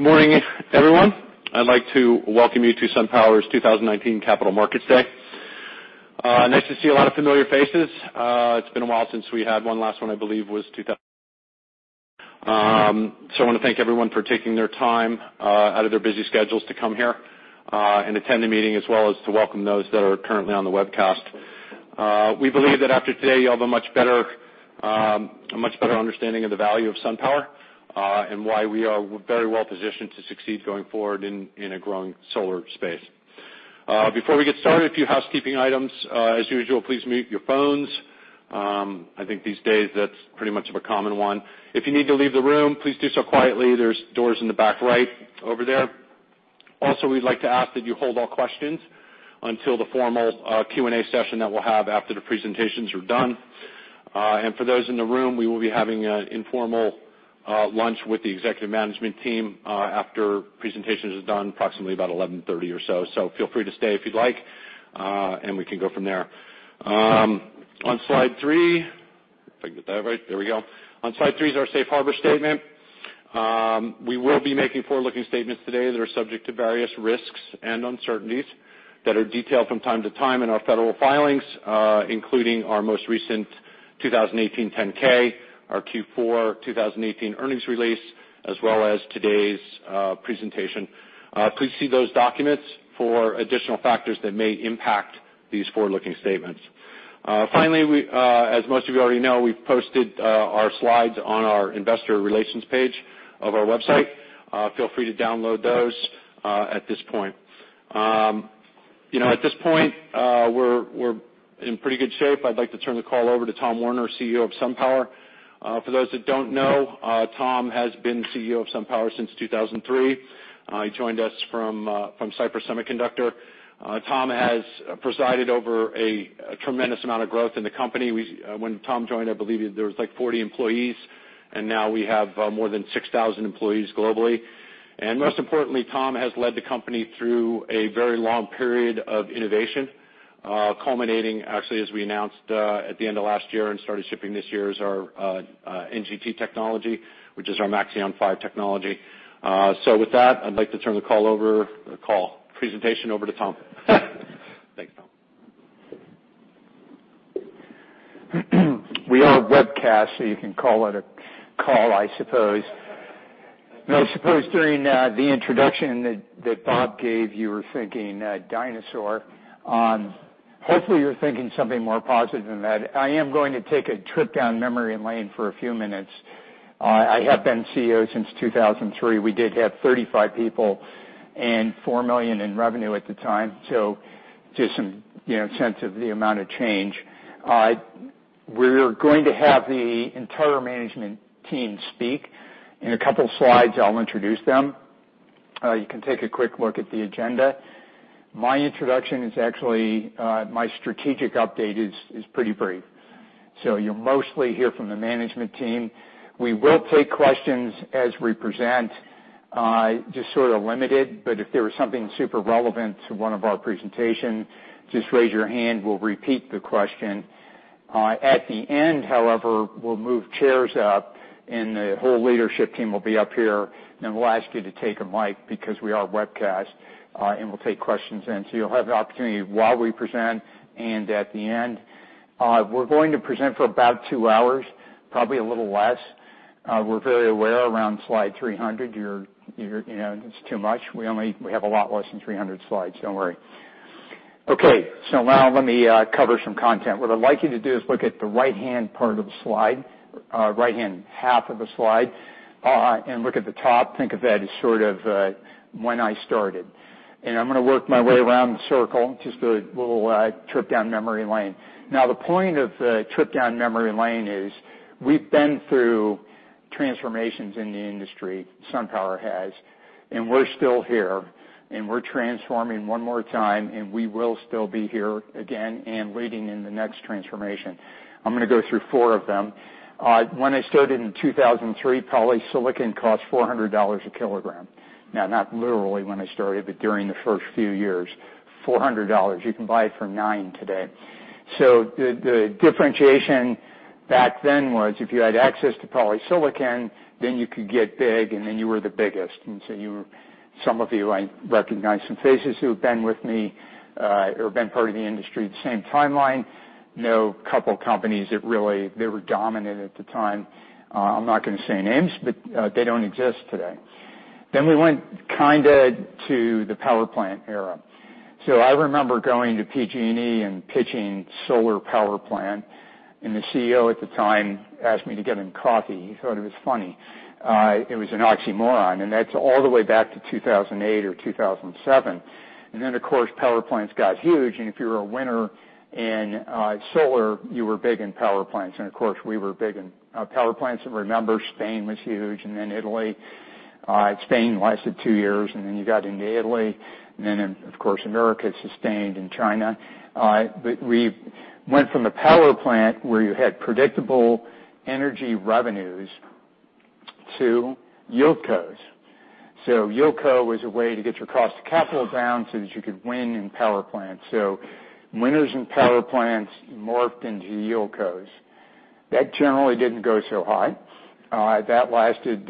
Good morning, everyone. I'd like to welcome you to SunPower's 2019 Capital Markets Day. Nice to see a lot of familiar faces. It's been a while since we had one. Last one, I believe, was 2000. I want to thank everyone for taking their time out of their busy schedules to come here and attend the meeting, as well as to welcome those that are currently on the webcast. We believe that after today, you'll have a much better understanding of the value of SunPower, and why we are very well-positioned to succeed going forward in a growing solar space. Before we get started, a few housekeeping items. As usual, please mute your phones. I think these days that's pretty much of a common one. If you need to leave the room, please do so quietly. There's doors in the back right over there. We'd like to ask that you hold all questions until the formal Q&A session that we'll have after the presentations are done. For those in the room, we will be having an informal lunch with the executive management team after presentations are done, approximately about 11:30 or so. Feel free to stay if you'd like, and we can go from there. On slide three. If I can get that right. There we go. On slide three is our safe harbor statement. We will be making forward-looking statements today that are subject to various risks and uncertainties that are detailed from time to time in our federal filings, including our most recent 2018 10-K, our Q4 2018 earnings release, as well as today's presentation. Please see those documents for additional factors that may impact these forward-looking statements. As most of you already know, we've posted our slides on our investor relations page of our website. Feel free to download those at this point. At this point, we're in pretty good shape. I'd like to turn the call over to Tom Werner, CEO of SunPower. For those that don't know, Tom has been CEO of SunPower since 2003. He joined us from Cypress Semiconductor. Tom has presided over a tremendous amount of growth in the company. When Tom joined, I believe there was like 40 employees, and now we have more than 6,000 employees globally. Most importantly, Tom has led the company through a very long period of innovation, culminating, actually, as we announced at the end of last year and started shipping this year, is our NGT technology, which is our Maxeon 5 technology. With that, I'd like to turn the call presentation over to Tom. Thanks, Tom. We are a webcast, you can call it a call, I suppose. No, I suppose during the introduction that Bob gave, you were thinking dinosaur. Hopefully, you're thinking something more positive than that. I am going to take a trip down memory lane for a few minutes. I have been CEO since 2003. We did have 35 people and $4 million in revenue at the time, just some sense of the amount of change. We're going to have the entire management team speak. In a couple of slides, I'll introduce them. You can take a quick look at the agenda. My strategic update is pretty brief. You'll mostly hear from the management team. We will take questions as we present, just sort of limited, but if there is something super relevant to one of our presentation, just raise your hand. We'll repeat the question. At the end, however, we'll move chairs up, and the whole leadership team will be up here, and we'll ask you to take a mic because we are a webcast, and we'll take questions then. You'll have the opportunity while we present and at the end. We're going to present for about two hours, probably a little less. We're very aware around slide 300, it's too much. We have a lot less than 300 slides. Don't worry. Okay. Now let me cover some content. What I'd like you to do is look at the right-hand part of the slide, right-hand half of the slide, and look at the top. Think of that as sort of when I started. I'm going to work my way around the circle, just a little trip down memory lane. Now, the point of the trip down memory lane is we've been through transformations in the industry, SunPower has, and we're still here, and we're transforming one more time, and we will still be here again and leading in the next transformation. I'm going to go through four of them. When I started in 2003, polysilicon cost $400 a kilogram. Now, not literally when I started, but during the first few years, $400. You can buy it for $9 today. The differentiation back then was if you had access to polysilicon, then you could get big, and then you were the biggest. You, I recognize some faces who have been with me, or been part of the industry the same timeline, know a couple of companies that they were dominant at the time. I'm not going to say names, but they don't exist today. We went kind of to the power plant era. I remember going to PG&E and pitching solar power plant, and the CEO at the time asked me to get him coffee. He thought it was funny. It was an oxymoron, and that's all the way back to 2008 or 2007. Then, of course, power plants got huge, and if you're a winner in solar, you were big in power plants. Of course, we were big in power plants. Remember, Spain was huge, and then Italy. Spain lasted two years, and then you got into Italy, and then, of course, America sustained, and China. We went from a power plant where you had predictable energy revenues to yieldcos. Yieldco was a way to get your cost of capital down so that you could win in power plants. Winners in power plants morphed into yieldcos. That generally didn't go so high. That lasted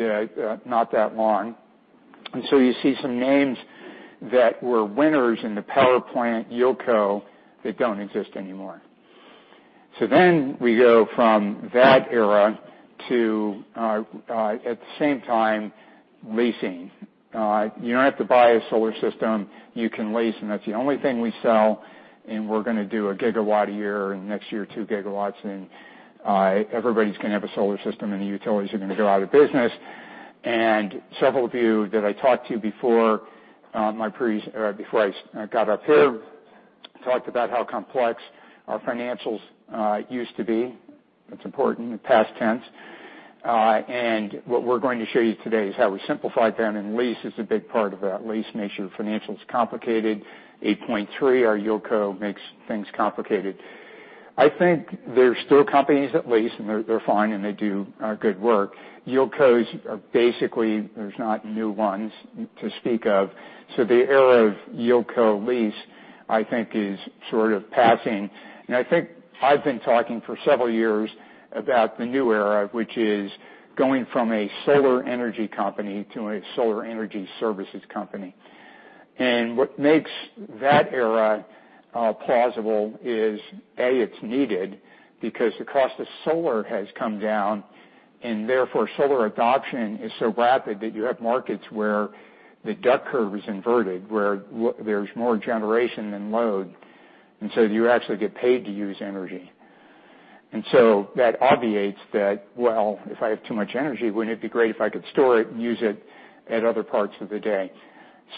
not that long. You see some names that were winners in the power plant, yieldco, that don't exist anymore. We go from that era to, at the same time, leasing. You don't have to buy a solar system, you can lease, and that's the only thing we sell, and we're going to do a gigawatt a year, next year, 2 GW, and everybody's going to have a solar system, and the utilities are going to go out of business. Several of you that I talked to before I got up here talked about how complex our financials used to be. That's important, in past tense. What we're going to show you today is how we simplified that, and lease is a big part of that. Lease makes your financials complicated. 8.3, our yieldco, makes things complicated. I think there's still companies that lease, and they're fine, and they do good work. Yieldcos are basically, there's not new ones to speak of. The era of yieldco lease, I think, is sort of passing. I think I've been talking for several years about the new era, which is going from a solar energy company to a solar energy services company. What makes that era plausible is, A, it's needed, because the cost of solar has come down, and therefore, solar adoption is so rapid that you have markets where the duck curve is inverted, where there's more generation than load. You actually get paid to use energy. That obviates that, well, if I have too much energy, wouldn't it be great if I could store it and use it at other parts of the day?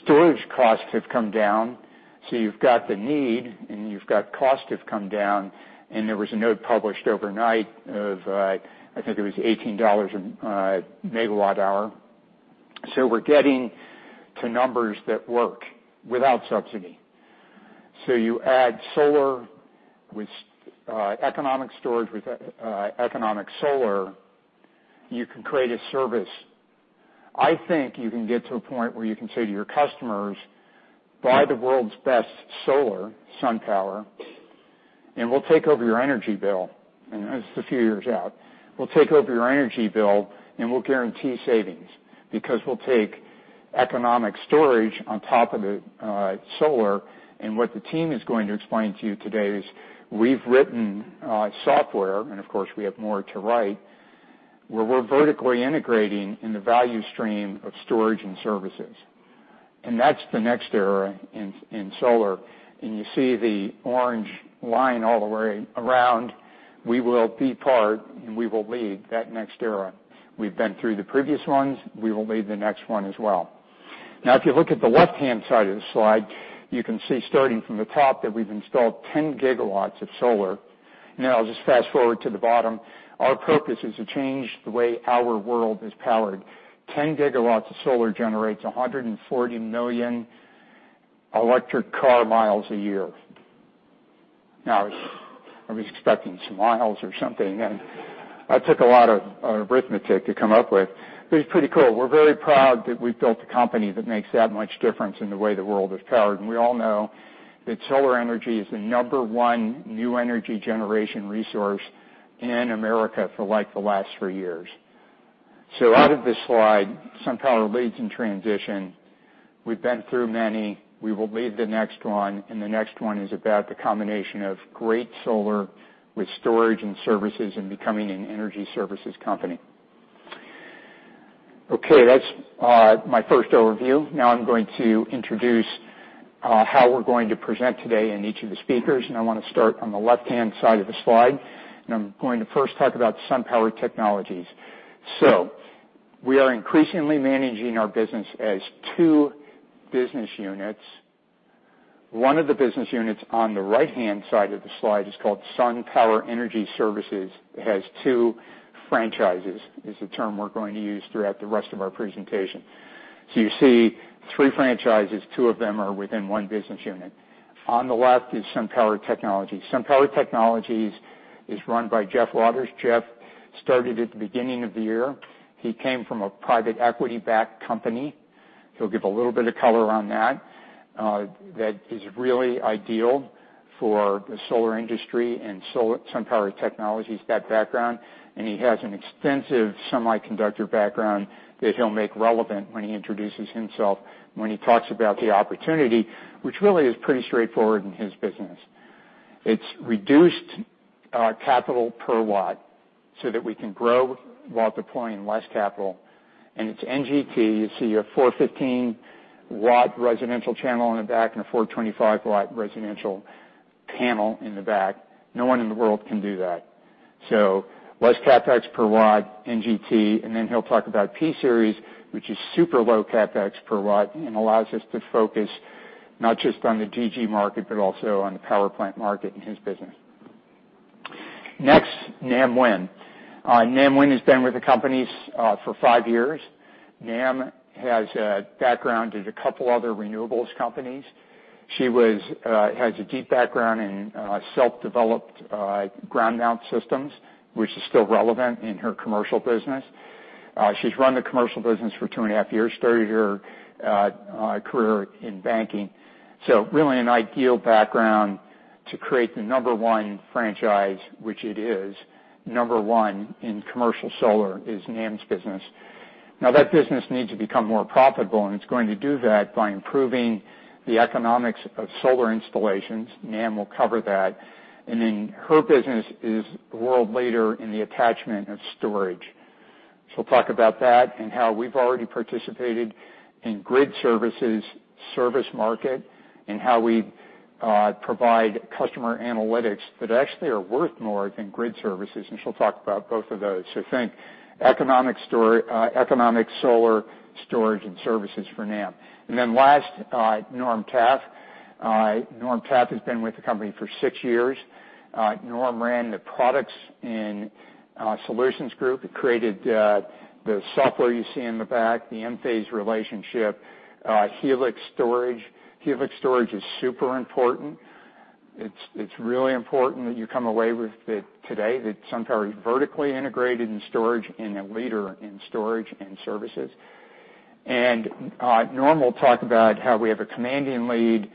Storage costs have come down, so you've got the need, and you've got costs have come down. There was a note published overnight of, I think it was $18 a megawatt hour. We're getting to numbers that work without subsidy. You add solar with economic storage, with economic solar, you can create a service. I think you can get to a point where you can say to your customers, "Buy the world's best solar, SunPower, and we'll take over your energy bill." This is a few years out. We'll take over your energy bill, and we'll guarantee savings, because we'll take economic storage on top of the solar. What the team is going to explain to you today is we've written software, and of course, we have more to write, where we're vertically integrating in the value stream of storage and services. That's the next era in solar. You see the orange line all the way around. We will be part, and we will lead that next era. We've been through the previous ones. We will lead the next one as well. If you look at the left-hand side of the slide, you can see, starting from the top, that we've installed 10 GW of solar. I'll just fast-forward to the bottom. Our purpose is to change the way our world is powered. 10 GW of solar generates 140 million electric car miles a year. I was expecting some miles or something, and that took a lot of arithmetic to come up with, but it's pretty cool. We're very proud that we've built a company that makes that much difference in the way the world is powered. We all know that solar energy is the number one new energy generation resource in America for the last three years. Out of this slide, SunPower leads in transition. We've been through many. We will lead the next one, and the next one is about the combination of great solar with storage and services and becoming an energy services company. That's my first overview. I'm going to introduce how we're going to present today and each of the speakers, and I want to start on the left-hand side of the slide. I'm going to first talk about SunPower Technologies. We are increasingly managing our business as two business units. One of the business units on the right-hand side of the slide is called SunPower Energy Services. It has two franchises, is the term we're going to use throughout the rest of our presentation. You see three franchises. Two of them are within one business unit. On the left is SunPower Technologies. SunPower Technologies is run by Jeff Waters. Jeff started at the beginning of the year. He came from a private equity-backed company. He'll give a little bit of color on that. That is really ideal for the solar industry and SunPower Technologies, that background. He has an extensive semiconductor background that he'll make relevant when he introduces himself, when he talks about the opportunity, which really is pretty straightforward in his business. It's reduced capital per watt so that we can grow while deploying less capital. It's NGT. You see your 415-watt residential channel in the back and a 425-watt residential panel in the back. No one in the world can do that. Less CapEx per watt, NGT, and then he'll talk about P-Series, which is super low CapEx per watt and allows us to focus not just on the DG market but also on the power plant market in his business. Next, Nam Nguyen. Nam Nguyen has been with the company for five years. Nam has a background at a couple other renewables companies. She has a deep background in self-developed ground-mount systems, which is still relevant in her commercial business. She's run the commercial business for two and a half years, started her career in banking. Really an ideal background to create the number one franchise, which it is. Number one in commercial solar is Nam's business. That business needs to become more profitable, and it's going to do that by improving the economics of solar installations. Nam will cover that. Then her business is world leader in the attachment of storage. She'll talk about that and how we've already participated in grid services, service market, and how we provide customer analytics that actually are worth more than grid services, and she'll talk about both of those. Think economic solar storage and services for Nam. Then last, Norm Taffe. Norm Taffe has been with the company for six years. Norm ran the products and solutions group, created the software you see in the back, the Enphase relationship, Helix Storage. Helix Storage is super important. It's really important that you come away with it today, that SunPower is vertically integrated in storage and a leader in storage and services. Norm will talk about how we have a commanding lead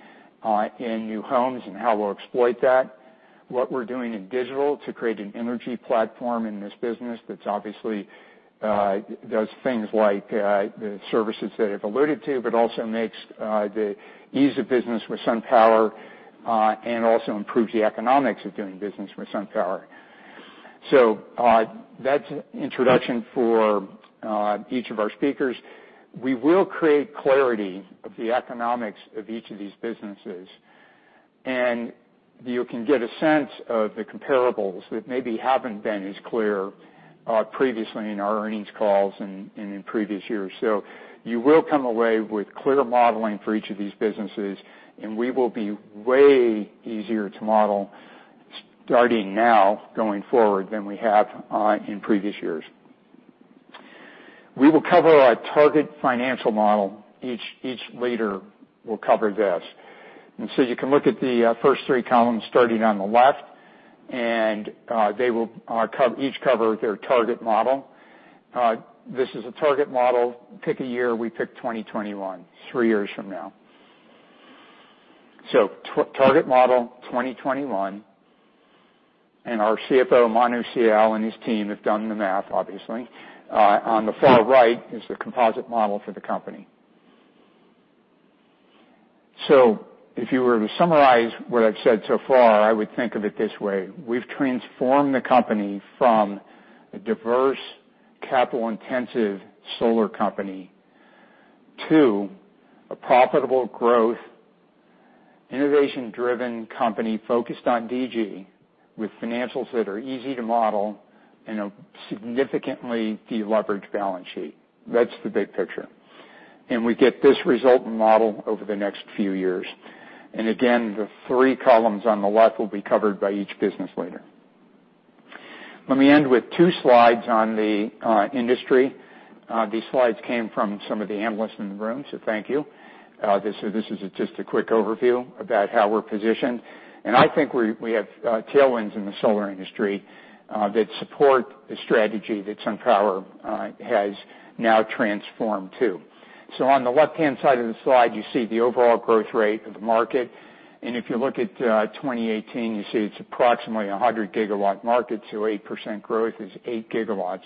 in new homes and how we'll exploit that, what we're doing in digital to create an energy platform in this business that obviously does things like the services that I've alluded to, but also makes the ease of business with SunPower, and also improves the economics of doing business with SunPower. That's an introduction for each of our speakers. We will create clarity of the economics of each of these businesses, and you can get a sense of the comparables that maybe haven't been as clear previously in our earnings calls and in previous years. You will come away with clear modeling for each of these businesses, and we will be way easier to model starting now, going forward, than we have in previous years. We will cover our target financial model. Each leader will cover this. You can look at the first three columns starting on the left, and they will each cover their target model. This is a target model. Pick a year. We picked 2021, three years from now. Target model 2021, and our CFO, Manu Sial, and his team have done the math, obviously. On the far right is the composite model for the company. If you were to summarize what I've said so far, I would think of it this way. We've transformed the company from a diverse, capital-intensive solar company to a profitable growth, innovation-driven company focused on DG with financials that are easy to model and a significantly de-leveraged balance sheet. That's the big picture. We get this result model over the next few years. Again, the three columns on the left will be covered by each business leader. Let me end with two slides on the industry. These slides came from some of the analysts in the room, so thank you. This is just a quick overview about how we're positioned, and I think we have tailwinds in the solar industry that support the strategy that SunPower has now transformed to. On the left-hand side of the slide, you see the overall growth rate of the market. If you look at 2018, you see it's approximately 100 GW market, so 8% growth is 8 GW.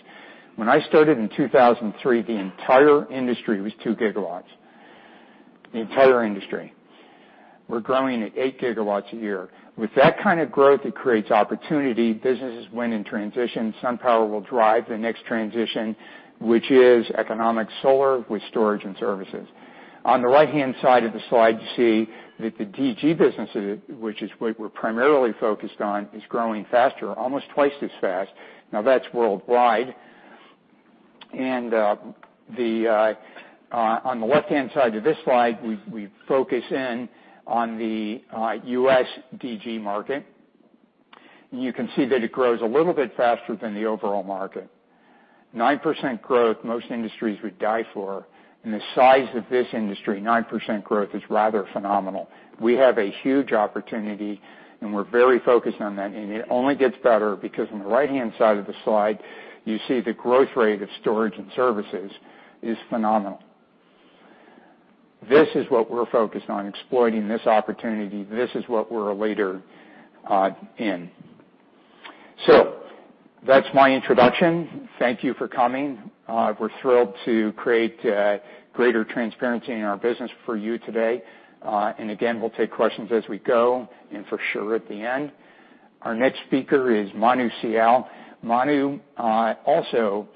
When I started in 2003, the entire industry was 2 GW. The entire industry. We're growing at 8 GW a year. With that kind of growth, it creates opportunity. Businesses win in transition. SunPower will drive the next transition, which is economic solar with storage and services. On the right-hand side of the slide, you see that the DG business, which is what we're primarily focused on, is growing faster, almost twice as fast. Now, that's worldwide. On the left-hand side of this slide, we focus in on the U.S. DG market. You can see that it grows a little bit faster than the overall market. 9% growth, most industries would die for. In the size of this industry, 9% growth is rather phenomenal. We have a huge opportunity, and we're very focused on that, it only gets better because on the right-hand side of the slide, you see the growth rate of storage and services is phenomenal. This is what we're focused on, exploiting this opportunity. This is what we're a leader in. That's my introduction. Thank you for coming. We're thrilled to create greater transparency in our business for you today. Again, we'll take questions as we go, and for sure at the end. Our next speaker is Manu Sial. Manu also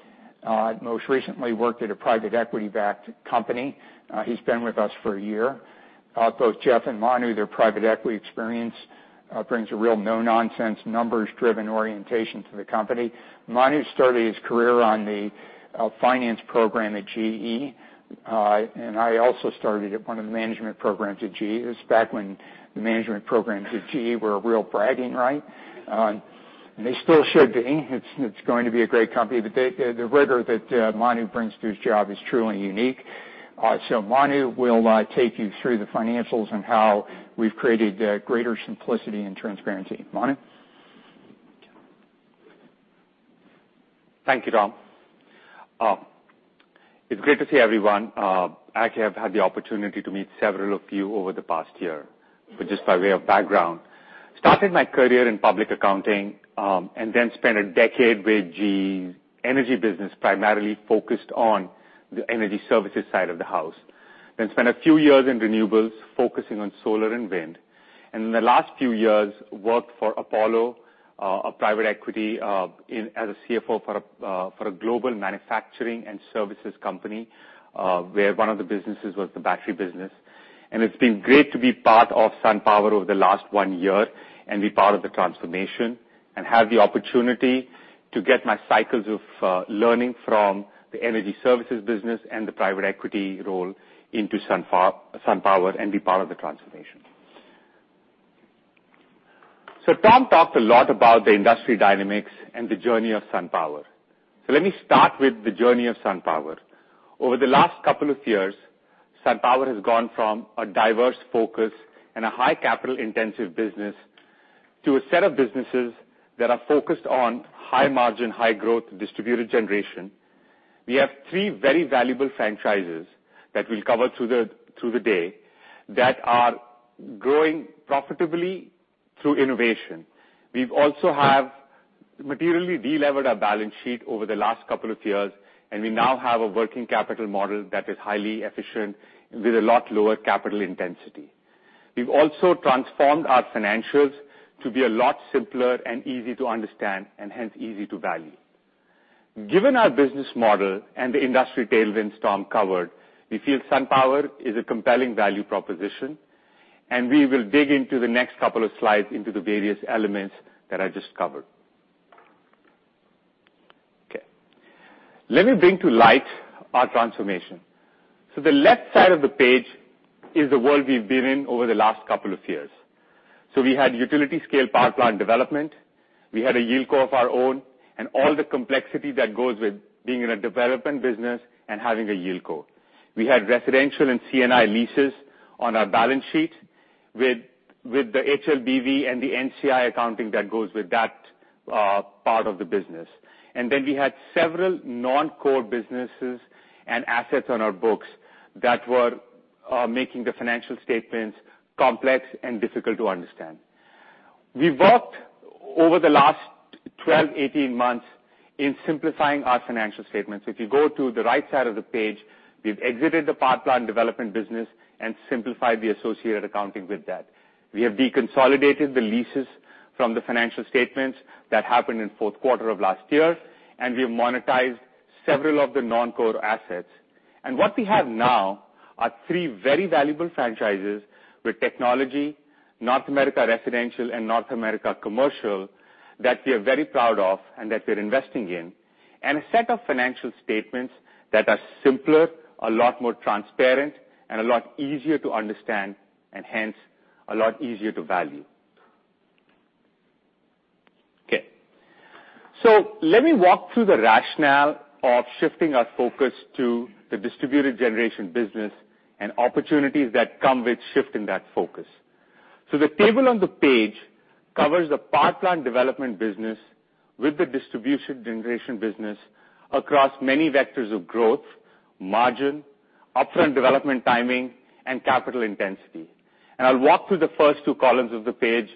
most recently worked at a private equity-backed company. He's been with us for a year. Both Jeff and Manu, their private equity experience brings a real no-nonsense, numbers-driven orientation to the company. Manu started his career on the finance program at GE. I also started at one of the management programs at GE. It was back when the management programs at GE were a real bragging right. They still should be. It's going to be a great company. The rigor that Manu brings to his job is truly unique. Manu will take you through the financials and how we've created greater simplicity and transparency. Manu? Thank you, Tom. It's great to see everyone. I actually have had the opportunity to meet several of you over the past year. Just by way of background, started my career in public accounting, then spent a decade with GE's energy business, primarily focused on the energy services side of the house. Spent a few years in renewables focusing on solar and wind. In the last few years, worked for Apollo, a private equity, as a CFO for a global manufacturing and services company, where one of the businesses was the battery business. It's been great to be part of SunPower over the last one year and be part of the transformation and have the opportunity to get my cycles of learning from the energy services business and the private equity role into SunPower and be part of the transformation. Tom talked a lot about the industry dynamics and the journey of SunPower. Let me start with the journey of SunPower. Over the last couple of years, SunPower has gone from a diverse focus and a high capital-intensive business to a set of businesses that are focused on high margin, high growth, distributed generation. We have three very valuable franchises that we'll cover through the day that are growing profitably through innovation. We've also have materially de-levered our balance sheet over the last couple of years, we now have a working capital model that is highly efficient with a lot lower capital intensity. We've also transformed our financials to be a lot simpler and easy to understand, hence easy to value. Given our business model and the industry tailwinds Tom covered, we feel SunPower is a compelling value proposition. We will dig into the next couple of slides into the various elements that I just covered. Okay. Let me bring to light our transformation. The left side of the page is the world we've been in over the last couple of years. We had utility-scale power plant development. We had a yieldco of our own, and all the complexity that goes with being in a development business and having a yieldco. We had residential and C&I leases on our balance sheet with the HLBV and the NCI accounting that goes with that part of the business. Then we had several non-core businesses and assets on our books that were making the financial statements complex and difficult to understand. We've worked over the last 12, 18 months in simplifying our financial statements. If you go to the right side of the page, we've exited the power plant development business and simplified the associated accounting with that. We have deconsolidated the leases from the financial statements that happened in fourth quarter of last year. We have monetized several of the non-core assets. What we have now are three very valuable franchises with technology, North America residential, and North America commercial that we are very proud of and that we're investing in, and a set of financial statements that are simpler, a lot more transparent, and a lot easier to understand, and hence, a lot easier to value. Okay. Let me walk through the rationale of shifting our focus to the distributed generation business and opportunities that come with shifting that focus. The table on the page covers the power plant development business with the distributed generation business across many vectors of growth, margin, upfront development timing, and capital intensity. I'll walk through the first two columns of the page,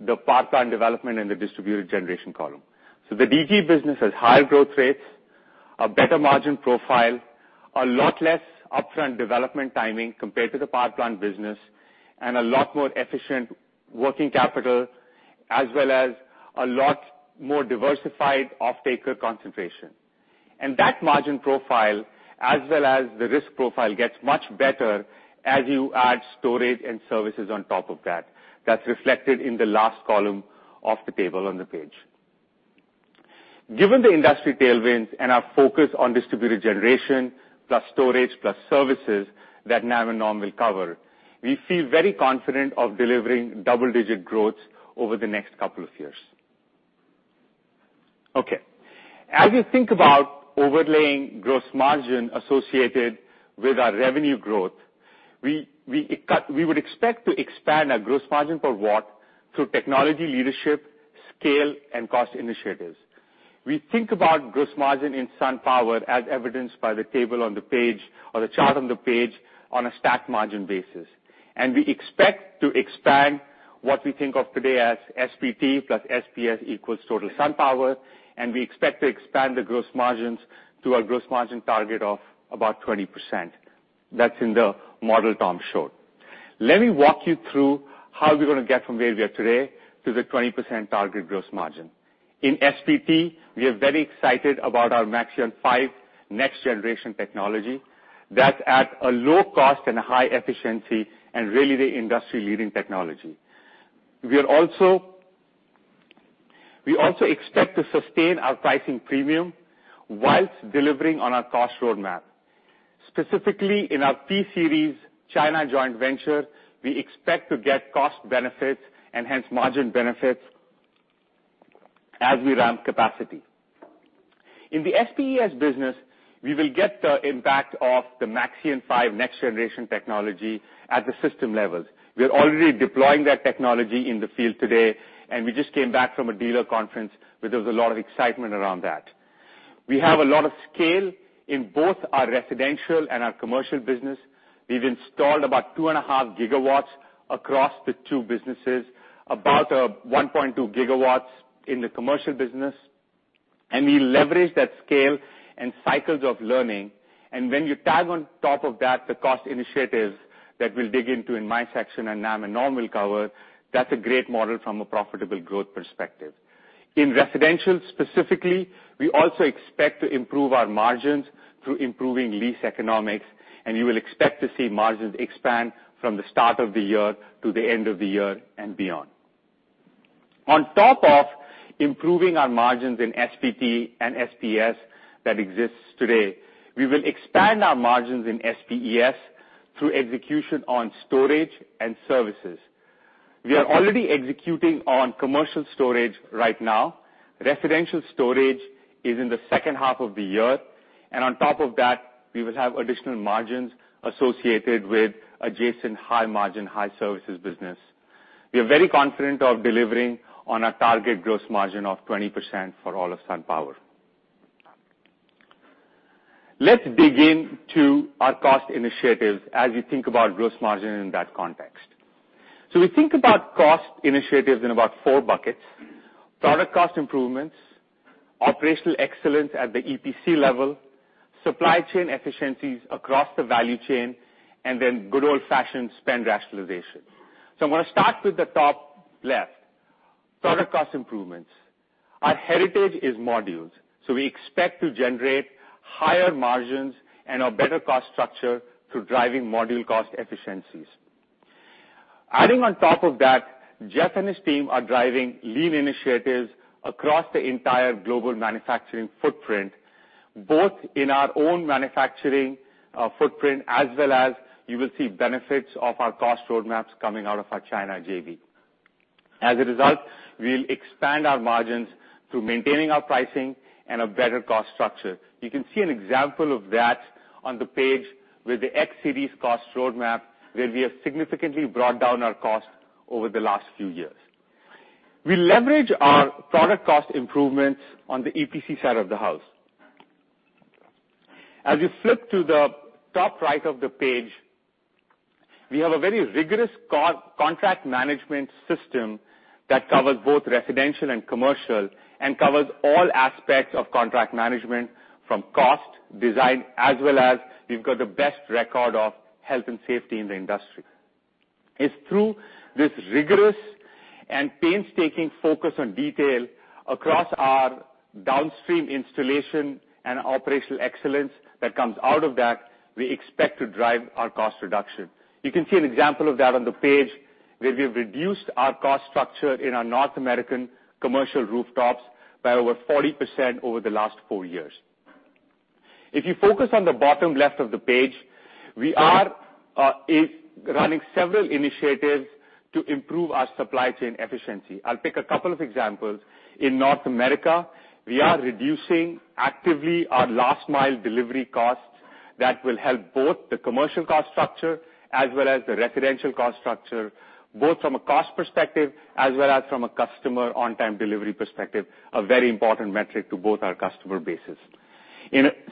the power plant development and the distributed generation column. The DG business has higher growth rates, a better margin profile, a lot less upfront development timing compared to the power plant business, and a lot more efficient working capital, as well as a lot more diversified offtaker concentration. That margin profile, as well as the risk profile, gets much better as you add storage and services on top of that. That's reflected in the last column of the table on the page. Given the industry tailwinds and our focus on distributed generation plus storage plus services that Nam and Tom will cover, we feel very confident of delivering double-digit growth over the next couple of years. Okay. As you think about overlaying gross margin associated with our revenue growth, we would expect to expand our gross margin per watt through technology leadership, scale, and cost initiatives. We think about gross margin in SunPower as evidenced by the table on the page or the chart on the page on a stack margin basis. We expect to expand what we think of today as SPT plus SPS equals total SunPower, and we expect to expand the gross margins to our gross margin target of about 20%. That's in the model Tom showed. Let me walk you through how we're going to get from where we are today to the 20% target gross margin. In SPT, we are very excited about our Maxeon 5 next generation technology that's at a low cost and a high efficiency and really the industry-leading technology. We also expect to sustain our pricing premium whilst delivering on our cost roadmap. Specifically, in our P-Series China joint venture, we expect to get cost benefits and hence margin benefits as we ramp capacity. In the SPES business, we will get the impact of the Maxeon 5 next generation technology at the system levels. We are already deploying that technology in the field today. We just came back from a dealer conference where there was a lot of excitement around that. We have a lot of scale in both our residential and our commercial business. We've installed about 2.5 GW across the two businesses, about 1.2 GW in the commercial business, and we leverage that scale and cycles of learning. When you tag on top of that, the cost initiatives that we'll dig into in my section and Nam and Norm will cover, that's a great model from a profitable growth perspective. In residential specifically, we also expect to improve our margins through improving lease economics. You will expect to see margins expand from the start of the year to the end of the year and beyond. On top of improving our margins in SPT and SPES that exists today, we will expand our margins in SPES through execution on storage and services. We are already executing on commercial storage right now. Residential storage is in the second half of the year. On top of that, we will have additional margins associated with adjacent high-margin, high-services business. We are very confident of delivering on our target gross margin of 20% for all of SunPower. Let's dig in to our cost initiatives as we think about gross margin in that context. We think about cost initiatives in about four buckets: product cost improvements, operational excellence at the EPC level, supply chain efficiencies across the value chain, and then good old-fashioned spend rationalization. I'm going to start with the top left. Product cost improvements. Our heritage is modules. We expect to generate higher margins and a better cost structure through driving module cost efficiencies. Adding on top of that, Jeff and his team are driving lean initiatives across the entire global manufacturing footprint, both in our own manufacturing footprint as well as you will see benefits of our cost roadmaps coming out of our China JV. As a result, we'll expand our margins through maintaining our pricing and a better cost structure. You can see an example of that on the page with the X-Series cost roadmap, where we have significantly brought down our cost over the last few years. We leverage our product cost improvements on the EPC side of the house. As you flip to the top right of the page, we have a very rigorous contract management system that covers both residential and commercial and covers all aspects of contract management from cost, design, as well as we've got the best record of health and safety in the industry. It's through this rigorous and painstaking focus on detail across our downstream installation and operational excellence that comes out of that, we expect to drive our cost reduction. You can see an example of that on the page, where we've reduced our cost structure in our North American commercial rooftops by over 40% over the last four years. If you focus on the bottom left of the page, we are running several initiatives to improve our supply chain efficiency. I'll pick a couple of examples. In North America, we are reducing actively our last mile delivery costs that will help both the commercial cost structure as well as the residential cost structure, both from a cost perspective as well as from a customer on-time delivery perspective, a very important metric to both our customer bases.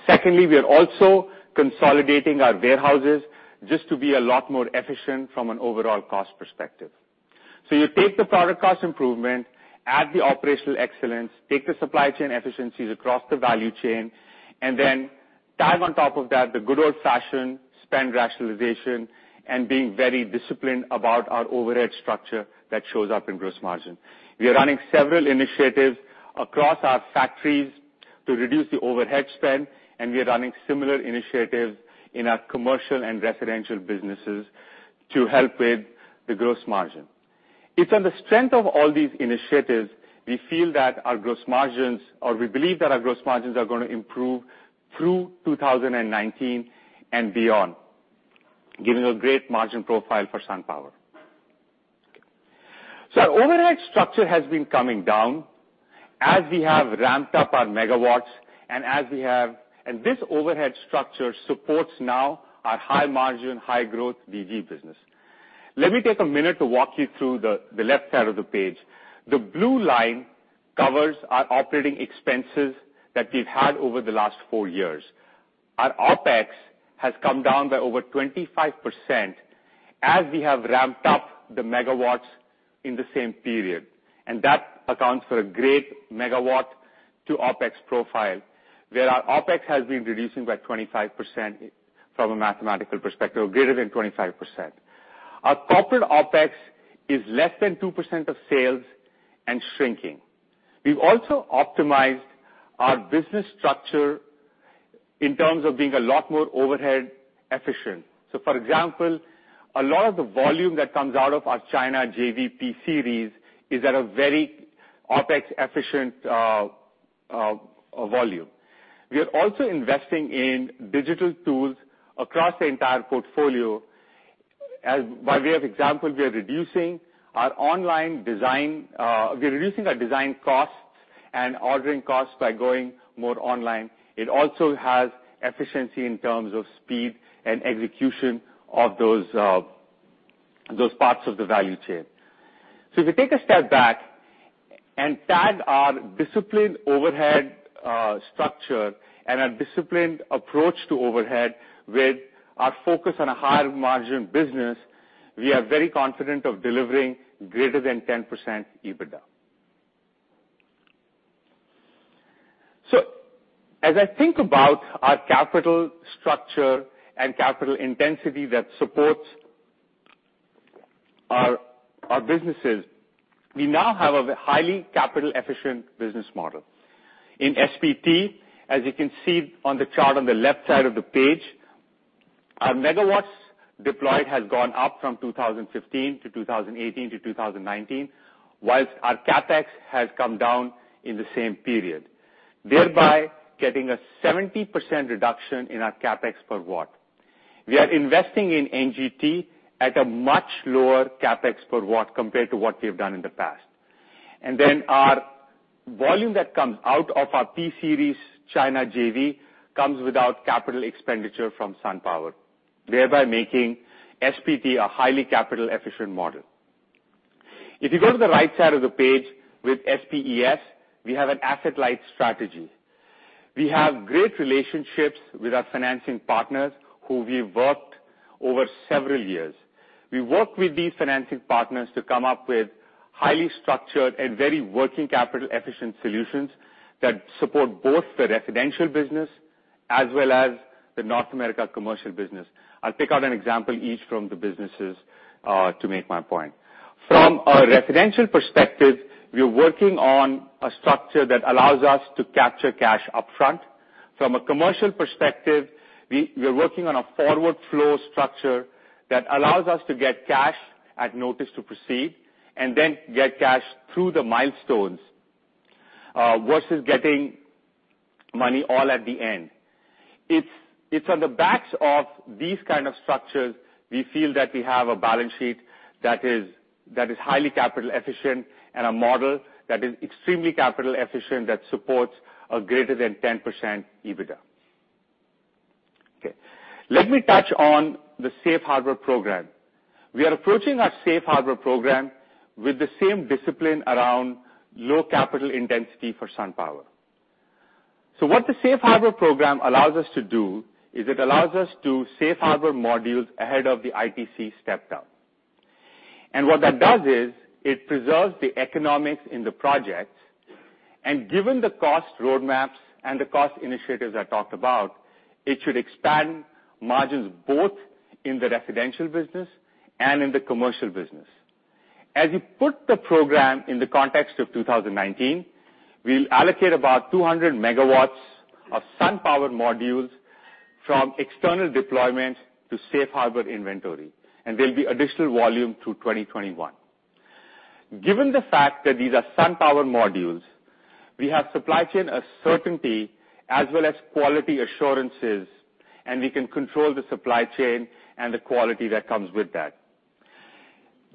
Secondly, we are also consolidating our warehouses just to be a lot more efficient from an overall cost perspective. You take the product cost improvement, add the operational excellence, take the supply chain efficiencies across the value chain, and then tag on top of that, the good old-fashioned spend rationalization and being very disciplined about our overhead structure that shows up in gross margin. We are running several initiatives across our factories to reduce the overhead spend, and we are running similar initiatives in our commercial and residential businesses to help with the gross margin. It's on the strength of all these initiatives, we believe that our gross margins are going to improve through 2019 and beyond, giving a great margin profile for SunPower. Our overhead structure has been coming down as we have ramped up our megawatts. This overhead structure supports now our high-margin, high-growth DG business. Let me take a minute to walk you through the left side of the page. The blue line covers our operating expenses that we've had over the last four years. Our OpEx has come down by over 25% as we have ramped up the megawatts in the same period, and that accounts for a great megawatt to OpEx profile, where our OpEx has been reducing by 25% from a mathematical perspective, or greater than 25%. Our corporate OpEx is less than 2% of sales and shrinking. We've also optimized our business structure in terms of being a lot more overhead efficient. For example, a lot of the volume that comes out of our China JV P-Series is at a very OpEx efficient volume. We are also investing in digital tools across the entire portfolio. As by way of example, we are reducing our design costs and ordering costs by going more online. It also has efficiency in terms of speed and execution of those parts of the value chain. If we take a step back and tag our disciplined overhead structure and our disciplined approach to overhead with our focus on a higher margin business, we are very confident of delivering greater than 10% EBITDA. As I think about our capital structure and capital intensity that supports our businesses, we now have a highly capital-efficient business model. In SPT, as you can see on the chart on the left side of the page, our megawatts deployed has gone up from 2015 to 2018 to 2019, whilst our CapEx has come down in the same period, thereby getting a 70% reduction in our CapEx per watt. We are investing in NGT at a much lower CapEx per watt compared to what we've done in the past. Our volume that comes out of our P-Series China JV comes without capital expenditure from SunPower, thereby making SPT a highly capital-efficient model. If you go to the right side of the page with SPES, we have an asset-light strategy. We have great relationships with our financing partners who we've worked over several years. We work with these financing partners to come up with highly structured and very working capital-efficient solutions that support both the residential business as well as the North America commercial business. I'll pick out an example each from the businesses to make my point. From a residential perspective, we are working on a structure that allows us to capture cash upfront. From a commercial perspective, we are working on a forward flow structure that allows us to get cash at notice to proceed, and then get cash through the milestones, versus getting money all at the end. It's on the backs of these kind of structures, we feel that we have a balance sheet that is highly capital efficient and a model that is extremely capital efficient that supports a greater than 10% EBITDA. Okay. Let me touch on the Safe Harbor Program. We are approaching our Safe Harbor Program with the same discipline around low capital intensity for SunPower. What the Safe Harbor Program allows us to do is it allows us to safe harbor modules ahead of the ITC step-down. What that does is, it preserves the economics in the project. Given the cost roadmaps and the cost initiatives I talked about, it should expand margins both in the residential business and in the commercial business. As we put the program in the context of 2019, we'll allocate about 200 MW of SunPower modules from external deployments to Safe Harbor inventory, and there'll be additional volume through 2021. Given the fact that these are SunPower modules, we have supply chain certainty as well as quality assurances, and we can control the supply chain and the quality that comes with that.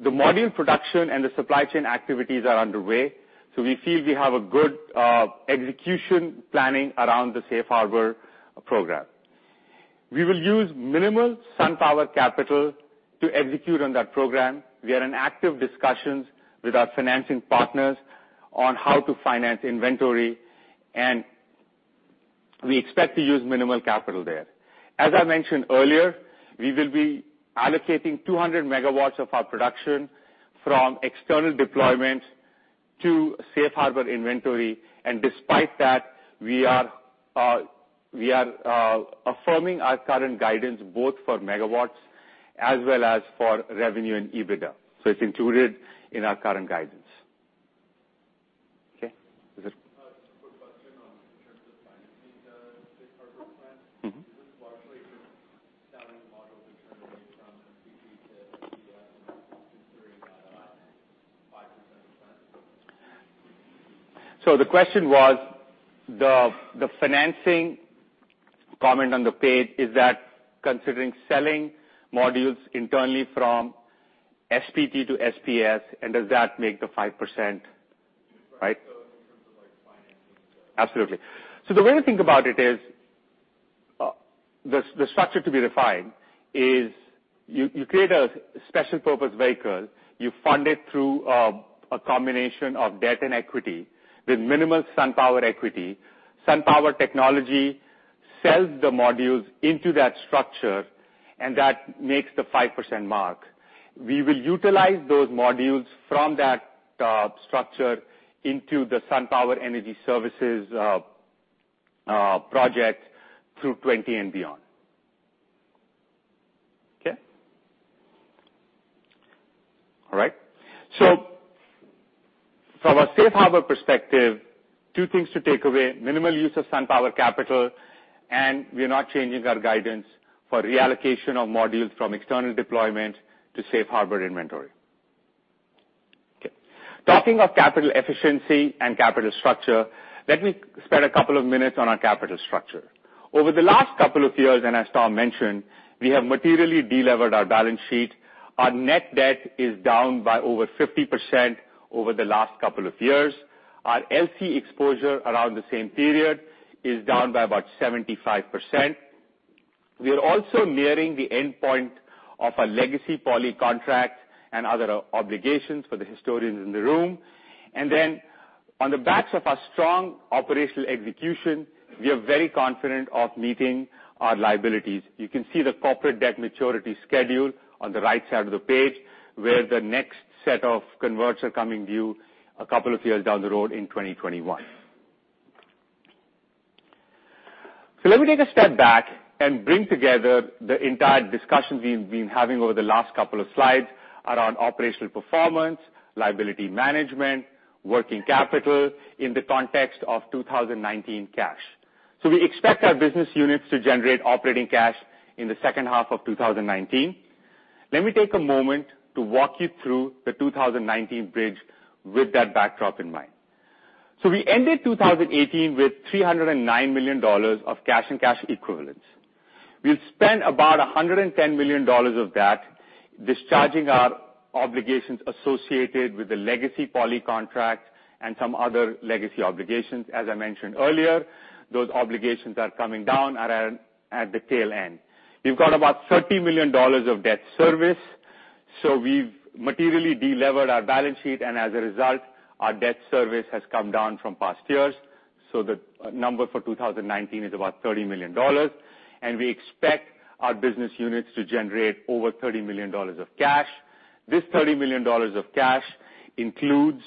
The module production and the supply chain activities are underway, we feel we have a good, execution planning around the Safe Harbor Program. We will use minimal SunPower capital to execute on that program. We are in active discussions with our financing partners on how to finance inventory, and we expect to use minimal capital there. As I mentioned earlier, we will be allocating 200 MW of our production from external deployments to Safe Harbor inventory. Despite that, we are affirming our current guidance both for megawatts as well as for revenue and EBITDA. It's included in our current guidance. Okay. A quick question in terms of financing the Safe Harbor plan. Is this largely just selling modules internally from SPT to SPS, considering that 5% plan? The question was, the financing comment on the page, is that considering selling modules internally from SPT to SPS, and does that make the 5%? Right. In terms of like financing. Absolutely. The way to think about it is, the structure to be refined is you create a special purpose vehicle. You fund it through a combination of debt and equity with minimal SunPower equity. SunPower Technologies sells the modules into that structure, and that makes the 5% mark. We will utilize those modules from that structure into the SunPower Energy Services project through 2020 and beyond. Okay? All right. From a Safe Harbor perspective, two things to take away. Minimal use of SunPower capital, and we are not changing our guidance for reallocation of modules from external deployment to Safe Harbor inventory. Talking of capital efficiency and capital structure, let me spend a couple of minutes on our capital structure. Over the last couple of years, as Tom mentioned, we have materially de-levered our balance sheet. Our net debt is down by over 50% over the last couple of years. Our LC exposure around the same period is down by about 75%. We are also nearing the endpoint of a legacy poly contract and other obligations for the historians in the room. On the backs of our strong operational execution, we are very confident of meeting our liabilities. You can see the corporate debt maturity schedule on the right side of the page, where the next set of converts are coming due a couple of years down the road in 2021. Let me take a step back and bring together the entire discussion we've been having over the last couple of slides around operational performance, liability management, working capital in the context of 2019 cash. We expect our business units to generate operating cash in the second half of 2019. Let me take a moment to walk you through the 2019 bridge with that backdrop in mind. We ended 2018 with $309 million of cash and cash equivalents. We'll spend about $110 million of that discharging our obligations associated with the legacy poly contract and some other legacy obligations. As I mentioned earlier, those obligations are coming down at the tail end. We've got about $30 million of debt service. We've materially de-levered our balance sheet, and as a result, our debt service has come down from past years. The number for 2019 is about $30 million. We expect our business units to generate over $30 million of cash. This $30 million of cash includes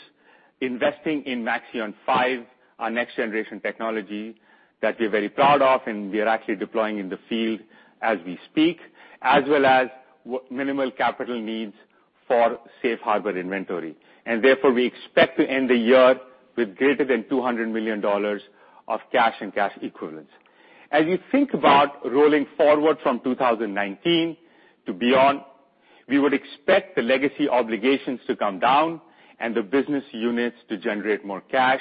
investing in Maxeon 5, our next generation technology that we're very proud of, and we are actually deploying in the field as we speak, as well as minimal capital needs for Safe Harbor inventory. Therefore, we expect to end the year with greater than $200 million of cash and cash equivalents. As you think about rolling forward from 2019 to beyond, we would expect the legacy obligations to come down and the business units to generate more cash,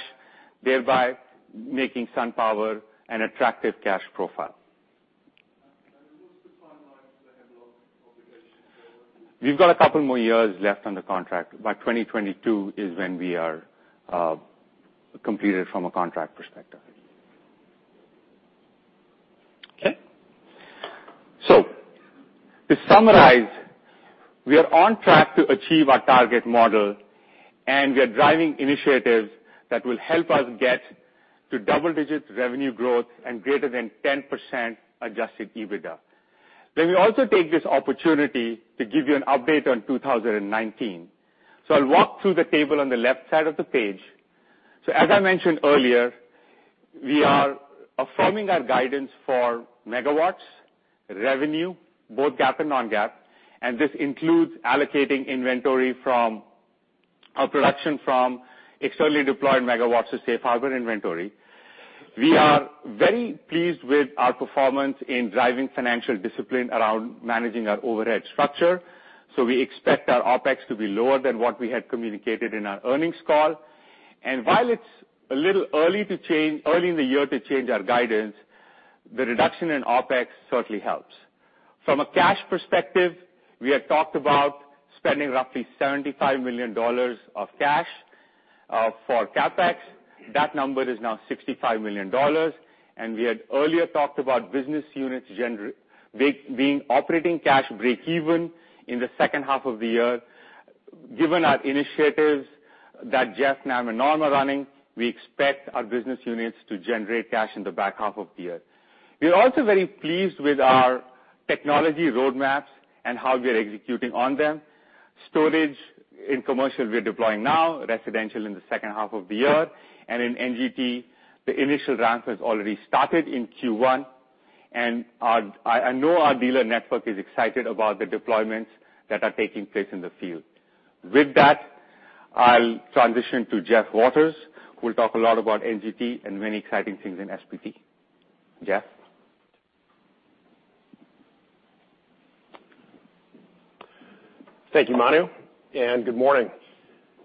thereby making SunPower an attractive cash profile. What's the timeline for the headload obligations forward? We've got a couple more years left on the contract. By 2022 is when we are completed from a contract perspective. Okay? To summarize, we are on track to achieve our target model, and we are driving initiatives that will help us get to double-digit revenue growth and greater than 10% adjusted EBITDA. Let me also take this opportunity to give you an update on 2019. I'll walk through the table on the left side of the page. As I mentioned earlier, we are affirming our guidance for megawatts, revenue, both GAAP and non-GAAP, and this includes allocating inventory from our production from externally deployed megawatts to safe harbor inventory. We are very pleased with our performance in driving financial discipline around managing our overhead structure. We expect our OpEx to be lower than what we had communicated in our earnings call. While it's a little early in the year to change our guidance, the reduction in OpEx certainly helps. From a cash perspective, we had talked about spending roughly $75 million of cash, for CapEx. That number is now $65 million. We had earlier talked about business units being operating cash break even in the second half of the year. Given our initiatives that Jeff, Nam, and Norm are running, we expect our business units to generate cash in the back half of the year. We are also very pleased with our technology roadmaps and how we are executing on them. Storage in commercial, we're deploying now, residential in the second half of the year. In NGT, the initial ramp has already started in Q1, and I know our dealer network is excited about the deployments that are taking place in the field. With that, I'll transition to Jeff Waters, who will talk a lot about NGT and many exciting things in SPT. Jeff? Thank you, Manu, and good morning.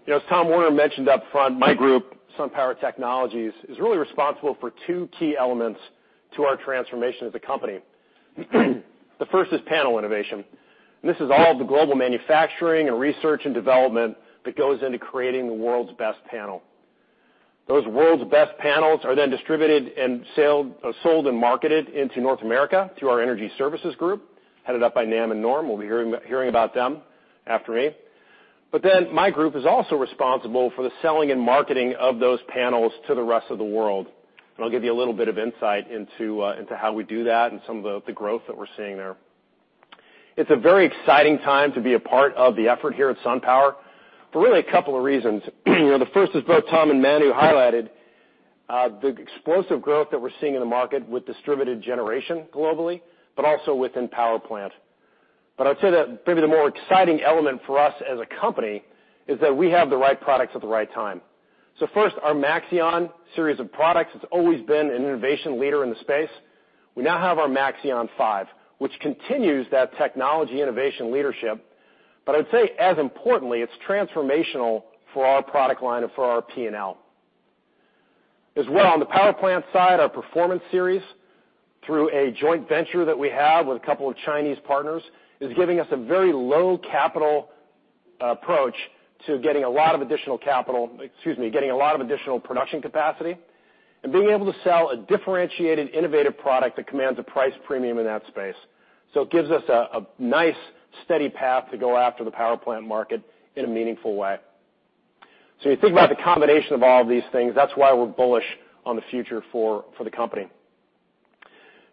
As Tom Werner mentioned up front, my group, SunPower Technologies, is really responsible for two key elements to our transformation as a company. The first is panel innovation, and this is all the global manufacturing and research and development that goes into creating the world's best panel. Those world's best panels are then distributed and sold and marketed into North America through our energy services group, headed up by Nam and Norm. We'll be hearing about them after me. My group is also responsible for the selling and marketing of those panels to the rest of the world. I'll give you a little bit of insight into how we do that and some of the growth that we're seeing there. It's a very exciting time to be a part of the effort here at SunPower for really a couple of reasons. The first is both Tom and Manu highlighted the explosive growth that we're seeing in the market with distributed generation globally, but also within power plant. I'd say that maybe the more exciting element for us as a company is that we have the right products at the right time. So first, our Maxeon series of products. It's always been an innovation leader in the space. We now have our Maxeon 5, which continues that technology innovation leadership. I'd say as importantly, it's transformational for our product line and for our P&L. As well, on the power plant side, our Performance Series, through a joint venture that we have with a couple of Chinese partners, is giving us a very low capital approach to getting a lot of additional production capacity, and being able to sell a differentiated, innovative product that commands a price premium in that space. It gives us a nice steady path to go after the power plant market in a meaningful way. You think about the combination of all these things, that's why we're bullish on the future for the company.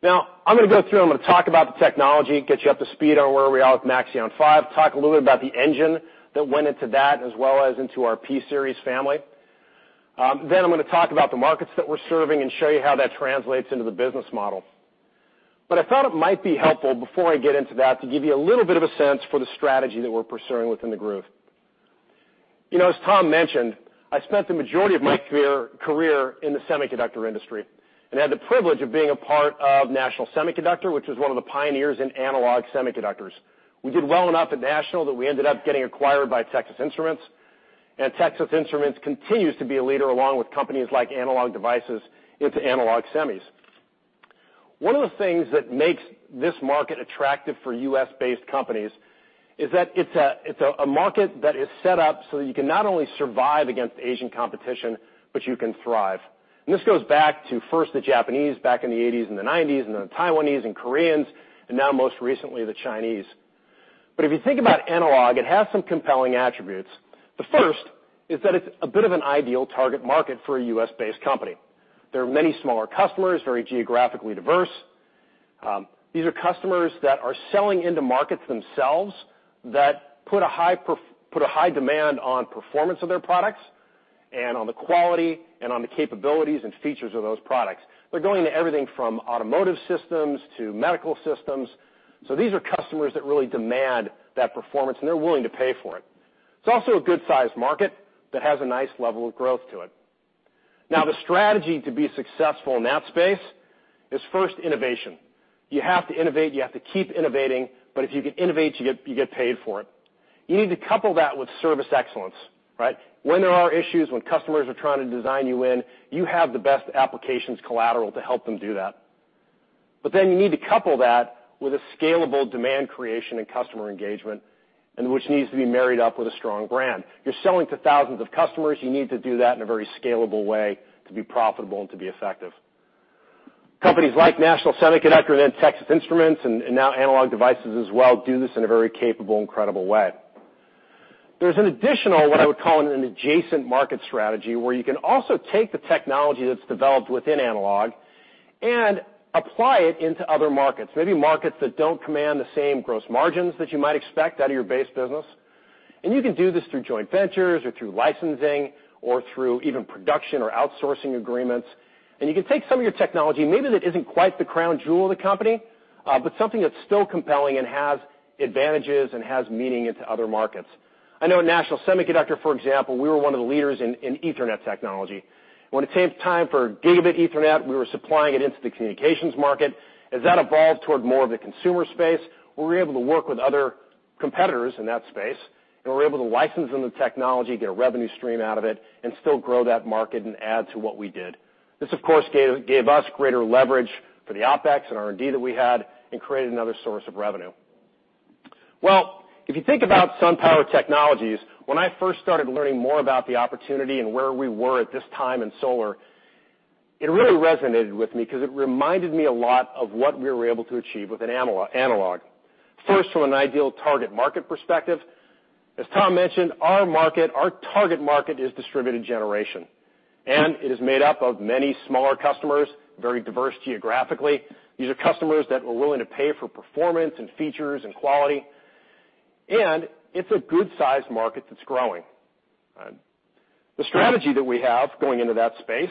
I'm going to go through, I'm going to talk about the technology, get you up to speed on where we are with Maxeon 5, talk a little bit about the engine that went into that as well as into our P-Series family. I'm going to talk about the markets that we're serving and show you how that translates into the business model. I thought it might be helpful before I get into that to give you a little bit of a sense for the strategy that we're pursuing within the Group. As Tom mentioned, I spent the majority of my career in the semiconductor industry and had the privilege of being a part of National Semiconductor, which was one of the pioneers in analog semiconductors. We did well enough at National that we ended up getting acquired by Texas Instruments, and Texas Instruments continues to be a leader along with companies like Analog Devices into analog semis. One of the things that makes this market attractive for U.S.-based companies is that it's a market that is set up so that you can not only survive against Asian competition, but you can thrive. This goes back to first the Japanese back in the 1980s and the 1990s, and then the Taiwanese and Koreans, and now most recently, the Chinese. If you think about analog, it has some compelling attributes. The first is that it's a bit of an ideal target market for a U.S.-based company. There are many smaller customers, very geographically diverse. These are customers that are selling into markets themselves that put a high demand on performance of their products and on the quality and on the capabilities and features of those products. They're going to everything from automotive systems to medical systems. These are customers that really demand that performance, and they're willing to pay for it. It's also a good-sized market that has a nice level of growth to it. The strategy to be successful in that space is first innovation. You have to innovate, you have to keep innovating, if you can innovate, you get paid for it. You need to couple that with service excellence, right? When there are issues, when customers are trying to design you in, you have the best applications collateral to help them do that. You need to couple that with a scalable demand creation and customer engagement, and which needs to be married up with a strong brand. You're selling to thousands of customers. You need to do that in a very scalable way to be profitable and to be effective. Companies like National Semiconductor and then Texas Instruments and now Analog Devices as well do this in a very capable and credible way. There's an additional, what I would call an adjacent market strategy, where you can also take the technology that's developed within analog and apply it into other markets, maybe markets that don't command the same gross margins that you might expect out of your base business. You can do this through joint ventures or through licensing or through even production or outsourcing agreements. You can take some of your technology, maybe that isn't quite the crown jewel of the company, but something that's still compelling and has advantages and has meaning into other markets. I know at National Semiconductor, for example, we were one of the leaders in Ethernet technology. When it came time for Gigabit Ethernet, we were supplying it into the communications market. As that evolved toward more of the consumer space, we were able to work with other competitors in that space, we were able to license them the technology, get a revenue stream out of it, and still grow that market and add to what we did. This, of course, gave us greater leverage for the OpEx and R&D that we had and created another source of revenue. If you think about SunPower Technologies, when I first started learning more about the opportunity and where we were at this time in solar, it really resonated with me because it reminded me a lot of what we were able to achieve with analog. First, from an ideal target market perspective, as Tom mentioned, our target market is distributed generation, and it is made up of many smaller customers, very diverse geographically. These are customers that are willing to pay for performance and features and quality, and it's a good-sized market that's growing. The strategy that we have going into that space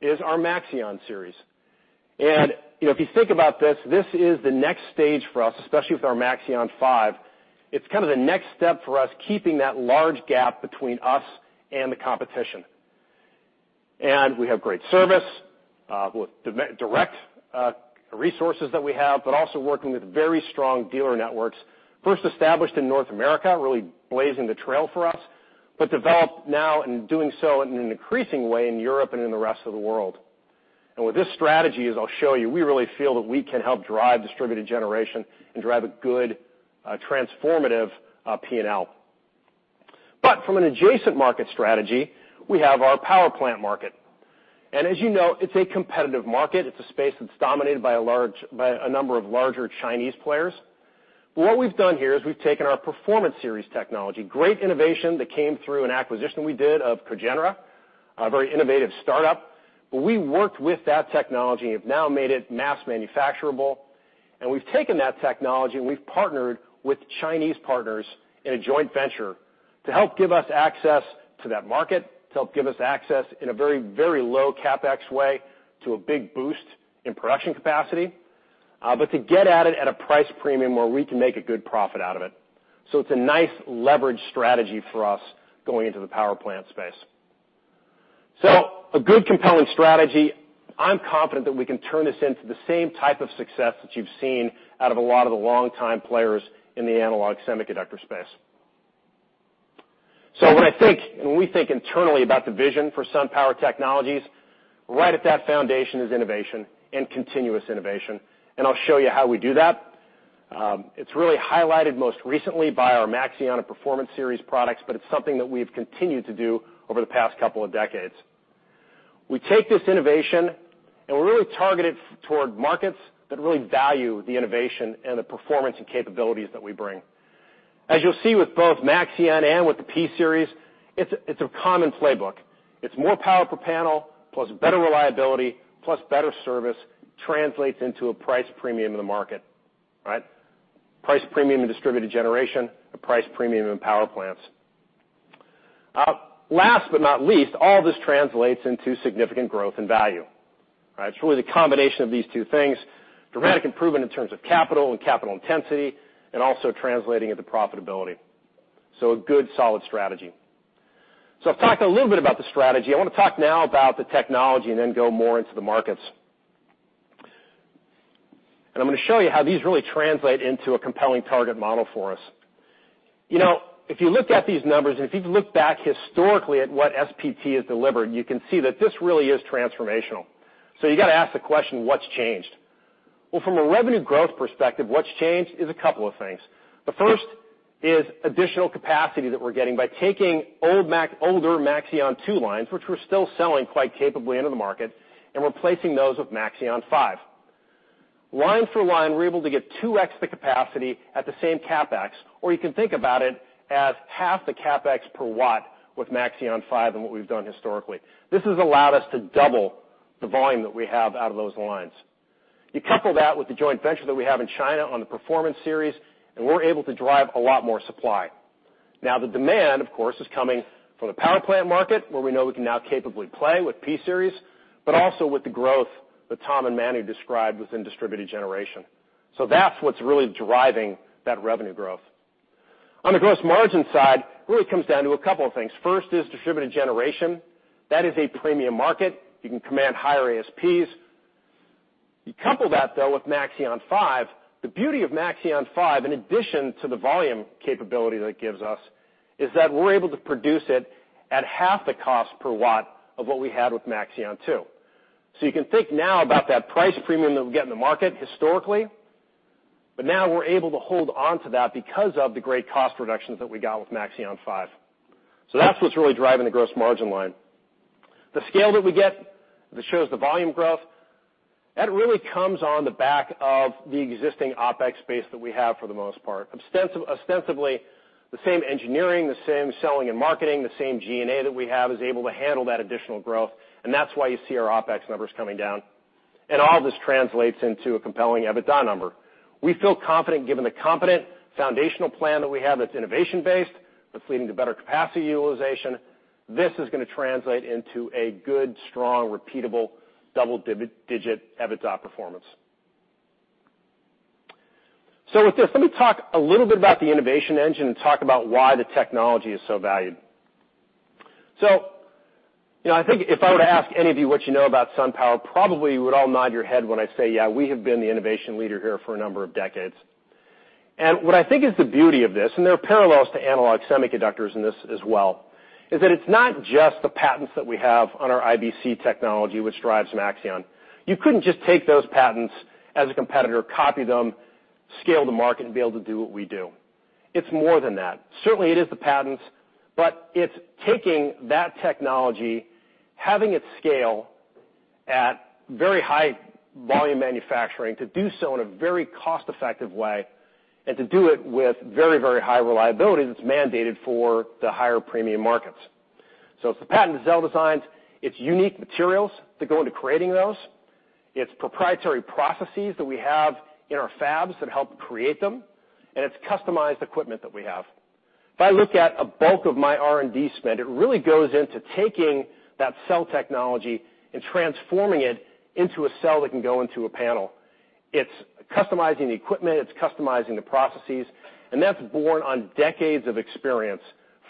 is our Maxeon series. If you think about this is the next stage for us, especially with our Maxeon 5. It's kind of the next step for us, keeping that large gap between us and the competition. We have great service with direct resources that we have, also working with very strong dealer networks, first established in North America, really blazing the trail for us, developed now and doing so in an increasing way in Europe and in the rest of the world. With this strategy, as I'll show you, we really feel that we can help drive distributed generation and drive a good transformative P&L. From an adjacent market strategy, we have our power plant market. As you know, it's a competitive market. It's a space that's dominated by a number of larger Chinese players. What we've done here is we've taken our Performance Series technology, great innovation that came through an acquisition we did of Cogenra, a very innovative startup. We worked with that technology and have now made it mass manufacturable, we've taken that technology and we've partnered with Chinese partners in a joint venture to help give us access to that market, to help give us access in a very, very low CapEx way to a big boost in production capacity. To get at it at a price premium where we can make a good profit out of it. It's a nice leverage strategy for us going into the power plant space. A good compelling strategy. I'm confident that we can turn this into the same type of success that you've seen out of a lot of the longtime players in the analog semiconductor space. When I think, and when we think internally about the vision for SunPower Technologies, right at that foundation is innovation and continuous innovation. I'll show you how we do that. It's really highlighted most recently by our Maxeon and Performance Series products, it's something that we've continued to do over the past couple of decades. We take this innovation, we really target it toward markets that really value the innovation and the performance and capabilities that we bring. As you'll see with both Maxeon and with the P-Series, it's a common playbook. It's more power per panel, plus better reliability, plus better service, translates into a price premium in the market, right? Price premium in distributed generation, a price premium in power plants. Last but not least, all this translates into significant growth and value, right? It's really the combination of these two things, dramatic improvement in terms of capital and capital intensity, also translating into profitability. A good solid strategy. I've talked a little bit about the strategy. I want to talk now about the technology and then go more into the markets. I'm going to show you how these really translate into a compelling target model for us. If you looked at these numbers, and if you've looked back historically at what SPT has delivered, you can see that this really is transformational. You got to ask the question, what's changed? Well, from a revenue growth perspective, what's changed is a couple of things. The first is additional capacity that we're getting by taking older Maxeon 2 lines, which we're still selling quite capably into the market, and replacing those with Maxeon 5. Line for line, we're able to get 2x the capacity at the same CapEx, or you can think about it as half the CapEx per watt with Maxeon 5 than what we've done historically. This has allowed us to double the volume that we have out of those lines. You couple that with the joint venture that we have in China on the Performance Series, and we're able to drive a lot more supply. Now, the demand, of course, is coming from the power plant market, where we know we can now capably play with P-Series, but also with the growth that Tom and Manu described within distributed generation. That's what's really driving that revenue growth. On the gross margin side, really comes down to a couple of things. First is distributed generation. That is a premium market. You can command higher ASPs. You couple that, though, with Maxeon 5. The beauty of Maxeon 5, in addition to the volume capability that it gives us, is that we're able to produce it at half the cost per watt of what we had with Maxeon 2. You can think now about that price premium that we get in the market historically, but now we're able to hold onto that because of the great cost reductions that we got with Maxeon 5. That's what's really driving the gross margin line. The scale that we get that shows the volume growth, that really comes on the back of the existing OpEx base that we have for the most part. Ostensibly, the same engineering, the same selling and marketing, the same G&A that we have is able to handle that additional growth, and that's why you see our OpEx numbers coming down. All this translates into a compelling EBITDA number. We feel confident given the competent foundational plan that we have that's innovation-based, that's leading to better capacity utilization. This is gonna translate into a good, strong, repeatable, double-digit EBITDA performance. With this, let me talk a little bit about the innovation engine and talk about why the technology is so valued. I think if I were to ask any of you what you know about SunPower, probably you would all nod your head when I say, yeah, we have been the innovation leader here for a number of decades. What I think is the beauty of this, and there are parallels to analog semiconductors in this as well, is that it's not just the patents that we have on our IBC technology, which drives Maxeon. You couldn't just take those patents as a competitor, copy them, scale the market, and be able to do what we do. It's more than that. Certainly, it is the patents, but it's taking that technology, having it scale at very high volume manufacturing to do so in a very cost-effective way, and to do it with very high reliability that's mandated for the higher premium markets. It's the patented cell designs, it's unique materials that go into creating those. It's proprietary processes that we have in our fabs that help create them, and it's customized equipment that we have. If I look at a bulk of my R&D spend, it really goes into taking that cell technology and transforming it into a cell that can go into a panel. It's customizing the equipment, it's customizing the processes. That's born on decades of experience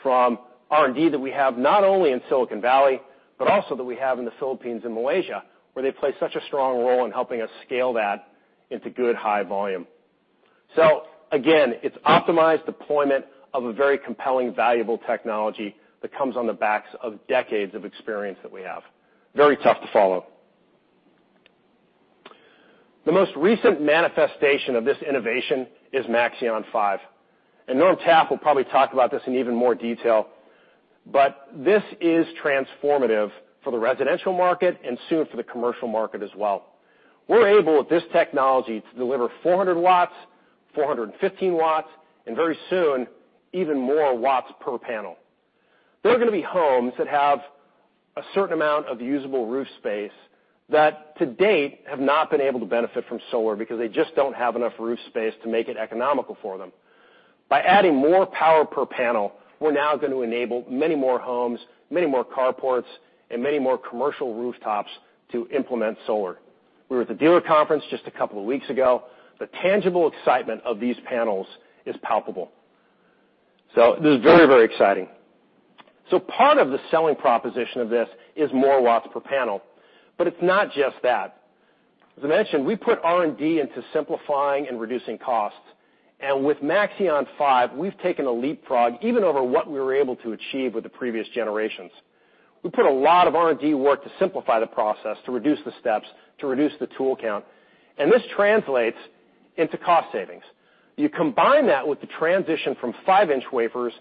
from R&D that we have not only in Silicon Valley, but also that we have in the Philippines and Malaysia, where they play such a strong role in helping us scale that into good high volume. Again, it's optimized deployment of a very compelling, valuable technology that comes on the backs of decades of experience that we have. Very tough to follow. The most recent manifestation of this innovation is Maxeon 5. Norm Taffe will probably talk about this in even more detail, but this is transformative for the residential market and soon for the commercial market as well. We're able, with this technology, to deliver 400 watts, 415 watts, and very soon, even more watts per panel. There are gonna be homes that have a certain amount of usable roof space that to date have not been able to benefit from solar because they just don't have enough roof space to make it economical for them. By adding more power per panel, we're now going to enable many more homes, many more carports, and many more commercial rooftops to implement solar. We were at the dealer conference just a couple of weeks ago. The tangible excitement of these panels is palpable. This is very exciting. Part of the selling proposition of this is more watts per panel, but it's not just that. As I mentioned, we put R&D into simplifying and reducing costs. With Maxeon 5, we've taken a leapfrog even over what we were able to achieve with the previous generations. We put a lot of R&D work to simplify the process, to reduce the steps, to reduce the tool count. This translates into cost savings. You combine that with the transition from five-inch wafers to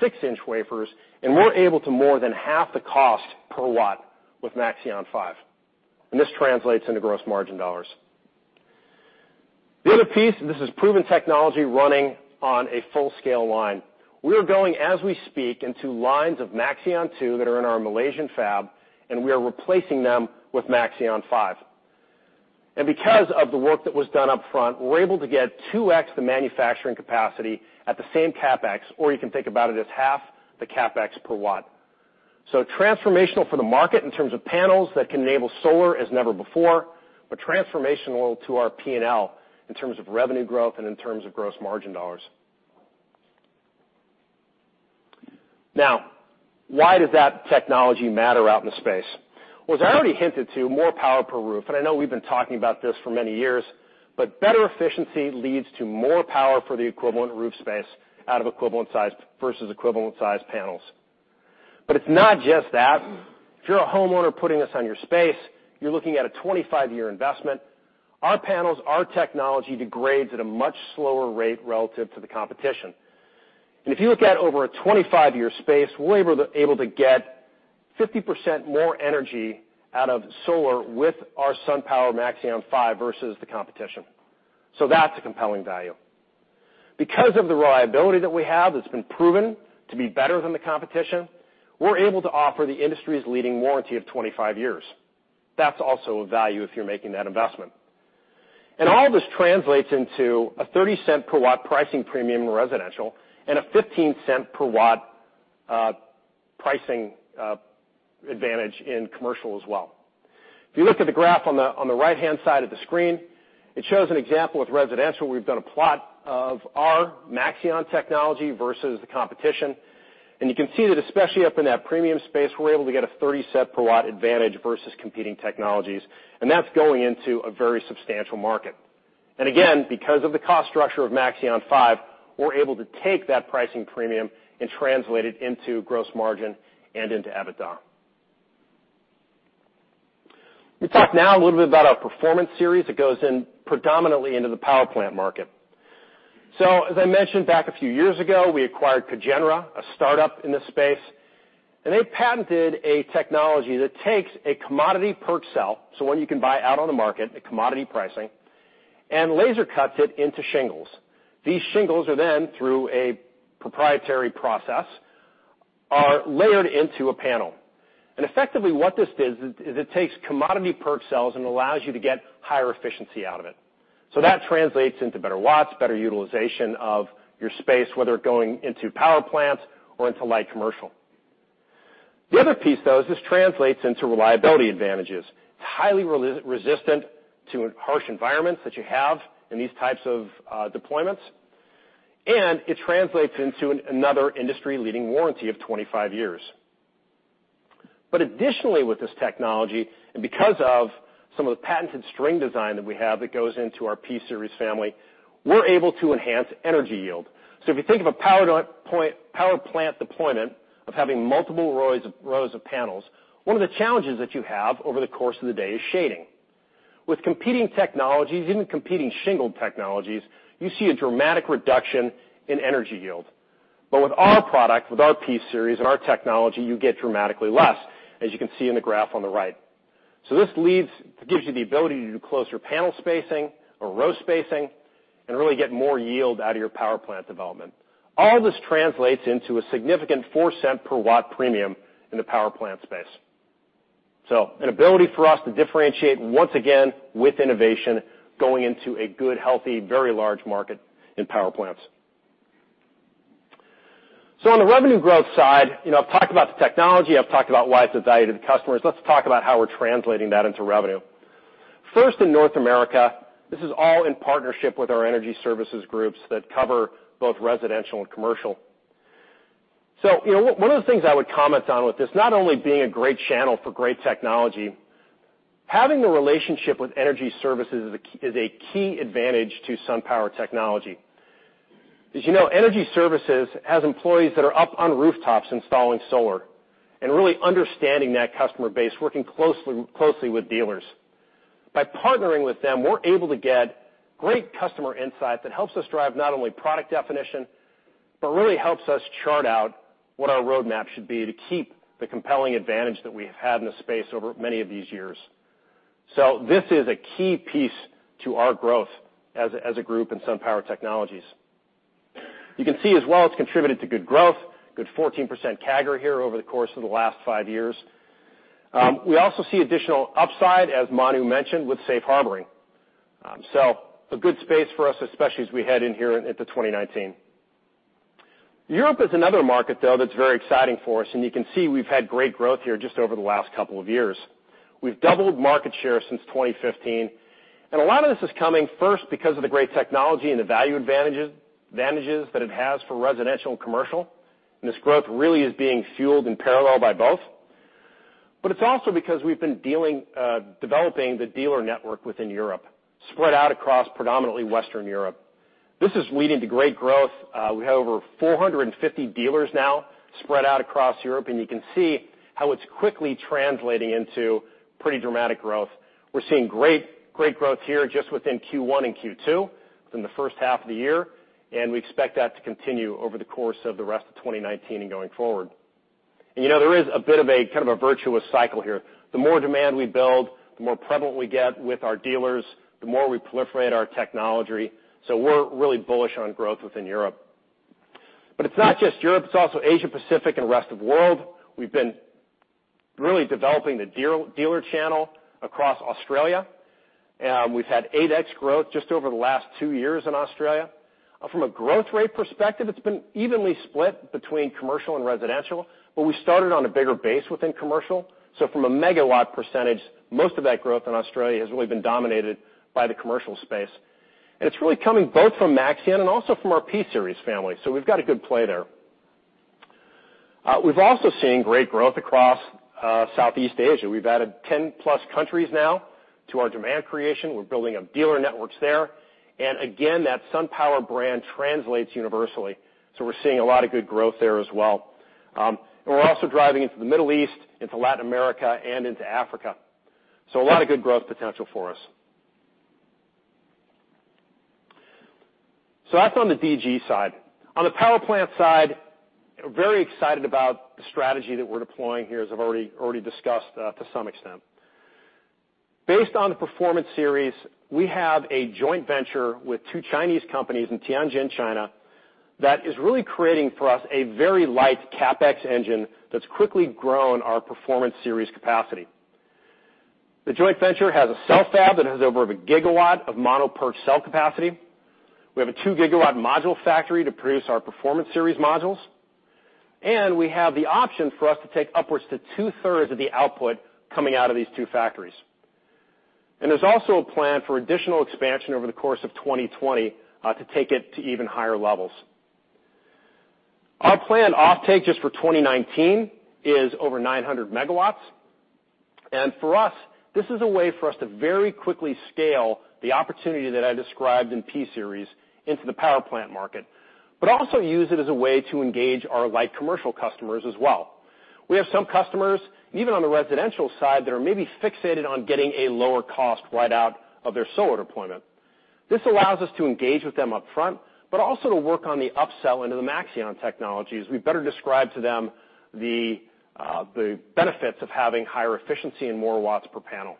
six-inch wafers, and we're able to more than half the cost per watt with Maxeon 5. This translates into gross margin dollars. The other piece, this is proven technology running on a full-scale line. We are going, as we speak, into lines of Maxeon 2 that are in our Malaysian fab, and we are replacing them with Maxeon 5. Because of the work that was done up front, we're able to get 2x the manufacturing capacity at the same CapEx, or you can think about it as half the CapEx per watt. Transformational for the market in terms of panels that can enable solar as never before, but transformational to our P&L in terms of revenue growth and in terms of gross margin dollars. Why does that technology matter out in space? As I already hinted to, more power per roof, I know we've been talking about this for many years, but better efficiency leads to more power for the equivalent roof space out of equivalent size versus equivalent size panels. It's not just that. If you're a homeowner putting this on your space, you're looking at a 25-year investment. Our panels, our technology degrades at a much slower rate relative to the competition. If you look at over a 25-year space, we're able to get 50% more energy out of solar with our SunPower Maxeon 5 versus the competition. That's a compelling value. Because of the reliability that we have that has been proven to be better than the competition, we are able to offer the industry’s leading warranty of 25 years. That is also a value if you are making that investment. All this translates into a $0.30 per watt pricing premium in residential, and a $0.15 per watt pricing advantage in commercial as well. If you look at the graph on the right-hand side of the screen, it shows an example with residential. We have done a plot of our Maxeon technology versus the competition. You can see that especially up in that premium space, we are able to get a $0.30 per watt advantage versus competing technologies, and that is going into a very substantial market. Again, because of the cost structure of Maxeon 5, we are able to take that pricing premium and translate it into gross margin and into EBITDA. Let me talk now a little bit about our Performance Series that goes predominantly into the power plant market. As I mentioned back a few years ago, we acquired Cogenra, a startup in this space, and they patented a technology that takes a commodity PERC cell, so one you can buy out on the market at commodity pricing, and laser cuts it into shingles. These shingles are then, through a proprietary process, are layered into a panel. Effectively what this does is it takes commodity PERC cells and allows you to get higher efficiency out of it. That translates into better watts, better utilization of your space, whether going into power plants or into light commercial. The other piece, though, is this translates into reliability advantages. It is highly resistant to harsh environments that you have in these types of deployments. It translates into another industry-leading warranty of 25 years. Additionally, with this technology, and because of some of the patented string design that we have that goes into our P-Series family, we are able to enhance energy yield. If you think of a power plant deployment of having multiple rows of panels, one of the challenges that you have over the course of the day is shading. With competing technologies, even competing shingle technologies, you see a dramatic reduction in energy yield. But with our product, with our P-Series and our technology, you get dramatically less, as you can see in the graph on the right. This gives you the ability to do closer panel spacing or row spacing and really get more yield out of your power plant development. All this translates into a significant $0.04 per watt premium in the power plant space. An ability for us to differentiate, once again, with innovation going into a good, healthy, very large market in power plants. On the revenue growth side, I have talked about the technology, I have talked about why it is of value to the customers. Let us talk about how we are translating that into revenue. First in North America, this is all in partnership with our Energy Services groups that cover both residential and commercial. One of the things I would comment on with this, not only being a great channel for great technology, having the relationship with Energy Services is a key advantage to SunPower technology. As you know, Energy Services has employees that are up on rooftops installing solar and really understanding that customer base, working closely with dealers. By partnering with them, we're able to get great customer insight that helps us drive not only product definition, but really helps us chart out what our roadmap should be to keep the compelling advantage that we have had in the space over many of these years. This is a key piece to our growth as a group in SunPower Technologies. You can see as well, it's contributed to good growth, good 14% CAGR here over the course of the last five years. We also see additional upside, as Manu mentioned, with Safe Harboring. A good space for us, especially as we head in here into 2019. Europe is another market, though, that's very exciting for us, and you can see we've had great growth here just over the last couple of years. We've doubled market share since 2015, a lot of this is coming first because of the great technology and the value advantages that it has for residential and commercial. This growth really is being fueled in parallel by both. It's also because we've been developing the dealer network within Europe, spread out across predominantly Western Europe. This is leading to great growth. We have over 450 dealers now spread out across Europe, and you can see how it's quickly translating into pretty dramatic growth. We're seeing great growth here just within Q1 and Q2 from the first half of the year, and we expect that to continue over the course of the rest of 2019 and going forward. There is a bit of a virtuous cycle here. The more demand we build, the more prevalent we get with our dealers, the more we proliferate our technology. We're really bullish on growth within Europe. It's not just Europe, it's also Asia Pacific and the rest of world. We've been really developing the dealer channel across Australia. We've had 8x growth just over the last two years in Australia. From a growth rate perspective, it's been evenly split between commercial and residential, but we started on a bigger base within commercial. From a megawatt percentage, most of that growth in Australia has really been dominated by the commercial space. It's really coming both from Maxeon and also from our P-Series family. We've got a good play there. We've also seen great growth across Southeast Asia. We've added 10+ countries now to our demand creation. We're building up dealer networks there. Again, that SunPower brand translates universally. We're seeing a lot of good growth there as well. We're also driving into the Middle East, into Latin America, and into Africa. A lot of good growth potential for us. That's on the DG side. On the power plant side, very excited about the strategy that we're deploying here, as I've already discussed to some extent. Based on the Performance Series, we have a joint venture with two Chinese companies in Tianjin, China, that is really creating for us a very light CapEx engine that's quickly grown our Performance Series capacity. The joint venture has a cell fab that has over a gigawatt of mono PERC cell capacity. We have a two-gigawatt module factory to produce our Performance Series modules, and we have the option for us to take upwards to two-thirds of the output coming out of these two factories. There's also a plan for additional expansion over the course of 2020 to take it to even higher levels. Our planned offtake just for 2019 is over 900 MW. For us, this is a way for us to very quickly scale the opportunity that I described in P-Series into the power plant market, but also use it as a way to engage our light commercial customers as well. We have some customers, even on the residential side, that are maybe fixated on getting a lower cost right out of their solar deployment. This allows us to engage with them upfront, but also to work on the upsell into the Maxeon technologies. We better describe to them the benefits of having higher efficiency and more watts per panel.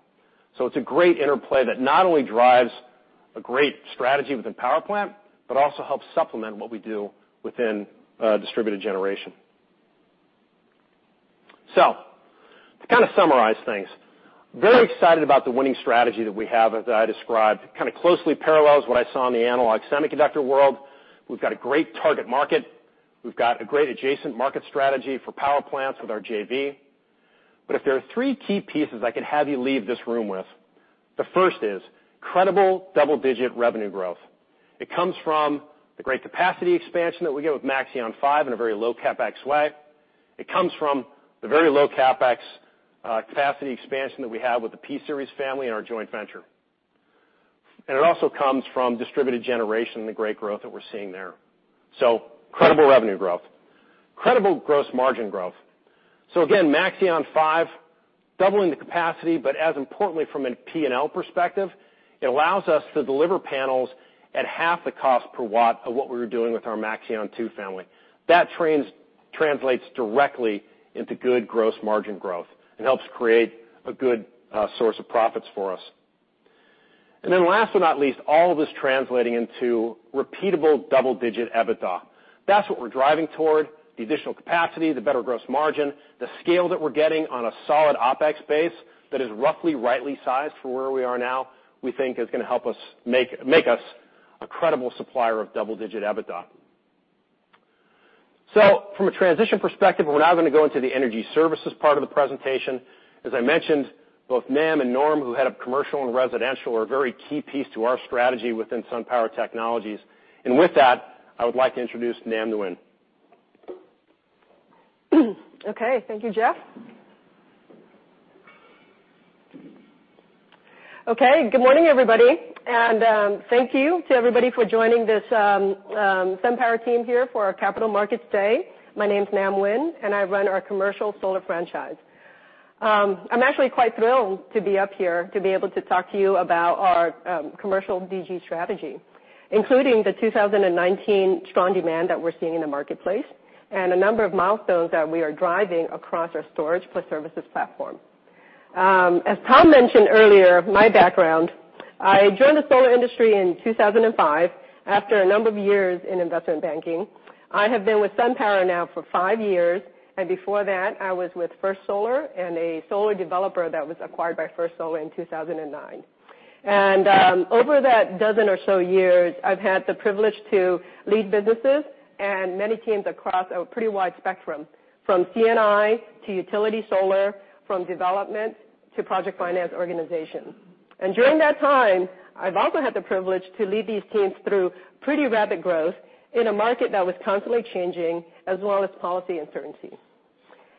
It's a great interplay that not only drives a great strategy within power plant, but also helps supplement what we do within distributed generation. To summarize things, very excited about the winning strategy that we have that I described. Closely parallels what I saw in the analog semiconductor world. We've got a great target market. We've got a great adjacent market strategy for power plants with our JV. If there are three key pieces I could have you leave this room with, the first is credible double-digit revenue growth. It comes from the great capacity expansion that we get with Maxeon 5 in a very low CapEx way. It comes from the very low CapEx capacity expansion that we have with the P-Series family and our joint venture. It also comes from distributed generation and the great growth that we're seeing there. Credible revenue growth. Credible gross margin growth. Again, Maxeon 5, doubling the capacity, but as importantly from a P&L perspective, it allows us to deliver panels at half the cost per watt of what we were doing with our Maxeon 2 family. That translates directly into good gross margin growth and helps create a good source of profits for us. Last but not least, all of this translating into repeatable double-digit EBITDA. That's what we're driving toward, the additional capacity, the better gross margin, the scale that we're getting on a solid OpEx base that is roughly rightly sized for where we are now, we think is going to help us make us a credible supplier of double-digit EBITDA. From a transition perspective, we're now going to go into the energy services part of the presentation. As I mentioned, both Nam and Norm, who head up commercial and residential, are a very key piece to our strategy within SunPower Technologies. With that, I would like to introduce Nam Nguyen. Okay. Thank you, Jeff. Okay, good morning, everybody. Thank you to everybody for joining this SunPower team here for our Capital Markets Day. My name's Nam Nguyen, and I run our commercial solar franchise. I'm actually quite thrilled to be up here to be able to talk to you about our commercial DG strategy, including the 2019 strong demand that we're seeing in the marketplace and a number of milestones that we are driving across our storage plus services platform. As Tom mentioned earlier, my background. I joined the solar industry in 2005 after a number of years in investment banking. I have been with SunPower now for five years, and before that I was with First Solar and a solar developer that was acquired by First Solar in 2009. Over that dozen or so years, I've had the privilege to lead businesses and many teams across a pretty wide spectrum, from C&I to utility solar, from development to project finance organization. During that time, I've also had the privilege to lead these teams through pretty rapid growth in a market that was constantly changing, as well as policy uncertainty.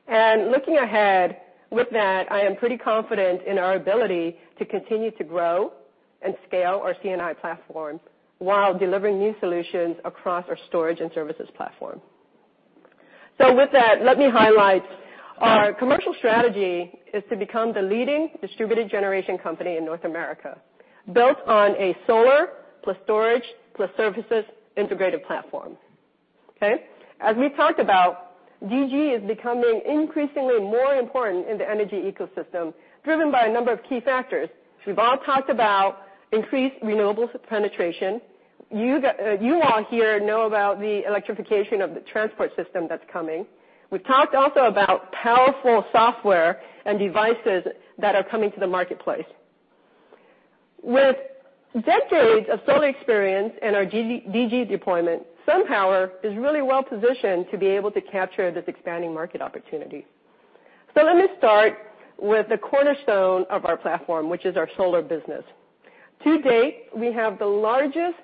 Looking ahead, with that, I am pretty confident in our ability to continue to grow and scale our C&I platform while delivering new solutions across our storage and services platform. With that, let me highlight. Our commercial strategy is to become the leading distributed generation company in North America, built on a solar plus storage plus services integrated platform. Okay? As we've talked about, DG is becoming increasingly more important in the energy ecosystem, driven by a number of key factors, which we've all talked about, increased renewables penetration. You all here know about the electrification of the transport system that's coming. We've talked also about powerful software and devices that are coming to the marketplace. With decades of solar experience in our DG deployment, SunPower is really well-positioned to be able to capture this expanding market opportunity. Let me start with the cornerstone of our platform, which is our solar business. To date, we have the largest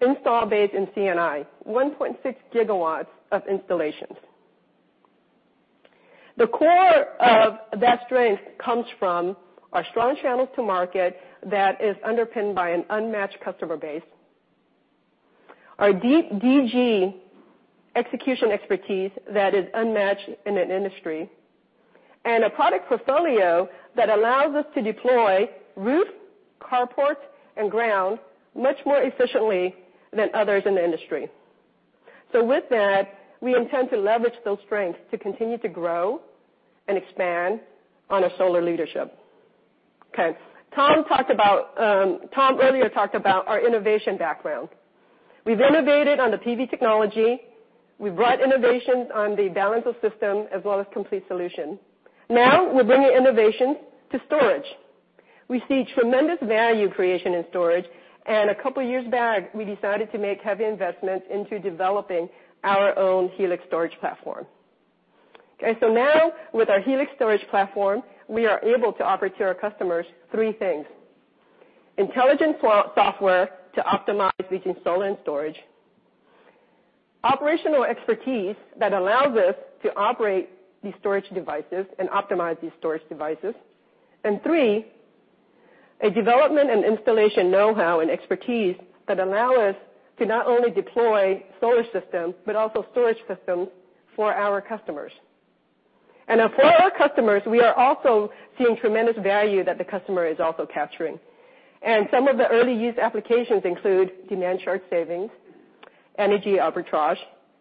install base in C&I, 1.6 GW of installations. The core of that strength comes from our strong channels to market that is underpinned by an unmatched customer base, our deep DG execution expertise that is unmatched in an industry, and a product portfolio that allows us to deploy roof, carport, and ground much more efficiently than others in the industry. With that, we intend to leverage those strengths to continue to grow and expand on a solar leadership. Okay. Tom earlier talked about our innovation background. We've innovated on the PV technology, we've brought innovations on the balance of system as well as complete solution. Now we're bringing innovations to storage. We see tremendous value creation in storage, and a couple years back, we decided to make heavy investments into developing our own Helix Storage platform. Now with our Helix storage platform, we are able to offer to our customers three things: intelligent software to optimize between solar and storage, operational expertise that allows us to operate these storage devices and optimize these storage devices, and three, a development and installation knowhow and expertise that allow us to not only deploy solar systems but also storage systems for our customers. For our customers, we are also seeing tremendous value that the customer is also capturing. Some of the early use applications include demand charge savings, energy arbitrage,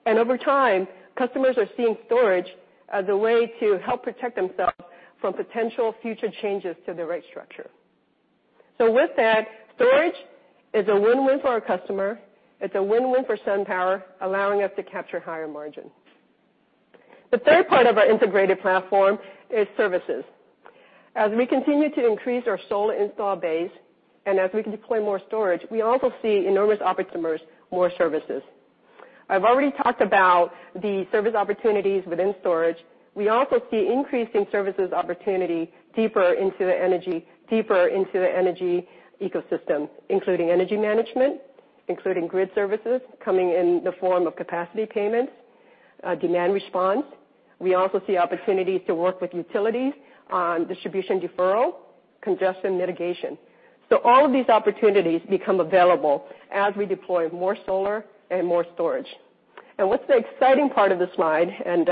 and over time, customers are seeing storage as a way to help protect themselves from potential future changes to the rate structure. With that, storage is a win-win for our customer, it's a win-win for SunPower, allowing us to capture higher margin. The third part of our integrated platform is services. As we continue to increase our solar install base and as we can deploy more storage, we also see enormous opportunities, more services. I've already talked about the service opportunities within storage. We also see increasing services opportunity deeper into the energy ecosystem, including energy management, including grid services coming in the form of capacity payments, demand response. We also see opportunities to work with utilities on distribution deferral, congestion mitigation. All of these opportunities become available as we deploy more solar and more storage. What's the exciting part of the slide, and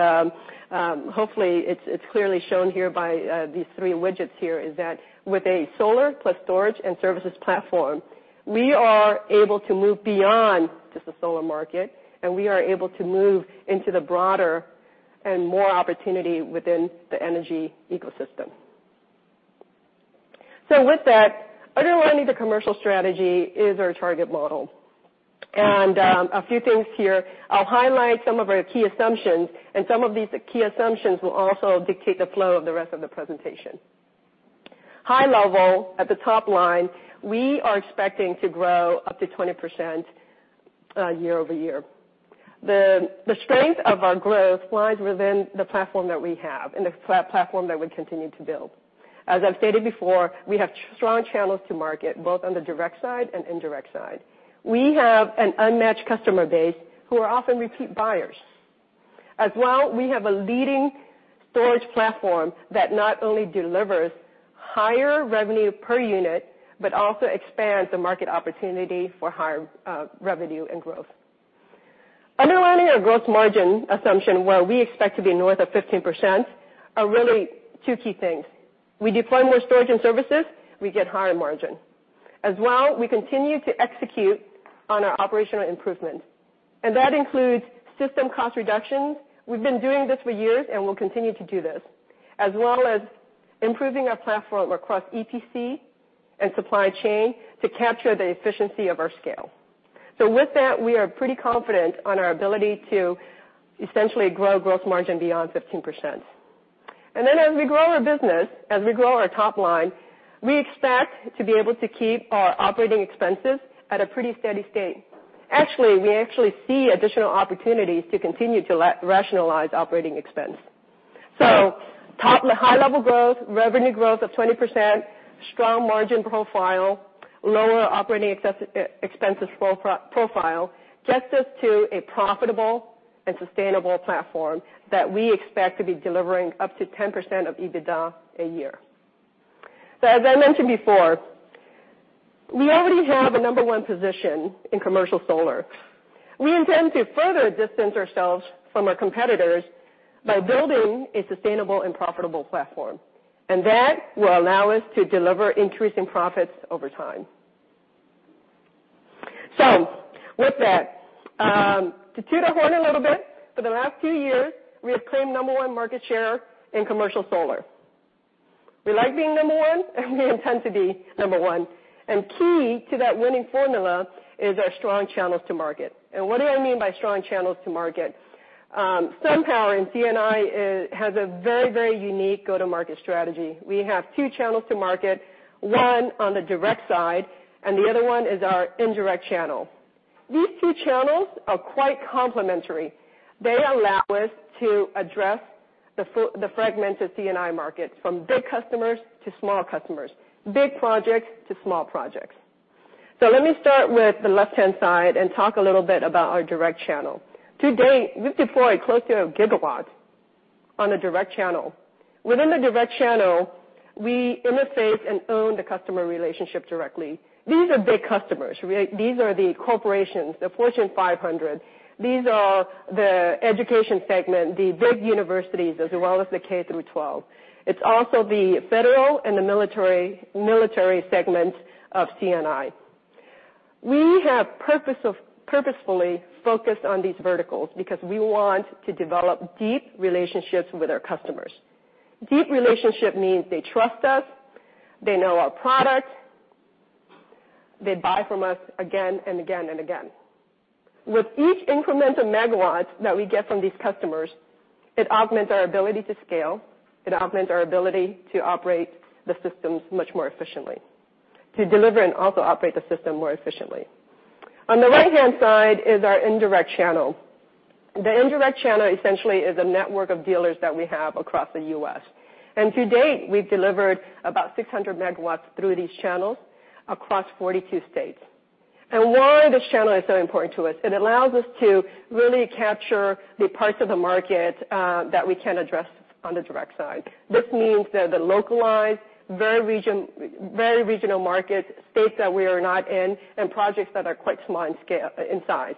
hopefully it's clearly shown here by these three widgets here, is that with a solar plus storage and services platform, we are able to move beyond just the solar market and we are able to move into the broader and more opportunity within the energy ecosystem. With that, underlying the commercial strategy is our target model. A few things here, I'll highlight some of our key assumptions, and some of these key assumptions will also dictate the flow of the rest of the presentation. High level, at the top line, we are expecting to grow up to 20% year-over-year. The strength of our growth lies within the platform that we have and the platform that we continue to build. As I've stated before, we have strong channels to market, both on the direct side and indirect side. We have an unmatched customer base who are often repeat buyers. As well, we have a leading storage platform that not only delivers higher revenue per unit but also expands the market opportunity for higher revenue and growth. Underlining our growth margin assumption, where we expect to be north of 15%, are really two key things. We deploy more storage and services, we get higher margin. As well, we continue to execute on our operational improvements. That includes system cost reductions. We've been doing this for years, and we'll continue to do this, as well as improving our platform across EPC and supply chain to capture the efficiency of our scale. With that, we are pretty confident on our ability to essentially grow gross margin beyond 15%. As we grow our business, as we grow our top line, we expect to be able to keep our operating expenses at a pretty steady state. Actually, we actually see additional opportunities to continue to rationalize operating expense. High level growth, revenue growth of 20%, strong margin profile, lower operating expenses profile, gets us to a profitable and sustainable platform that we expect to be delivering up to 10% of EBITDA a year. As I mentioned before, we already have a number one position in commercial solar. We intend to further distance ourselves from our competitors by building a sustainable and profitable platform, that will allow us to deliver increasing profits over time. With that, to toot our horn a little bit, for the last few years, we have claimed number one market share in commercial solar. We like being number one, and we intend to be number one. Key to that winning formula is our strong channels to market. What do I mean by strong channels to market? SunPower in C&I has a very, very unique go-to-market strategy. We have two channels to market, one on the direct side and the other one is our indirect channel. These two channels are quite complementary. They allow us to address the fragmented C&I markets from big customers to small customers, big projects to small projects. Let me start with the left-hand side and talk a little bit about our direct channel. To date, we've deployed close to a gigawatt on the direct channel. Within the direct channel, we interface and own the customer relationship directly. These are big customers. These are the corporations, the Fortune 500. These are the education segment, the big universities, as well as the K through 12. It's also the federal and the military segment of C&I. We have purposefully focused on these verticals because we want to develop deep relationships with our customers. Deep relationship means they trust us, they know our product, they buy from us again and again and again. With each incremental megawatt that we get from these customers, it augments our ability to scale. It augments our ability to operate the systems much more efficiently, to deliver and also operate the system more efficiently. On the right-hand side is our indirect channel. The indirect channel essentially is a network of dealers that we have across the U.S. To date, we've delivered about 600 megawatts through these channels across 42 states. Why this channel is so important to us, it allows us to really capture the parts of the market that we can address on the direct side. This means the localized, very regional market, states that we are not in, and projects that are quite small in size.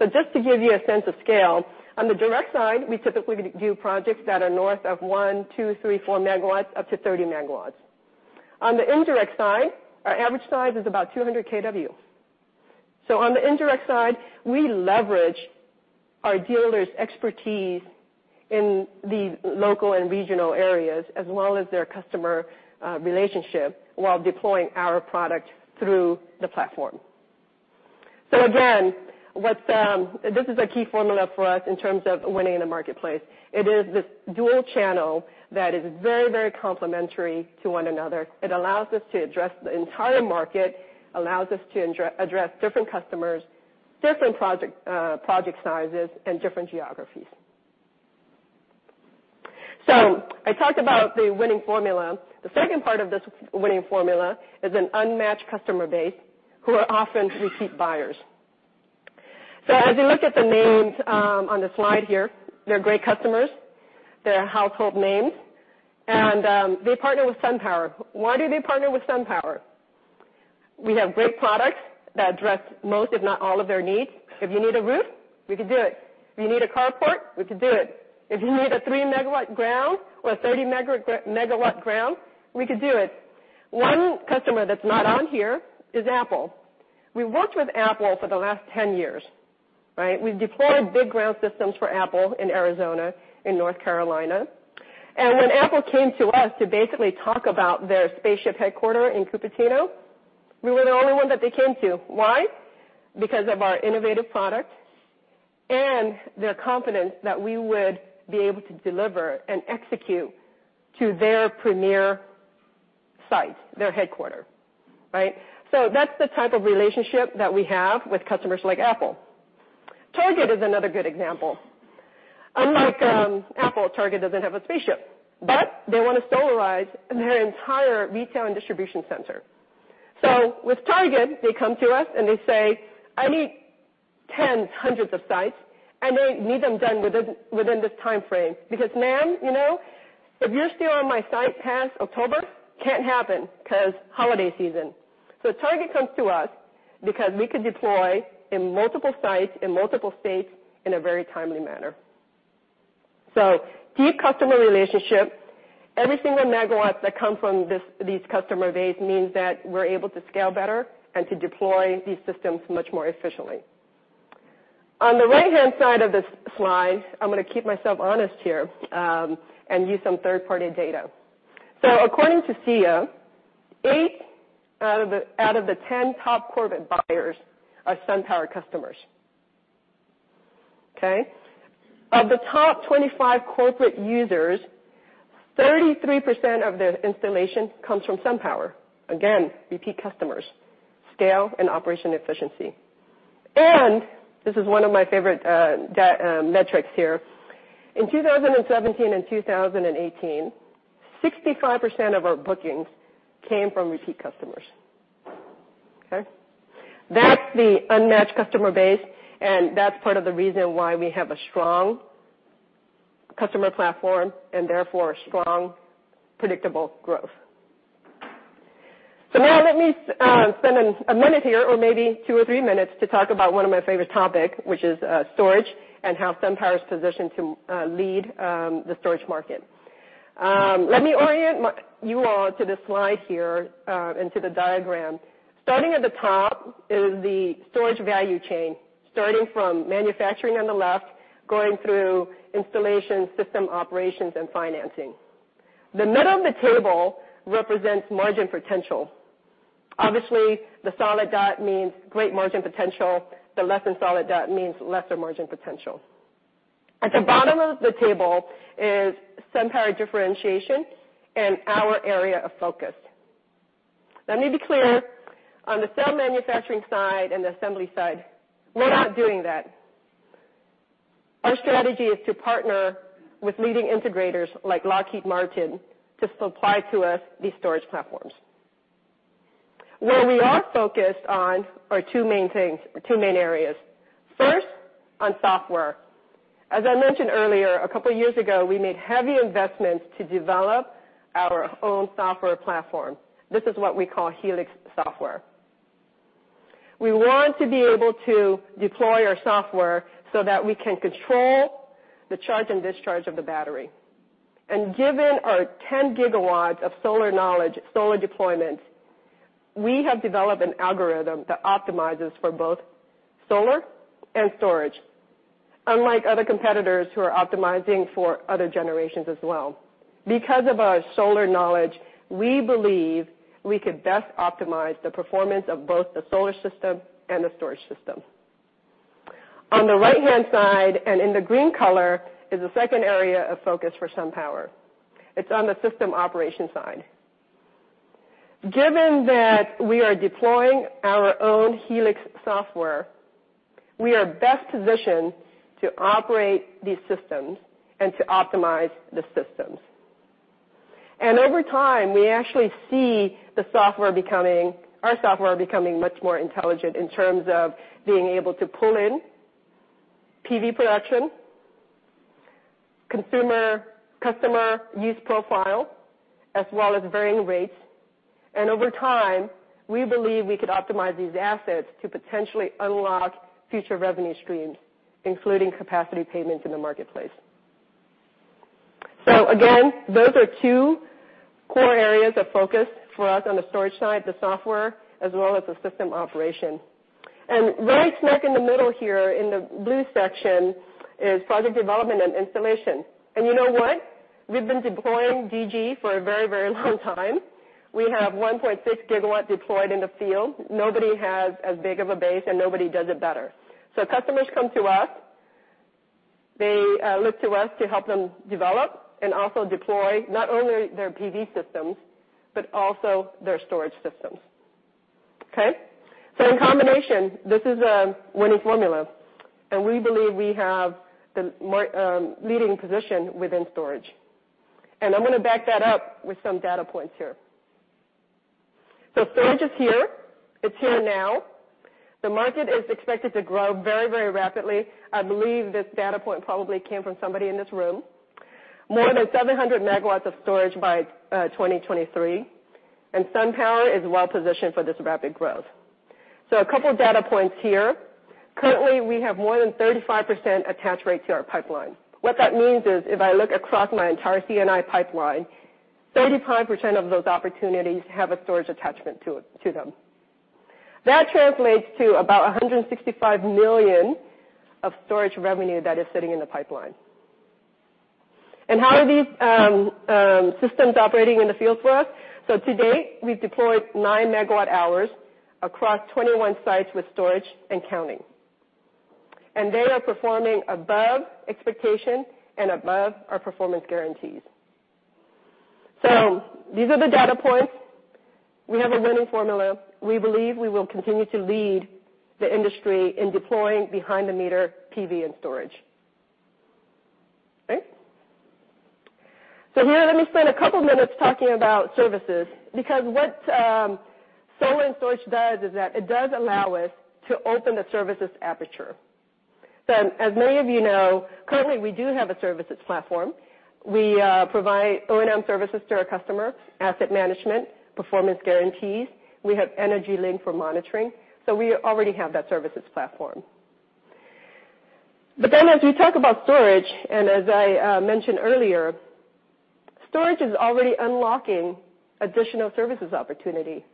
Just to give you a sense of scale, on the direct side, we typically do projects that are north of one, two, three, four megawatts up to 30 MW. On the indirect side, our average size is about 200 kW. On the indirect side, we leverage our dealers' expertise in the local and regional areas as well as their customer relationship while deploying our product through the platform. Again, this is a key formula for us in terms of winning in the marketplace. It is this dual channel that is very, very complementary to one another. It allows us to address the entire market, allows us to address different customers, different project sizes, and different geographies. I talked about the winning formula. The second part of this winning formula is an unmatched customer base who are often repeat buyers. As you look at the names on the slide here, they're great customers. They're household names, and they partner with SunPower. Why do they partner with SunPower? We have great products that address most, if not all, of their needs. If you need a roof, we can do it. If you need a carport, we can do it. If you need a three-megawatt ground or a 30 MW ground, we could do it. One customer that's not on here is Apple. We've worked with Apple for the last 10 years, right? We've deployed big ground systems for Apple in Arizona, in North Carolina. When Apple came to us to basically talk about their spaceship headquarter in Cupertino, we were the only one that they came to. Why? Because of our innovative product and their confidence that we would be able to deliver and execute to their premier site, their headquarter. Right? That's the type of relationship that we have with customers like Apple. Target is another good example. Unlike Apple, Target doesn't have a spaceship, but they want to solarize their entire retail and distribution center. With Target, they come to us, and they say, "I need tens, hundreds of sites, and I need them done within this time frame. Because, ma'am, if you're still on my site past October, can't happen because holiday season." Target comes to us because we could deploy in multiple sites, in multiple states in a very timely manner. Deep customer relationship, every single megawatts that come from these customer base means that we're able to scale better and to deploy these systems much more efficiently. On the right-hand side of this slide, I'm going to keep myself honest here, and use some third-party data. According to SEIA, eight out of the 10 top corporate buyers are SunPower customers. Okay? Of the top 25 corporate users, 33% of their installation comes from SunPower. Again, repeat customers, scale, and operation efficiency. This is one of my favorite metrics here. In 2017 and 2018, 65% of our bookings came from repeat customers. Okay? That's the unmatched customer base, and that's part of the reason why we have a strong customer platform and therefore strong, predictable growth. Now let me spend a minute here, or maybe two or three minutes, to talk about one of my favorite topic, which is storage and how SunPower is positioned to lead the storage market. Let me orient you all to this slide here, and to the diagram. Starting at the top is the storage value chain, starting from manufacturing on the left, going through installation, system operations, and financing. The middle of the table represents margin potential. Obviously, the solid dot means great margin potential. The less than solid dot means lesser margin potential. At the bottom of the table is SunPower differentiation and our area of focus. Let me be clear. On the cell manufacturing side and the assembly side, we're not doing that. Our strategy is to partner with leading integrators like Lockheed Martin to supply to us these storage platforms. Where we are focused on are two main areas. First, on software. As I mentioned earlier, a couple of years ago, we made heavy investments to develop our own software platform. This is what we call Helix software. We want to be able to deploy our software so that we can control the charge and discharge of the battery. Given our 10 GW of solar knowledge, solar deployment, we have developed an algorithm that optimizes for both solar and storage, unlike other competitors who are optimizing for other generations as well. Because of our solar knowledge, we believe we could best optimize the performance of both the solar system and the storage system. On the right-hand side and in the green color is a second area of focus for SunPower. It's on the system operation side. Given that we are deploying our own Helix software, we are best positioned to operate these systems and to optimize the systems. Over time, we actually see our software becoming much more intelligent in terms of being able to pull in PV production, customer use profile, as well as varying rates. Over time, we believe we could optimize these assets to potentially unlock future revenue streams, including capacity payments in the marketplace. Again, those are two core areas of focus for us on the storage side, the software as well as the system operation. Right smack in the middle here in the blue section is project development and installation. You know what? We've been deploying DG for a very, very long time. We have 1.6 GW deployed in the field. Nobody has as big of a base and nobody does it better. Customers come to us, they look to us to help them develop and also deploy not only their PV systems, but also their storage systems. Okay? In combination, this is a winning formula and we believe we have the leading position within storage. I'm going to back that up with some data points here. Storage is here. It's here now. The market is expected to grow very, very rapidly. I believe this data point probably came from somebody in this room. More than 700 MW of storage by 2023, and SunPower is well positioned for this rapid growth. A couple of data points here. Currently, we have more than 35% attach rate to our pipeline. What that means is, if I look across my entire C&I pipeline, 35% of those opportunities have a storage attachment to them. That translates to about 165 million of storage revenue that is sitting in the pipeline. How are these systems operating in the field for us? To date, we've deployed 9 MWh across 21 sites with storage and counting. They are performing above expectation and above our performance guarantees. These are the data points. We have a winning formula. We believe we will continue to lead the industry in deploying behind the meter PV and storage. Okay? Here, let me spend a couple minutes talking about services, because what solar and storage does is that it does allow us to open the services aperture. As many of you know, currently we do have a services platform. We provide O&M services to our customer, asset management, performance guarantees. We have EnergyLink for monitoring. We already have that services platform. As we talk about storage, as I mentioned earlier, storage is already unlocking additional services opportunity.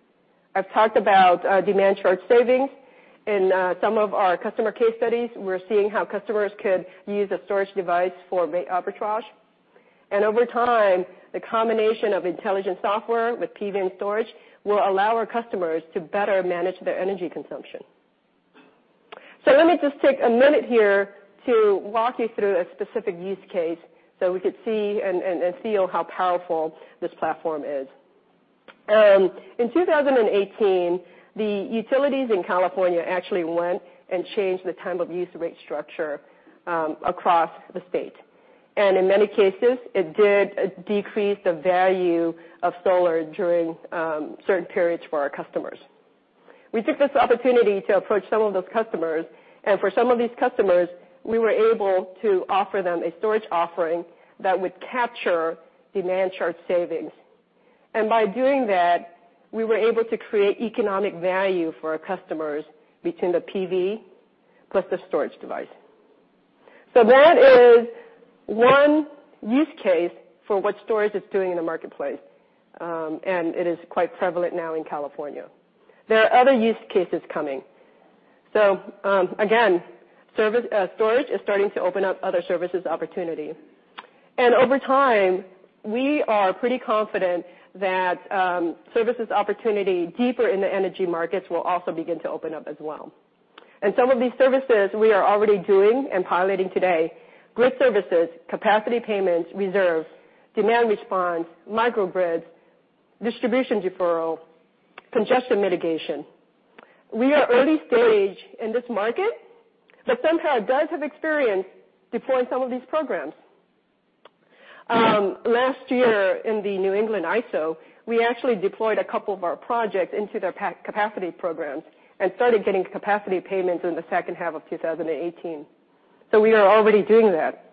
I've talked about demand charge savings in some of our customer case studies. We're seeing how customers could use a storage device for rate arbitrage. Over time, the combination of intelligent software with PV and storage will allow our customers to better manage their energy consumption. Let me just take a minute here to walk you through a specific use case so we could see and feel how powerful this platform is. In 2018, the utilities in California actually went and changed the time of use rate structure across the state. In many cases, it did decrease the value of solar during certain periods for our customers. We took this opportunity to approach some of those customers, for some of these customers, we were able to offer them a storage offering that would capture demand charge savings. By doing that, we were able to create economic value for our customers between the PV plus the storage device. That is one use case for what storage is doing in the marketplace. It is quite prevalent now in California. There are other use cases coming. Again, storage is starting to open up other services opportunity. Over time, we are pretty confident that services opportunity deeper in the energy markets will also begin to open up as well. Some of these services we are already doing and piloting today, grid services, capacity payments, reserves, demand response, microgrids, distribution deferral, congestion mitigation. We are early stage in this market, SunPower does have experience deploying some of these programs. Last year in the New England ISO, we actually deployed a couple of our projects into their capacity programs and started getting capacity payments in the second half of 2018. We are already doing that.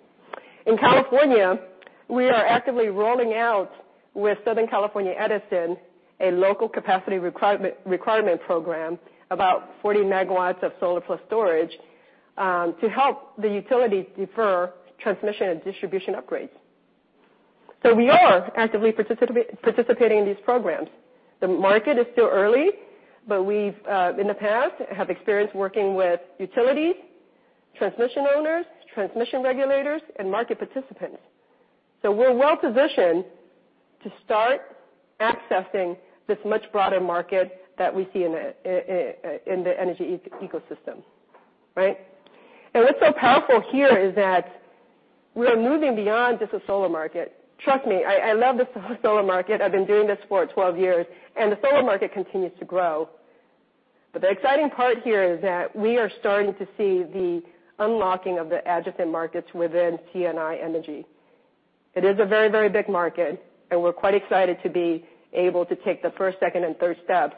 In California, we are actively rolling out with Southern California Edison, a local capacity requirement program, about 40 MW of solar plus storage, to help the utility defer transmission and distribution upgrades. We are actively participating in these programs. The market is still early, we've in the past, have experience working with utilities, transmission owners, transmission regulators, and market participants. We're well-positioned to start accessing this much broader market that we see in the energy ecosystem. Right? What's so powerful here is that we are moving beyond just the solar market. Trust me, I love the solar market. I've been doing this for 12 years, the solar market continues to grow. The exciting part here is that we are starting to see the unlocking of the adjacent markets within T&I energy. It is a very, very big market, we're quite excited to be able to take the first, second, and third steps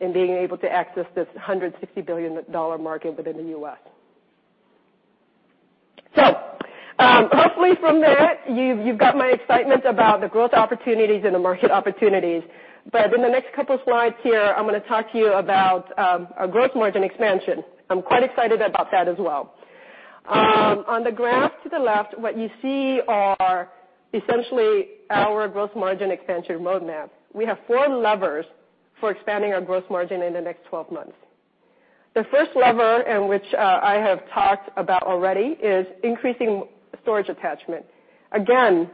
in being able to access this $160 billion market within the U.S. Hopefully from that, you've got my excitement about the growth opportunities and the market opportunities. In the next couple slides here, I'm going to talk to you about our growth margin expansion. I'm quite excited about that as well. On the graph to the left, what you see are essentially our growth margin expansion roadmap. We have four levers for expanding our growth margin in the next 12 months. The first lever in which I have talked about already is increasing storage attachment. Again,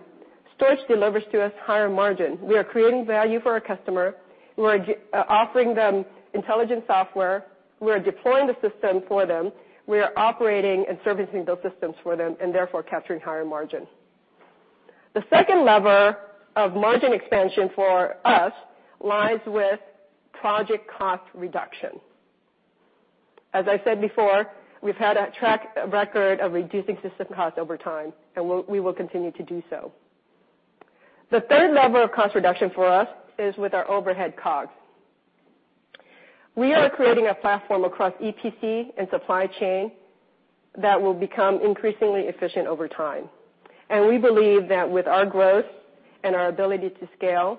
storage delivers to us higher margin. We are creating value for our customer. We are offering them intelligent software. We are deploying the system for them. We are operating and servicing those systems for them, and therefore capturing higher margin. The second lever of margin expansion for us lies with project cost reduction. As I said before, we've had a track record of reducing system cost over time, and we will continue to do so. The third lever of cost reduction for us is with our overhead COGS. We are creating a platform across EPC and supply chain that will become increasingly efficient over time. We believe that with our growth and our ability to scale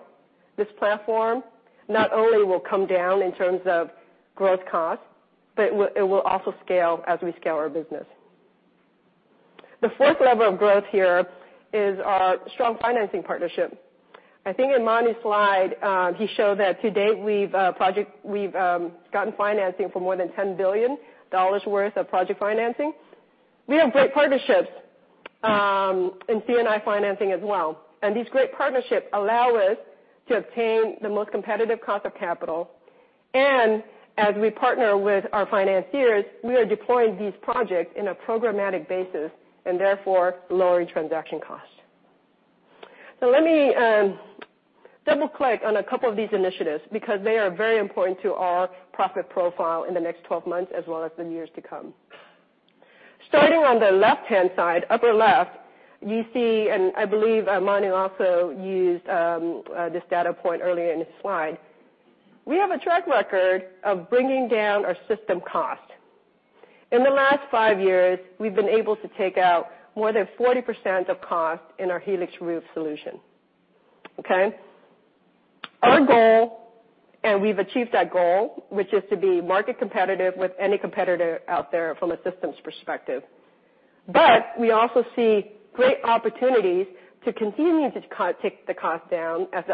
this platform, not only will come down in terms of growth cost, but it will also scale as we scale our business. The fourth lever of growth here is our strong financing partnership. I think in Manu's slide, he showed that to date we've gotten financing for more than $10 billion worth of project financing. We have great partnerships in C&I financing as well. These great partnerships allow us to obtain the most competitive cost of capital. As we partner with our financiers, we are deploying these projects in a programmatic basis and therefore lowering transaction costs. Let me double-click on a couple of these initiatives because they are very important to our profit profile in the next 12 months as well as in years to come. Starting on the left-hand side, upper left, you see, I believe Manu also used this data point earlier in his slide. We have a track record of bringing down our system cost. In the last five years, we've been able to take out more than 40% of cost in our Helix Roof solution. Okay. Our goal, we've achieved that goal, which is to be market competitive with any competitor out there from a systems perspective. We also see great opportunities to continue to take the cost down as the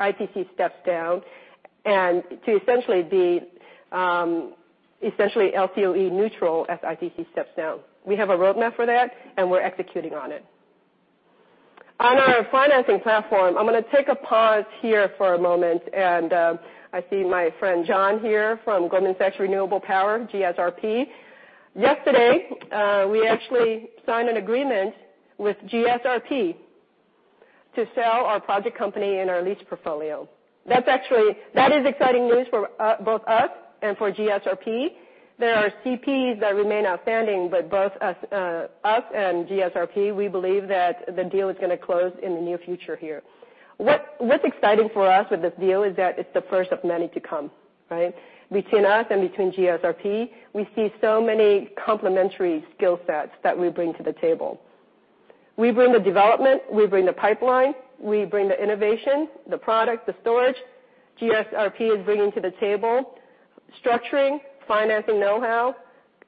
ITC steps down and to essentially be LCOE neutral as ITC steps down. We have a roadmap for that, and we're executing on it. On our financing platform, I'm going to take a pause here for a moment, I see my friend John here from Goldman Sachs Renewable Power, GSRP. Yesterday, we actually signed an agreement with GSRP to sell our project company and our lease portfolio. That is exciting news for both us and for GSRP. There are CPs that remain outstanding, both us and GSRP, we believe that the deal is going to close in the near future here. What's exciting for us with this deal is that it's the first of many to come, right? Between us and between GSRP, we see so many complementary skill sets that we bring to the table. We bring the development, we bring the pipeline, we bring the innovation, the product, the storage. GSRP is bringing to the table structuring, financing know-how,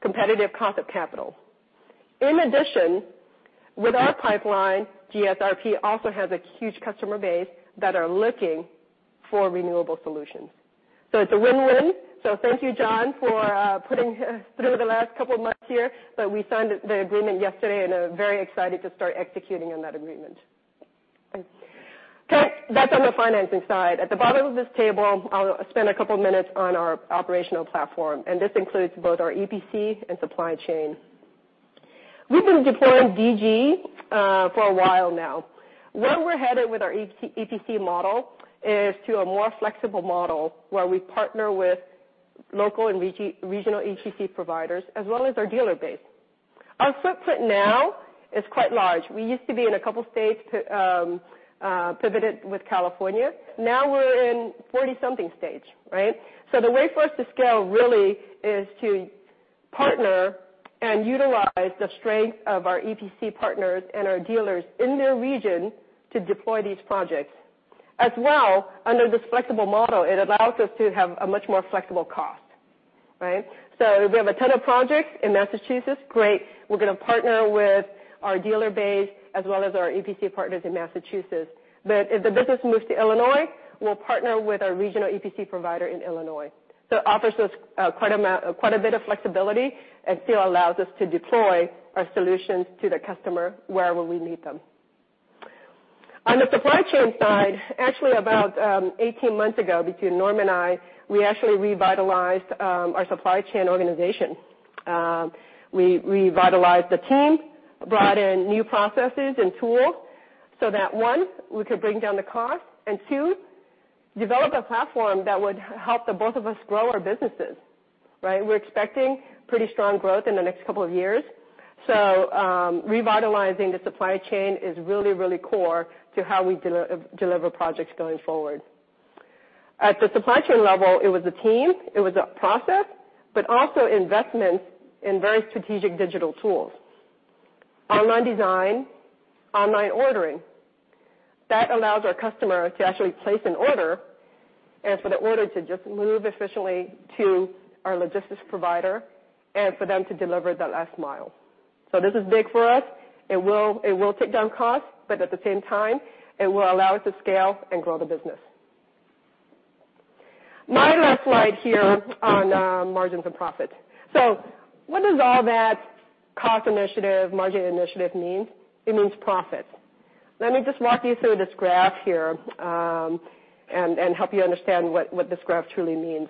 competitive cost of capital. In addition, with our pipeline, GSRP also has a huge customer base that are looking for renewable solutions. It's a win-win. Thank you, John, for putting us through the last couple of months here. We signed the agreement yesterday, and are very excited to start executing on that agreement. That's on the financing side. At the bottom of this table, I'll spend a couple of minutes on our operational platform, and this includes both our EPC and supply chain. We've been deploying DG for a while now. Where we're headed with our EPC model is to a more flexible model where we partner with local and regional EPC providers, as well as our dealer base. Our footprint now is quite large. We used to be in a couple of states, pivoted with California. Now we're in 40 something states, right? The way for us to scale really is to partner and utilize the strength of our EPC partners and our dealers in their region to deploy these projects. As well, under this flexible model, it allows us to have a much more flexible cost. Right? If we have a ton of projects in Massachusetts, great. We're going to partner with our dealer base as well as our EPC partners in Massachusetts. If the business moves to Illinois, we'll partner with our regional EPC provider in Illinois. It offers us quite a bit of flexibility and still allows us to deploy our solutions to the customer wherever we need them. On the supply chain side, actually about 18 months ago, between Norm and I, we actually revitalized our supply chain organization. We revitalized the team, brought in new processes and tools so that, one, we could bring down the cost, and two, develop a platform that would help the both of us grow our businesses. Right? We're expecting pretty strong growth in the next couple of years. Revitalizing the supply chain is really, really core to how we deliver projects going forward. At the supply chain level, it was a team, it was a process, but also investments in very strategic digital tools. Online design, online ordering. That allows our customer to actually place an order and for the order to just move efficiently to our logistics provider and for them to deliver the last mile. This is big for us. It will take down cost, but at the same time, it will allow us to scale and grow the business. My last slide here on margins and profit. What does all that cost initiative, margin initiative mean? It means profits. Let me just walk you through this graph here, and help you understand what this graph truly means.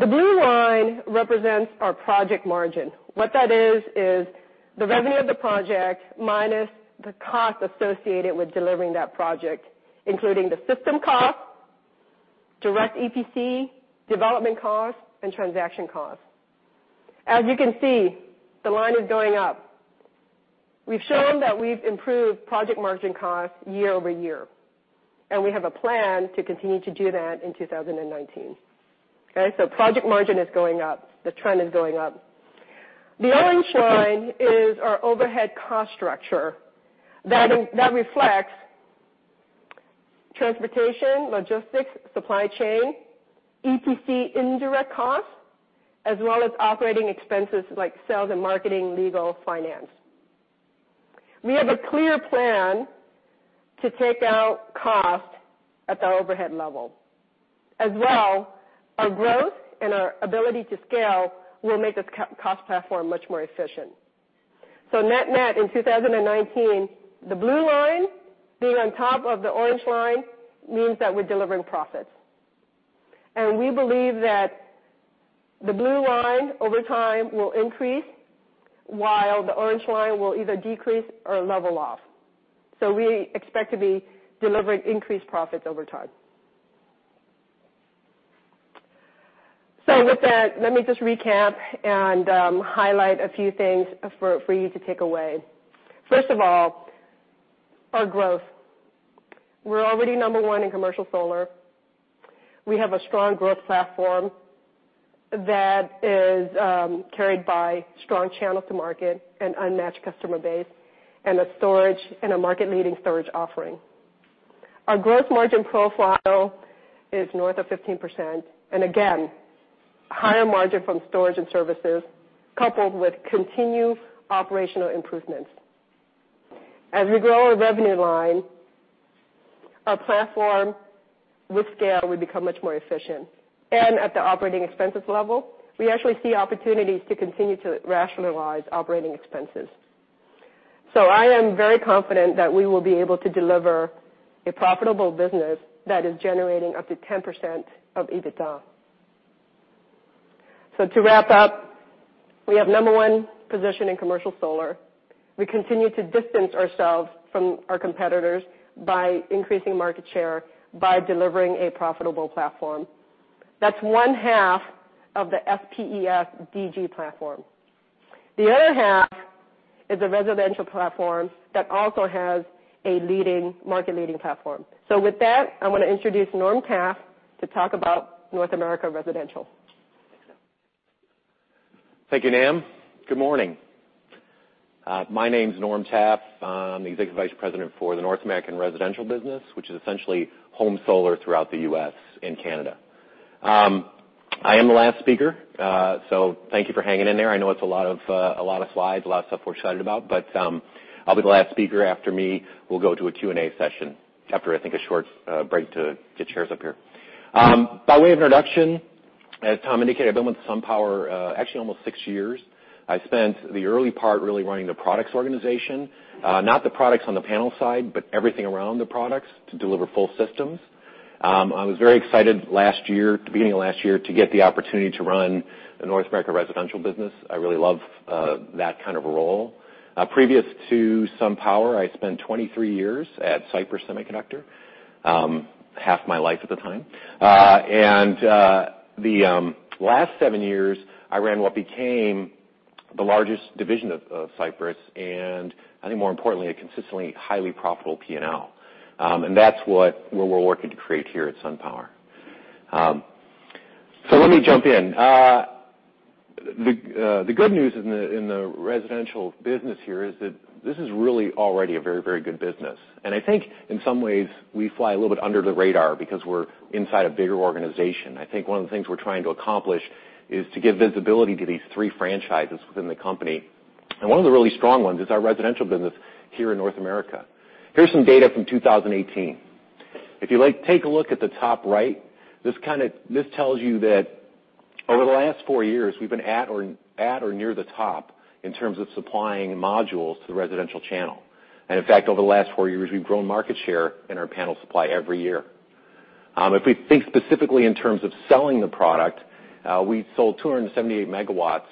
The blue line represents our project margin. What that is the revenue of the project minus the cost associated with delivering that project, including the system cost, direct EPC, development cost, and transaction cost. As you can see, the line is going up. We've shown that we've improved project margin cost year-over-year, and we have a plan to continue to do that in 2019. Okay? Project margin is going up. The trend is going up. The orange line is our overhead cost structure. That reflects transportation, logistics, supply chain, EPC indirect cost, as well as operating expenses like sales and marketing, legal, finance. We have a clear plan to take out cost at the overhead level. As well, our growth and our ability to scale will make this cost platform much more efficient. Net net in 2019, the blue line being on top of the orange line means that we're delivering profits. We believe that the blue line, over time, will increase while the orange line will either decrease or level off. We expect to be delivering increased profits over time. With that, let me just recap and highlight a few things for you to take away. First of all, we're already number one in Commercial Solar. We have a strong growth platform that is carried by strong channels to market, an unmatched customer base, and a market-leading storage offering. Our gross margin profile is north of 15%, and again, higher margin from storage and services, coupled with continued operational improvements. As we grow our revenue line, our platform with scale will become much more efficient. At the operating expenses level, we actually see opportunities to continue to rationalize operating expenses. I am very confident that we will be able to deliver a profitable business that is generating up to 10% of EBITDA. To wrap up, we have number one position in Commercial Solar. We continue to distance ourselves from our competitors by increasing market share, by delivering a profitable platform. That's one half of the SPES DG platform. The other half is a Residential platform that also has a market-leading platform. With that, I want to introduce Norm Taffe to talk about North America Residential. Thank you, Nam. Good morning. My name's Norm Taffe. I'm the Executive Vice President for the North American Residential business, which is essentially home solar throughout the U.S. and Canada. I am the last speaker, so thank you for hanging in there. I know it's a lot of slides, a lot of stuff we're excited about, but I'll be the last speaker. After me, we'll go to a Q&A session after, I think, a short break to get chairs up here. By way of introduction, as Tom indicated, I've been with SunPower actually almost 6 years. I spent the early part really running the products organization, not the products on the panel side, but everything around the products to deliver full systems. I was very excited at the beginning of last year to get the opportunity to run the North America Residential business. I really love that kind of role. Previous to SunPower, I spent 23 years at Cypress Semiconductor, half my life at the time. The last 7 years, I ran what became the largest division of Cypress, and I think more importantly, a consistently highly profitable P&L. That's what we're working to create here at SunPower. Let me jump in. The good news in the Residential business here is that this is really already a very good business. I think in some ways we fly a little bit under the radar because we're inside a bigger organization. I think one of the things we're trying to accomplish is to give visibility to these three franchises within the company. One of the really strong ones is our Residential business here in North America. Here's some data from 2018. If you take a look at the top right, this tells you that over the last four years, we've been at or near the top in terms of supplying modules to the residential channel. In fact, over the last four years, we've grown market share in our panel supply every year. If we think specifically in terms of selling the product, we sold 278 MW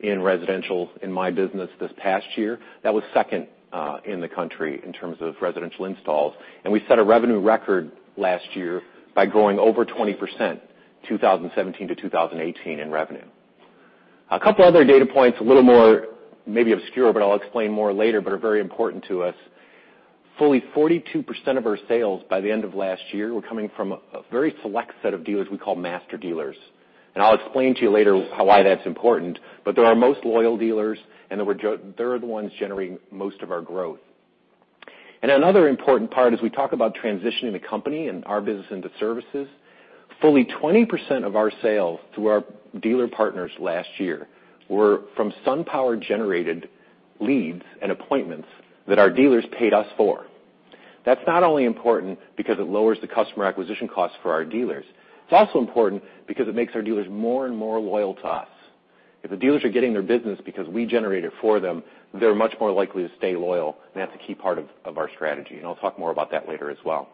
in residential in my business this past year. That was second in the country in terms of residential installs. We set a revenue record last year by growing over 20%, 2017 to 2018, in revenue. A couple other data points, a little more maybe obscure, but I'll explain more later, but are very important to us. Fully 42% of our sales by the end of last year were coming from a very select set of dealers we call master dealers. I'll explain to you later why that's important, but they're our most loyal dealers, and they're the ones generating most of our growth. Another important part as we talk about transitioning the company and our business into services, fully 20% of our sales through our dealer partners last year were from SunPower-generated leads and appointments that our dealers paid us for. That's not only important because it lowers the customer acquisition cost for our dealers, it's also important because it makes our dealers more and more loyal to us. If the dealers are getting their business because we generate it for them, they're much more likely to stay loyal, and that's a key part of our strategy, and I'll talk more about that later as well.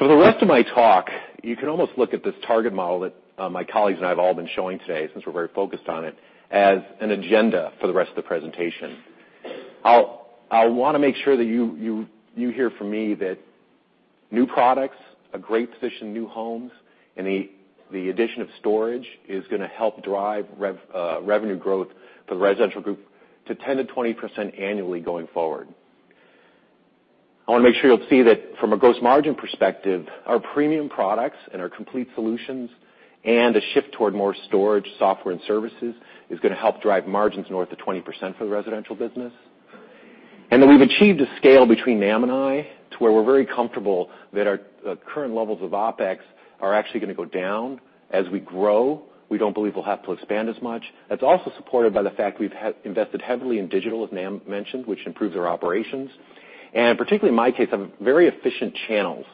The rest of my talk, you can almost look at this target model that my colleagues and I have all been showing today, since we're very focused on it, as an agenda for the rest of the presentation. I want to make sure that you hear from me that new products, a great position in new homes, and the addition of storage is going to help drive revenue growth for the residential group to 10%-20% annually going forward. I want to make sure you'll see that from a gross margin perspective, our premium products and our complete solutions and a shift toward more storage, software, and services is going to help drive margins north of 20% for the residential business. That we've achieved a scale between Nam and I to where we're very comfortable that our current levels of OpEx are actually going to go down as we grow. We don't believe we'll have to expand as much. That's also supported by the fact we've invested heavily in digital, as Nam mentioned, which improves our operations. Particularly in my case, I have very efficient channels,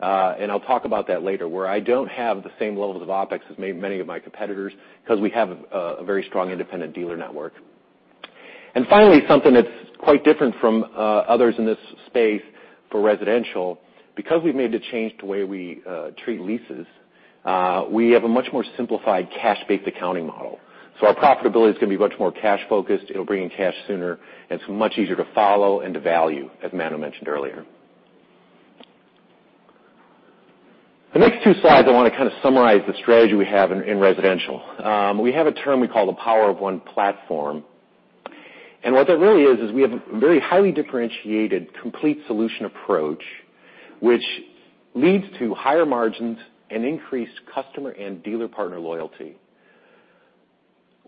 and I'll talk about that later, where I don't have the same levels of OpEx as many of my competitors because we have a very strong independent dealer network. Finally, something that's quite different from others in this space for residential, because we've made the change to way we treat leases, we have a much more simplified cash-based accounting model. Our profitability is going to be much more cash-focused. It'll bring in cash sooner, and it's much easier to follow and to value, as Manu mentioned earlier. The next two slides, I want to summarize the strategy we have in residential. We have a term we call the Power of One platform. What that really is we have a very highly differentiated complete solution approach, which leads to higher margins and increased customer and dealer partner loyalty.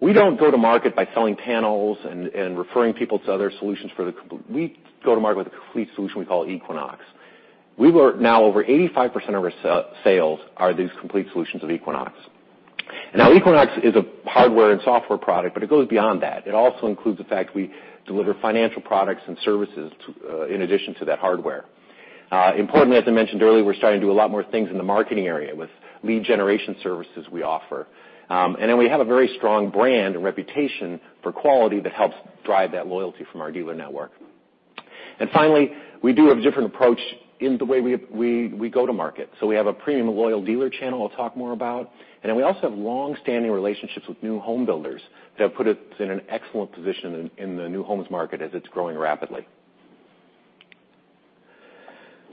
We don't go to market by selling panels and referring people to other solutions. We go to market with a complete solution we call Equinox. Over 85% of our sales are these complete solutions of Equinox. Equinox is a hardware and software product, but it goes beyond that. It also includes the fact we deliver financial products and services in addition to that hardware. Importantly, as I mentioned earlier, we're starting to do a lot more things in the marketing area with lead generation services we offer. We have a very strong brand and reputation for quality that helps drive that loyalty from our dealer network. Finally, we do have a different approach in the way we go to market. We have a premium loyal dealer channel I'll talk more about, and then we also have long-standing relationships with new home builders that put us in an excellent position in the new homes market as it's growing rapidly.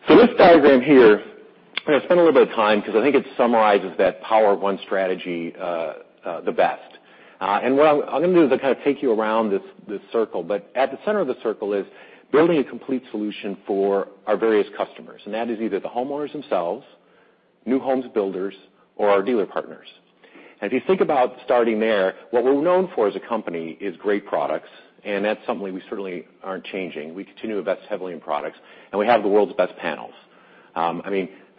This diagram here, I'm going to spend a little bit of time because I think it summarizes that Power of One strategy the best. What I'm going to do is take you around this circle. At the center of the circle is building a complete solution for our various customers, and that is either the homeowners themselves, new homes builders, or our dealer partners. If you think about starting there, what we're known for as a company is great products, and that's something we certainly aren't changing. We continue to invest heavily in products, and we have the world's best panels.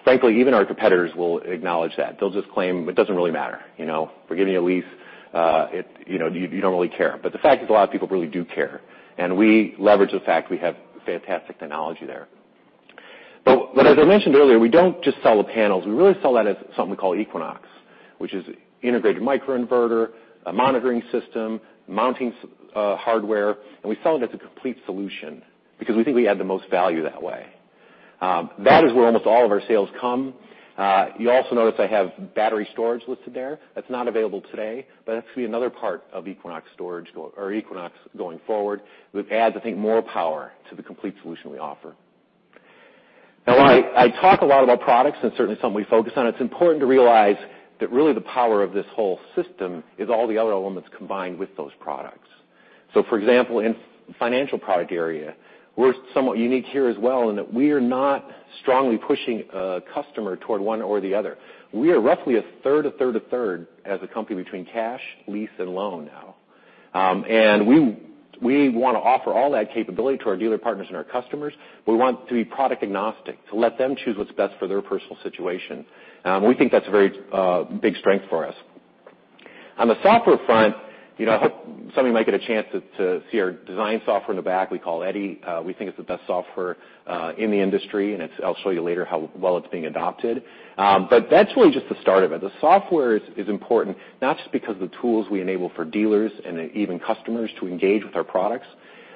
Frankly, even our competitors will acknowledge that. They'll just claim it doesn't really matter. We're giving you a lease. You don't really care. The fact is, a lot of people really do care, and we leverage the fact we have fantastic technology there. As I mentioned earlier, we don't just sell the panels. We really sell that as something we call Equinox, which is integrated microinverter, a monitoring system, mounting hardware, and we sell it as a complete solution because we think we add the most value that way. That is where almost all of our sales come. You also notice I have battery storage listed there. That's not available today, but that's going to be another part of Equinox going forward, which adds, I think, more power to the complete solution we offer. I talk a lot about products, and it's certainly something we focus on. It's important to realize that really the power of this whole system is all the other elements combined with those products. For example, in the financial product area, we're somewhat unique here as well in that we are not strongly pushing a customer toward one or the other. We are roughly a third, a third, a third as a company between cash, lease, and loan now. We want to offer all that capability to our dealer partners and our customers. We want to be product-agnostic to let them choose what's best for their personal situation. We think that's a very big strength for us. On the software front, I hope some of you might get a chance to see our design software in the back we call EDDiE. We think it's the best software in the industry, and I'll show you later how well it's being adopted. That's really just the start of it. The software is important, not just because of the tools we enable for dealers and even customers to engage with our products.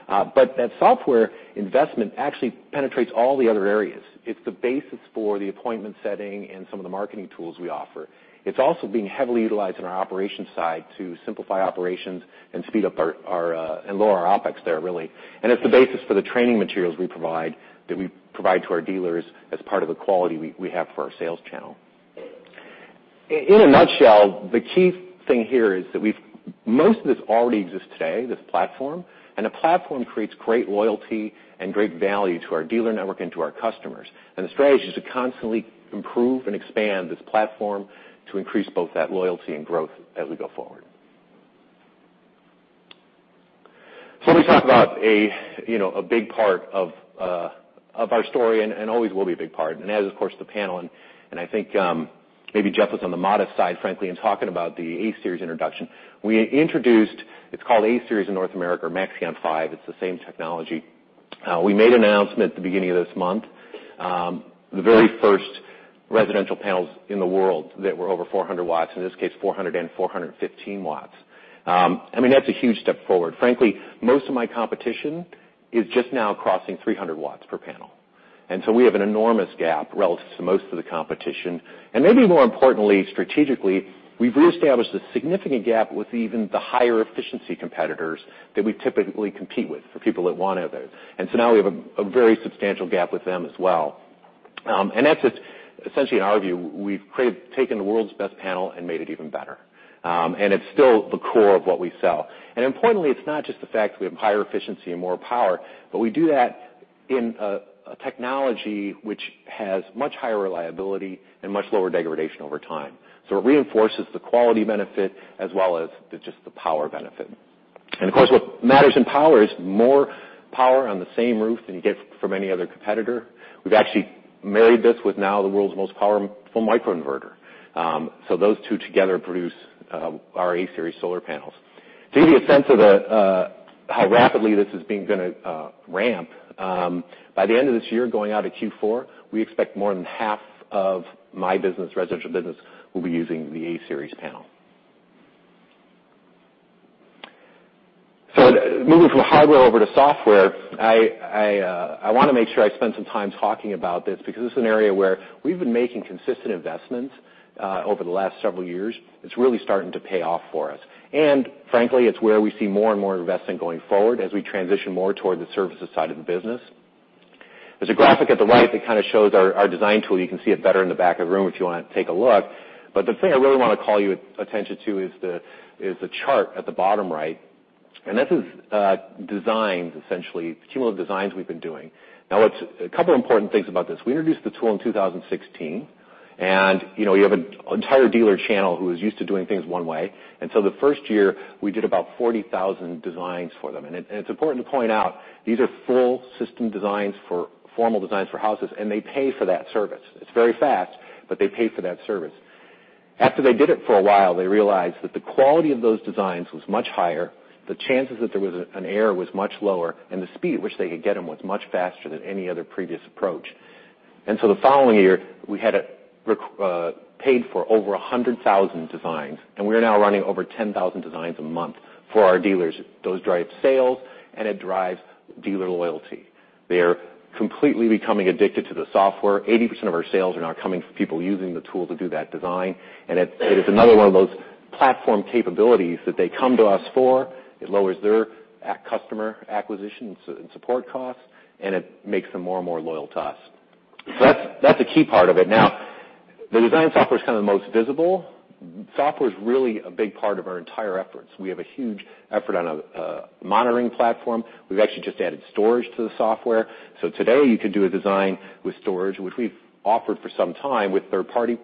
That software investment actually penetrates all the other areas. It's the basis for the appointment setting and some of the marketing tools we offer. It's also being heavily utilized on our operations side to simplify operations and lower our OpEx there, really. It's the basis for the training materials we provide to our dealers as part of the quality we have for our sales channel. In a nutshell, the key thing here is that most of this already exists today, this platform, and the platform creates great loyalty and great value to our dealer network and to our customers. The strategy is to constantly improve and expand this platform to increase both that loyalty and growth as we go forward. Let me talk about a big part of our story, and always will be a big part, and that is, of course, the panel. I think maybe Jeff was on the modest side, frankly, in talking about the A-Series introduction. We introduced, it's called A-Series in North America or Maxeon 5. It's the same technology. We made an announcement at the beginning of this month. The very first residential panels in the world that were over 400 watts, in this case, 400 and 415 watts. That's a huge step forward. Frankly, most of my competition is just now crossing 300 watts per panel. We have an enormous gap relative to most of the competition. Maybe more importantly, strategically, we've reestablished a significant gap with even the higher efficiency competitors that we typically compete with for people that want it. Now we have a very substantial gap with them as well. That's essentially, in our view, we've taken the world's best panel and made it even better. It's still the core of what we sell. Importantly, it's not just the fact we have higher efficiency and more power, but we do that in a technology which has much higher reliability and much lower degradation over time. It reinforces the quality benefit as well as just the power benefit. Of course, what matters in power is more power on the same roof than you get from any other competitor. We've actually married this with now the world's most powerful microinverter. Those two together produce our A-Series solar panels. To give you a sense of how rapidly this is going to ramp, by the end of this year, going out to Q4, we expect more than half of my residential business will be using the A-Series panel. Moving from hardware over to software, I want to make sure I spend some time talking about this because this is an area where we've been making consistent investments over the last several years, it's really starting to pay off for us. Frankly, it's where we see more and more investment going forward as we transition more toward the services side of the business. There's a graphic at the right that kind of shows our design tool. You can see it better in the back of the room if you want to take a look. The thing I really want to call your attention to is the chart at the bottom right. This is designs, essentially, cumulative designs we've been doing. A couple important things about this. We introduced the tool in 2016, you have an entire dealer channel who is used to doing things one way. The first year, we did about 40,000 designs for them. It's important to point out, these are full system designs for formal designs for houses, and they pay for that service. It's very fast, but they pay for that service. After they did it for a while, they realized that the quality of those designs was much higher, the chances that there was an error was much lower, and the speed at which they could get them was much faster than any other previous approach. The following year, we had paid for over 100,000 designs, and we are now running over 10,000 designs a month for our dealers. Those drive sales, and it drives dealer loyalty. They are completely becoming addicted to the software. 80% of our sales are now coming from people using the tool to do that design, and it is another one of those platform capabilities that they come to us for. It lowers their customer acquisition and support costs, and it makes them more and more loyal to us. That's a key part of it. The design software is kind of the most visible. Software's really a big part of our entire efforts. We have a huge effort on a monitoring platform. We've actually just added storage to the software. Today you could do a design with storage, which we've offered for some time with third-party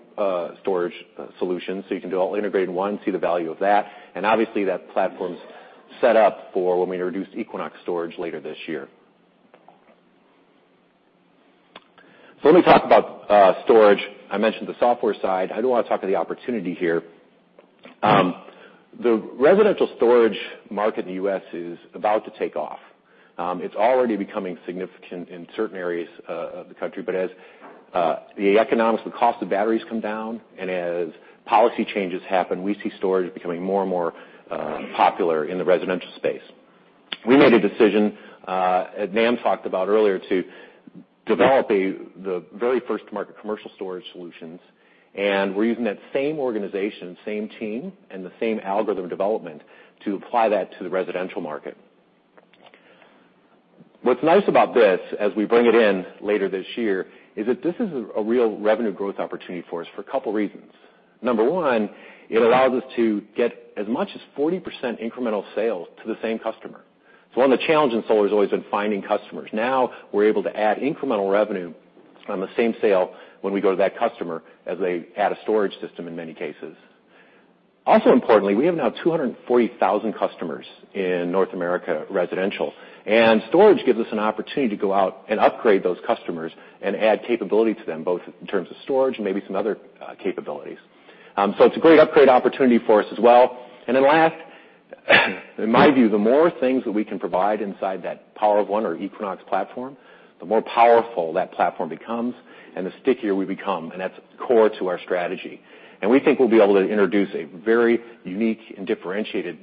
storage solutions. You can do all integrated in one, see the value of that. Obviously, that platform's set up for when we introduce Equinox Storage later this year. Let me talk about storage. I mentioned the software side. I do want to talk to the opportunity here. The residential storage market in the U.S. is about to take off. It's already becoming significant in certain areas of the country. As the economics, the cost of batteries come down and as policy changes happen, we see storage becoming more and more popular in the residential space. We made a decision, as Nam talked about earlier, to develop the very first-to-market commercial storage solutions. We're using that same organization, same team, and the same algorithm development to apply that to the residential market. What's nice about this, as we bring it in later this year, is that this is a real revenue growth opportunity for us for a couple of reasons. Number one, it allows us to get as much as 40% incremental sales to the same customer. One of the challenges in solar has always been finding customers. Now we're able to add incremental revenue on the same sale when we go to that customer as they add a storage system in many cases. Also importantly, we have now 240,000 customers in North America Residential, and storage gives us an opportunity to go out and upgrade those customers and add capability to them, both in terms of storage and maybe some other capabilities. It's a great upgrade opportunity for us as well. Last, in my view, the more things that we can provide inside that Power of One or Equinox platform, the more powerful that platform becomes and the stickier we become. That's core to our strategy. We think we'll be able to introduce a very unique and differentiated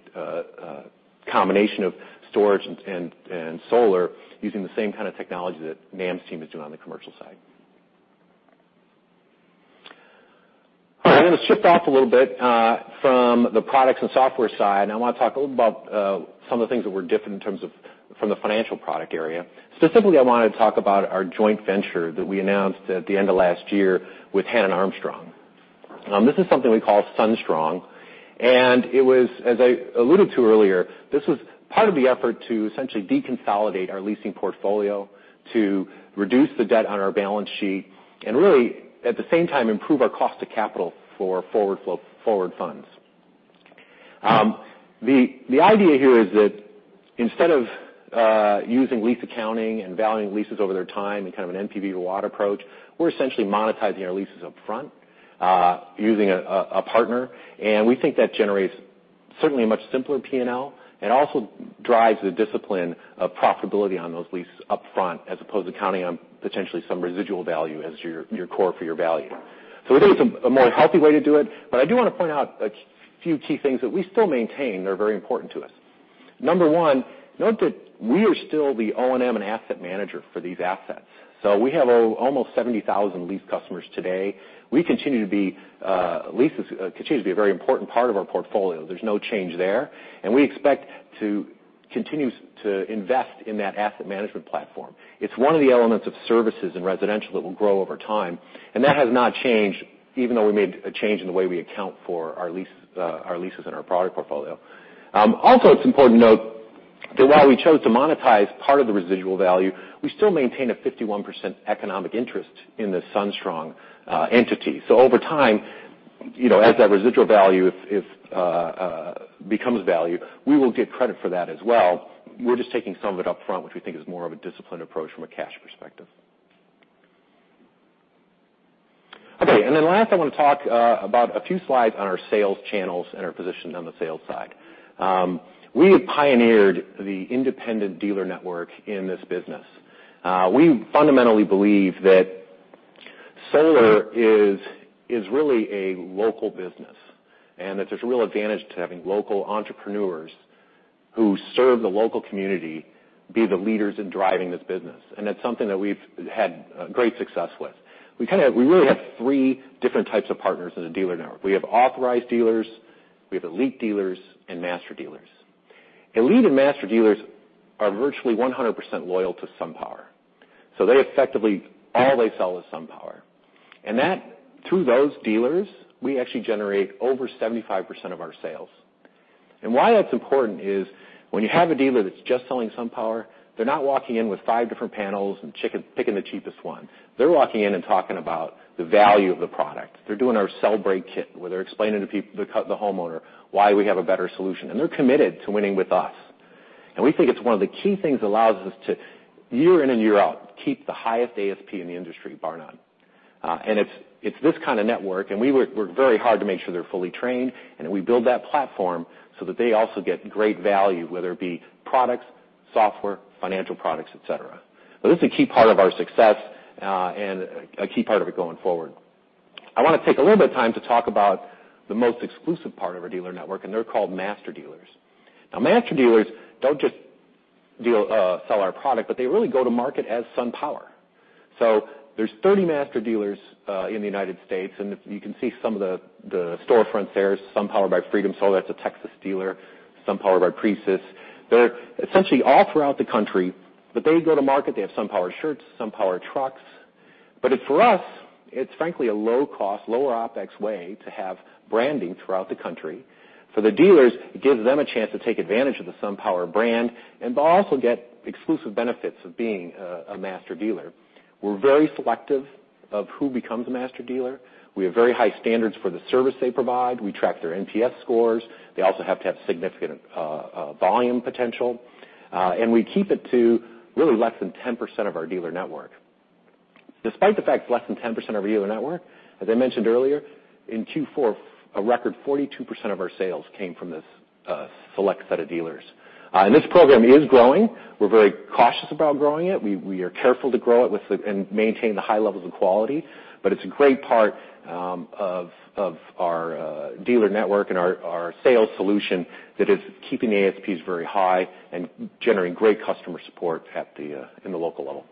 combination of storage and solar using the same kind of technology that Nam's team is doing on the commercial side. All right. I'm going to shift off a little bit from the products and software side. I want to talk a little about some of the things that were different in terms of from the financial product area. Specifically, I wanted to talk about our joint venture that we announced at the end of last year with Hannon Armstrong. This is something we call SunStrong, and it was, as I alluded to earlier, this was part of the effort to essentially deconsolidate our leasing portfolio to reduce the debt on our balance sheet really, at the same time, improve our cost of capital for forward funds. The idea here is that instead of using lease accounting and valuing leases over their time in kind of an NPV to WACC approach, we're essentially monetizing our leases up front using a partner. We think that generates certainly a much simpler P&L and also drives the discipline of profitability on those leases up front, as opposed to counting on potentially some residual value as your core for your value. We think it's a more healthy way to do it, but I do want to point out a few key things that we still maintain that are very important to us. Number one, note that we are still the O&M and asset manager for these assets. We have almost 70,000 lease customers today. Leases continue to be a very important part of our portfolio. There's no change there. We expect to continue to invest in that asset management platform. It's one of the elements of services in residential that will grow over time. That has not changed even though we made a change in the way we account for our leases in our product portfolio. Also, it's important to note that while we chose to monetize part of the residual value, we still maintain a 51% economic interest in the SunStrong entity. Over time, as that residual value becomes value, we will get credit for that as well. We're just taking some of it up front, which we think is more of a disciplined approach from a cash perspective. Okay. Last, I want to talk about a few slides on our sales channels and our position on the sales side. We have pioneered the independent dealer network in this business. We fundamentally believe that solar is really a local business, and that there's a real advantage to having local entrepreneurs who serve the local community, be the leaders in driving this business. That's something that we've had great success with. We really have three different types of partners in the dealer network. We have authorized dealers, we have elite dealers, and master dealers. Elite and master dealers are virtually 100% loyal to SunPower. They effectively all they sell is SunPower. Through those dealers, we actually generate over 75% of our sales. Why that's important is when you have a dealer that's just selling SunPower, they're not walking in with five different panels and picking the cheapest one. They're walking in and talking about the value of the product. They're doing our cell break kit, where they're explaining to the homeowner why we have a better solution, and they're committed to winning with us. We think it's one of the key things that allows us to, year in and year out, keep the highest ASP in the industry, bar none. It's this kind of network. We work very hard to make sure they're fully trained, and that we build that platform so that they also get great value, whether it be products, software, financial products, et cetera. This is a key part of our success, and a key part of it going forward. I want to take a little bit of time to talk about the most exclusive part of our dealer network, and they're called master dealers. Master dealers don't just sell our product, but they really go to market as SunPower. There are 30 master dealers in the U.S., and you can see some of the storefronts there. SunPower by Freedom Solar, that's a Texas dealer. SunPower by Precis. They're essentially all throughout the country. They go to market. They have SunPower shirts, SunPower trucks. For us, it's frankly a low cost, lower OpEx way to have branding throughout the country. For the dealers, it gives them a chance to take advantage of the SunPower brand and also get exclusive benefits of being a master dealer. We're very selective of who becomes a master dealer. We have very high standards for the service they provide. We track their NPS scores. They also have to have significant volume potential. We keep it to really less than 10% of our dealer network. Despite the fact it's less than 10% of our dealer network, as I mentioned earlier, in Q4, a record 42% of our sales came from this select set of dealers. This program is growing. We're very cautious about growing it. We are careful to grow it and maintain the high levels of quality. It's a great part of our dealer network and our sales solution that is keeping the ASPs very high and generating great customer support in the local level.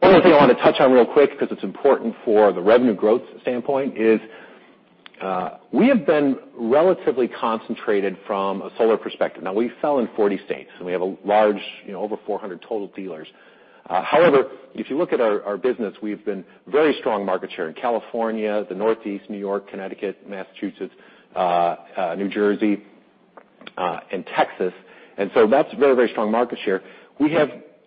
One other thing I want to touch on real quick, because it's important for the revenue growth standpoint, is we have been relatively concentrated from a solar perspective. We sell in 40 states, and we have a large over 400 total dealers. If you look at our business, we've been very strong market share in California, the Northeast, New York, Connecticut, Massachusetts, New Jersey, and Texas. That's very strong market share.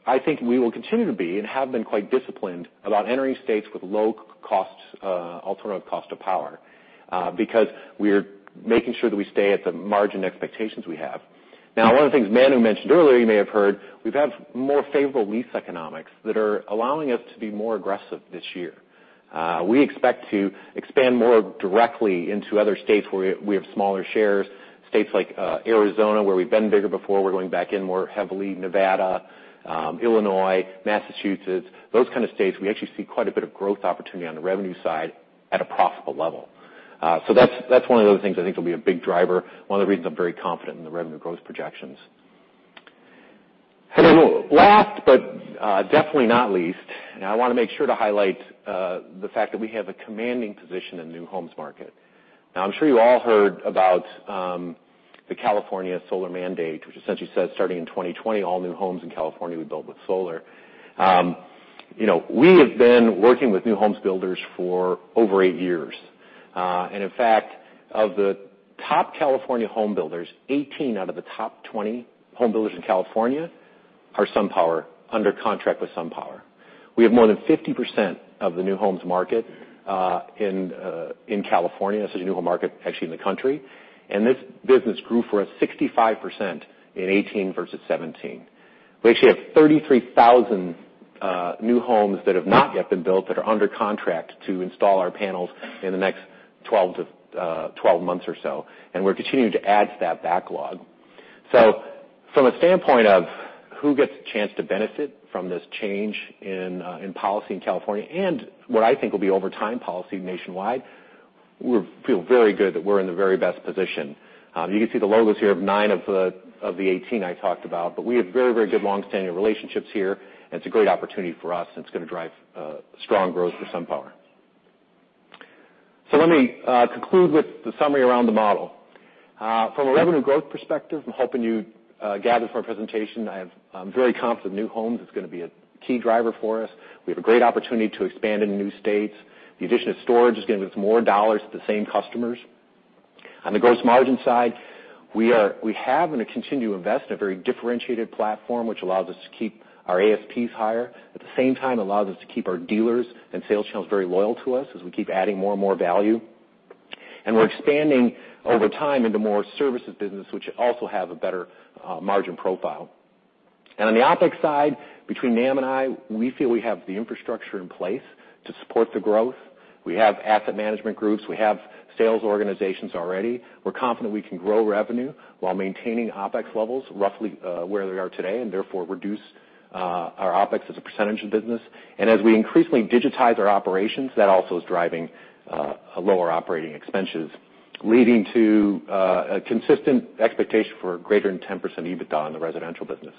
I think we will continue to be and have been quite disciplined about entering states with low alternative cost of power. We're making sure that we stay at the margin expectations we have. One of the things Manu mentioned earlier, you may have heard, we've had more favorable lease economics that are allowing us to be more aggressive this year. We expect to expand more directly into other states where we have smaller shares. States like Arizona, where we've been bigger before. We're going back in more heavily. Nevada, Illinois, Massachusetts, those kind of states. We actually see quite a bit of growth opportunity on the revenue side at a profitable level. That's one of the other things I think will be a big driver. One of the reasons I'm very confident in the revenue growth projections. Last, but definitely not least, I want to make sure to highlight the fact that we have a commanding position in the new homes market. I'm sure you all heard about the California solar mandate, which essentially says starting in 2020, all new homes in California will be built with solar. We have been working with new homes builders for over eight years. In fact, of the top California home builders, 18 out of the top 20 home builders in California are SunPower, under contract with SunPower. We have more than 50% of the new homes market in California. This is a new home market, actually, in the country. This business grew for us 65% in 2018 versus 2017. We actually have 33,000 new homes that have not yet been built that are under contract to install our panels in the next 12 months or so. We're continuing to add to that backlog. From a standpoint of who gets a chance to benefit from this change in policy in California, and what I think will be over time policy nationwide, we feel very good that we're in the very best position. You can see the logos here of nine of the 18 I talked about. We have very good long-standing relationships here. It's a great opportunity for us. It's going to drive strong growth for SunPower. Let me conclude with the summary around the model. From a revenue growth perspective, I'm hoping you gathered from our presentation, I'm very confident new homes is going to be a key driver for us. We have a great opportunity to expand into new states. The addition of storage is going to give us more dollars to the same customers. On the gross margin side, we have and will continue to invest in a very differentiated platform, which allows us to keep our ASPs higher. At the same time, allows us to keep our dealers and sales channels very loyal to us as we keep adding more and more value. We're expanding over time into more services business, which also have a better margin profile. On the OpEx side, between Nam and I, we feel we have the infrastructure in place to support the growth. We have asset management groups. We have sales organizations already. We're confident we can grow revenue while maintaining OpEx levels roughly where they are today, and therefore reduce our OpEx as a percentage of business. As we increasingly digitize our operations, that also is driving lower operating expenses, leading to a consistent expectation for greater than 10% EBITDA on the residential business.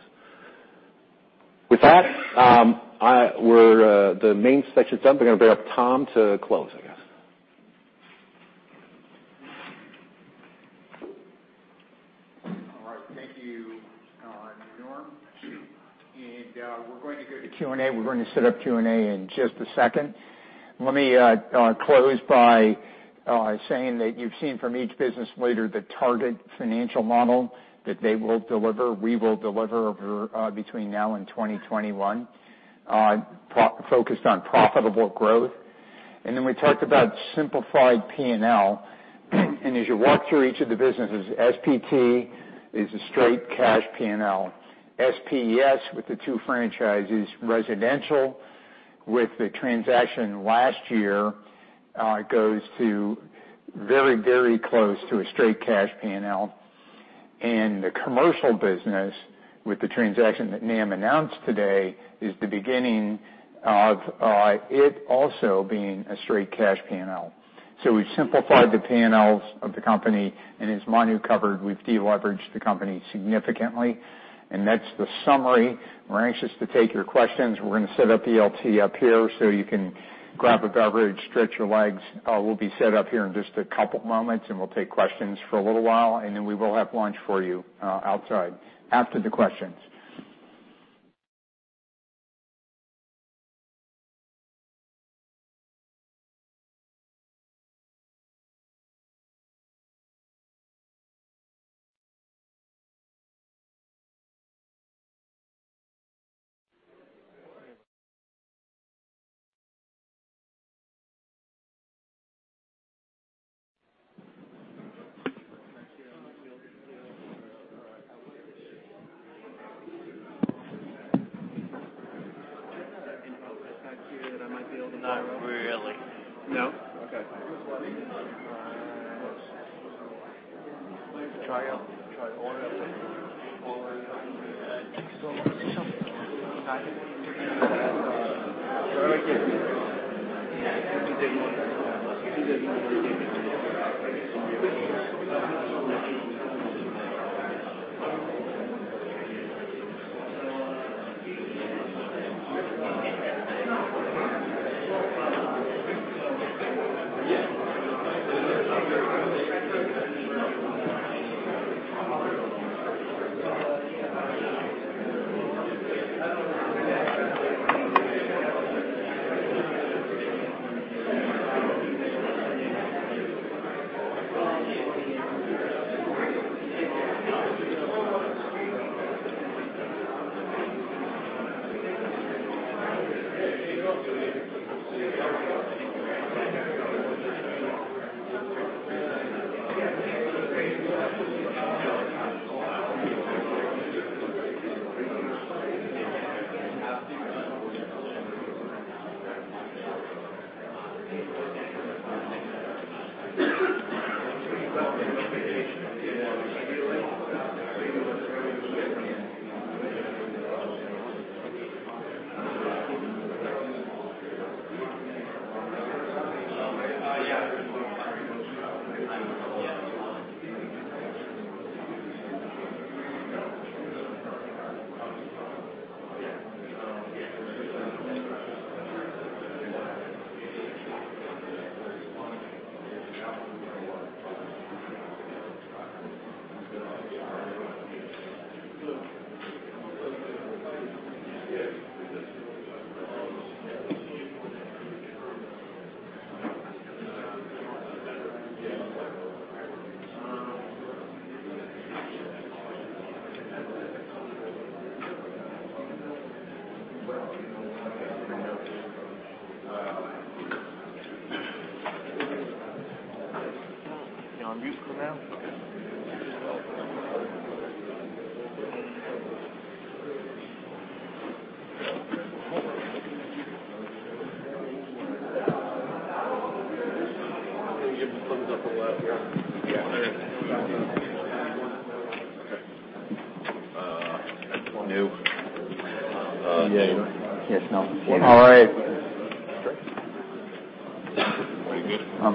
With that, the main section's done. We're going to bring up Tom to close, I guess. All right. Thank you, Norm. We're going to go to Q&A. We're going to set up Q&A in just a second. Let me close by saying that you've seen from each business leader the target financial model that they will deliver, we will deliver, between now and 2021, focused on profitable growth. Then we talked about simplified P&L. As you walk through each of the businesses, SPT is a straight cash P&L. SPES with the two franchises, residential with the transaction last year, goes to very close to a straight cash P&L. The commercial business with the transaction that Nam announced today is the beginning of it also being a straight cash P&L. We've simplified the P&Ls of the company, and as Manu covered, we've de-leveraged the company significantly. That's the summary. We're anxious to take your questions. We're going to set up the LT up here so you can grab a beverage, stretch your legs. We'll be set up here in just a couple of moments, we'll take questions for a little while, then we will have lunch for you outside after the questions.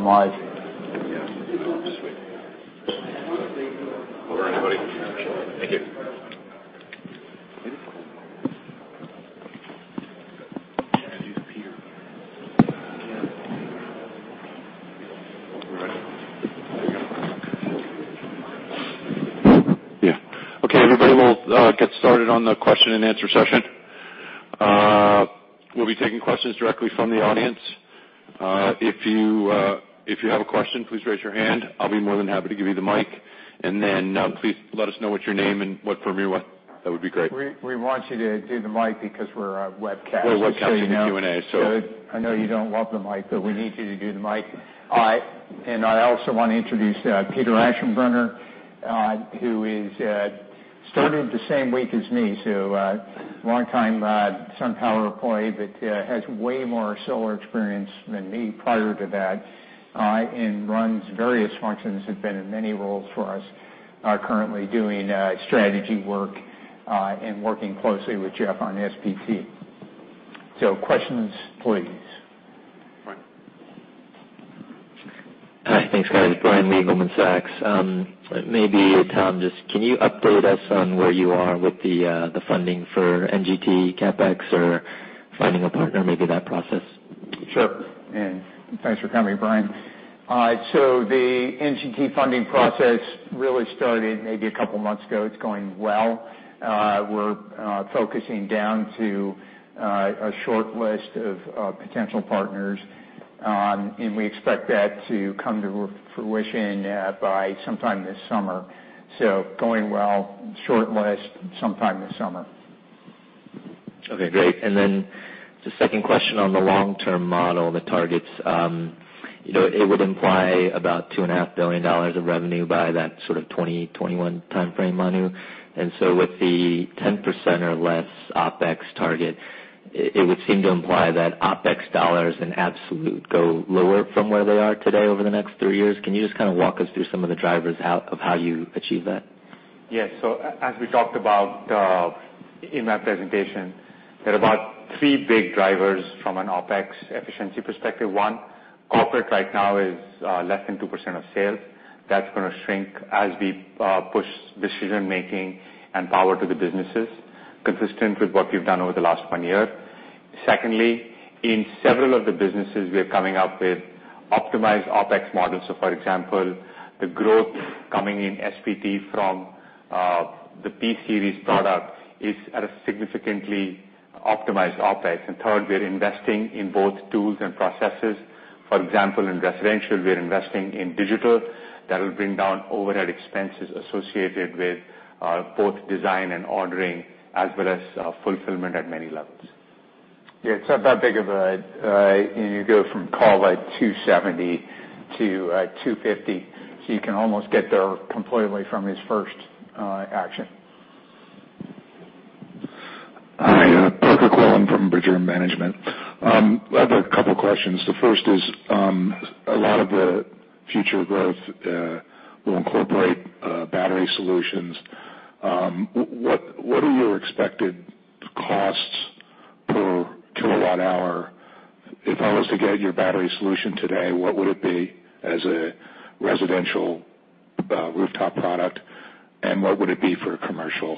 Okay, everybody, we'll get started on the question and answer session. We'll be taking questions directly from the audience. If you have a question, please raise your hand. I'll be more than happy to give you the mic. Please let us know what your name and what firm you're with. That would be great. We want you to do the mic because we're a webcast. We're webcasting the Q&A. I know you don't love the mic, but we need you to do the mic. I also want to introduce Peter Aschenbrenner, who started the same week as me. Longtime SunPower employee, but has way more solar experience than me prior to that. Runs various functions, has been in many roles for us. Currently doing strategy work and working closely with Jeff on SPT. Questions, please. Thanks, guys. Brian Lee, Goldman Sachs. Tom, can you update us on where you are with the funding for NGT CapEx or finding a partner, maybe that process? Sure. Thanks for coming, Brian. The NGT funding process really started maybe a couple of months ago. It is going well. We are focusing down to a short list of potential partners, and we expect that to come to fruition by sometime this summer. Going well, short list, sometime this summer. Okay, great. The second question on the long-term model, the targets. It would imply about $2.5 billion of revenue by that sort of 2020, 2021 timeframe, Manu. With the 10% or less OpEx target, it would seem to imply that OpEx dollars in absolute go lower from where they are today over the next three years. Can you just kind of walk us through some of the drivers of how you achieve that? Yes. As we talked about in my presentation, there are about three big drivers from an OpEx efficiency perspective. One, corporate right now is less than 2% of sales. That is going to shrink as we push decision-making and power to the businesses, consistent with what we have done over the last one year. Secondly, in several of the businesses, we are coming up with optimized OpEx models. For example, the growth coming in SPT from the P-Series product is at a significantly optimized OpEx. Third, we are investing in both tools and processes. For example, in residential, we are investing in digital that will bring down overhead expenses associated with both design and ordering, as well as fulfillment at many levels. Yeah. It's about, you go from call it 270 to 250. You can almost get there completely from his first action. Hi, Parker Quillen from Bridger Management. I have a couple questions. The first is, a lot of the future growth will incorporate battery solutions. What are your expected costs per kilowatt-hour? If I was to get your battery solution today, what would it be as a residential rooftop product, and what would it be for a commercial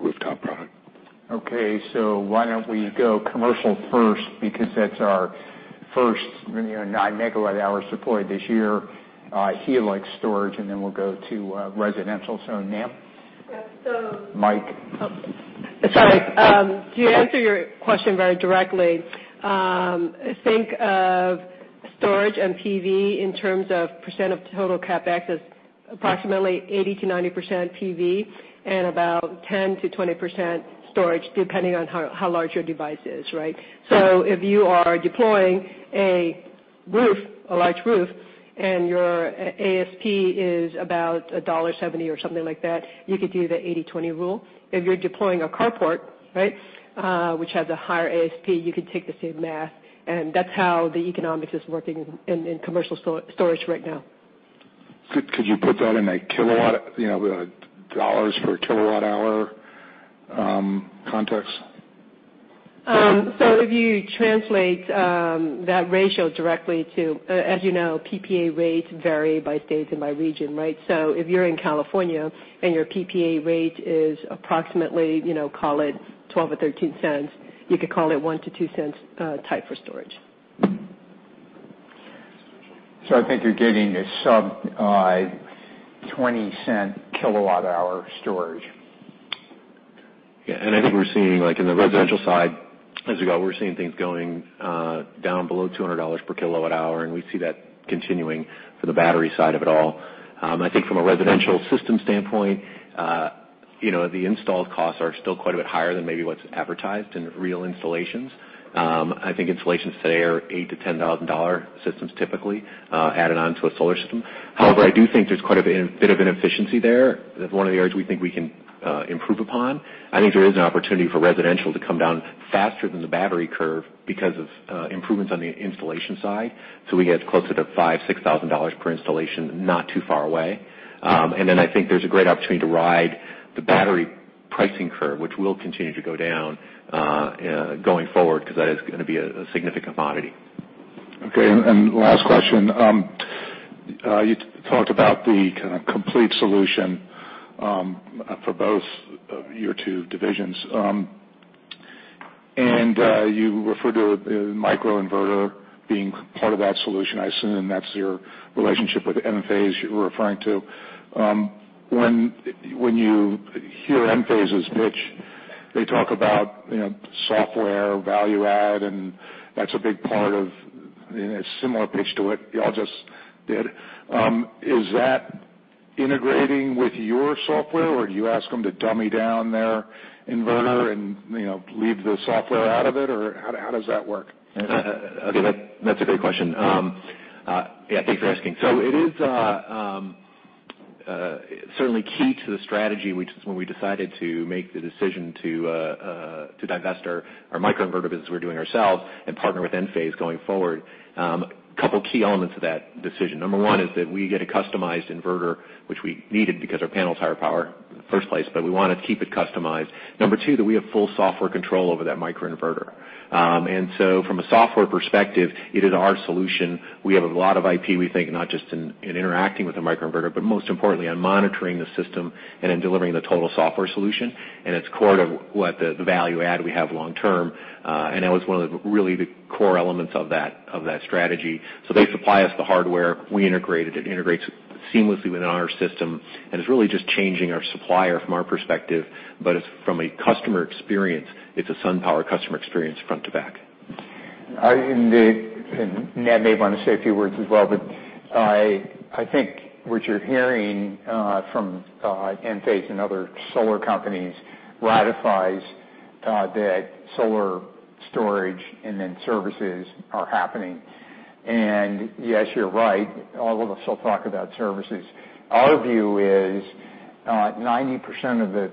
rooftop product? Okay. Why don't we go commercial first, because that's our first 9 MWh deployed this year, Helix Storage, and then we'll go to residential. Nam. Yeah. Mike. Oh, sorry. To answer your question very directly, think of storage and PV in terms of % of total CapEx as approximately 80%-90% PV and about 10%-20% storage, depending on how large your device is. Right? If you are deploying a roof, a large roof, and your ASP is about $1.70 or something like that, you could do the 80/20 rule. If you're deploying a carport, which has a higher ASP, you could take the same math, and that's how the economics is working in commercial storage right now. Could you put that in a dollar per kilowatt hour context? If you translate that ratio directly. As you know, PPA rates vary by state and by region. Right? If you're in California and your PPA rate is approximately, call it $0.12 or $0.13, you could call it $0.01-$0.02 type for storage. I think you're getting a sub $0.20 kilowatt hour storage. Yeah, I think we're seeing in the residential side, as we go, we're seeing things going down below $200 kWh, we see that continuing for the battery side of it all. I think from a residential system standpoint, the installed costs are still quite a bit higher than maybe what's advertised in real installations. I think installations today are $8,000-$10,000 systems typically, added on to a solar system. However, I do think there's quite a bit of an efficiency there. That's one of the areas we think we can improve upon. I think there is an opportunity for residential to come down faster than the battery curve because of improvements on the installation side. We get closer to $5,000-$6,000 per installation, not too far away. Then I think there's a great opportunity to ride the battery pricing curve, which will continue to go down going forward, because that is going to be a significant commodity. Okay, last question. You talked about the kind of complete solution for both your two divisions. You referred to a microinverter being part of that solution. I assume that's your relationship with Enphase you were referring to. When you hear Enphase's pitch, they talk about software value add, that's a big part of a similar pitch to what y'all just did. Is that integrating with your software, or do you ask them to dummy down their inverter and leave the software out of it? Or how does that work? Okay, that's a great question. Yeah, thanks for asking. It is certainly key to the strategy, which is when we decided to make the decision to divest our microinverter business we're doing ourselves and partner with Enphase going forward. A couple of key elements of that decision. Number one is that we get a customized inverter, which we needed because our panels are higher power in the first place, but we want to keep it customized. Number two, that we have full software control over that microinverter. From a software perspective, it is our solution. We have a lot of IP, we think, not just in interacting with the microinverter, but most importantly on monitoring the system and in delivering the total software solution. It's core to what the value add we have long term. That was one of really the core elements of that strategy. They supply us the hardware, we integrate it integrates seamlessly within our system, and it's really just changing our supplier from our perspective, but from a customer experience, it's a SunPower customer experience front to back. Nam may want to say a few words as well, but I think what you're hearing from Enphase and other solar companies ratifies that solar storage and then services are happening. Yes, you're right, all of us will talk about services. Our view is 90% of the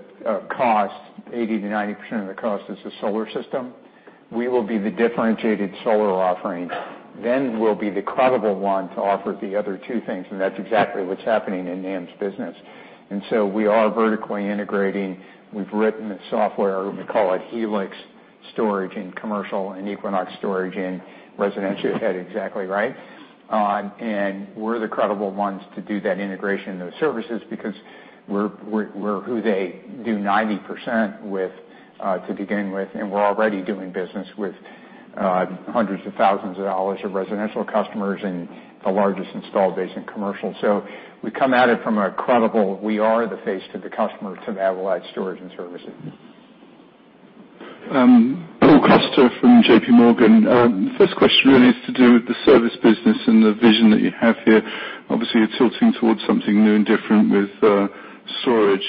cost, 80%-90% of the cost is the solar system. We will be the differentiated solar offering, then we'll be the credible one to offer the other two things, that's exactly what's happening in Nam's business. We are vertically integrating. We've written the software, we call it Helix Storage in commercial and Equinox Storage in residential. You had it exactly right. We're the credible ones to do that integration and those services because we're who they do 90% with to begin with, and we're already doing business with hundreds of thousands dollars of residential customers and the largest install base in commercial. We come at it from a credible, we are the face to the customer to have allied storage and services. Paul Coster from JPMorgan. First question really is to do with the service business and the vision that you have here. Obviously, you're tilting towards something new and different with storage.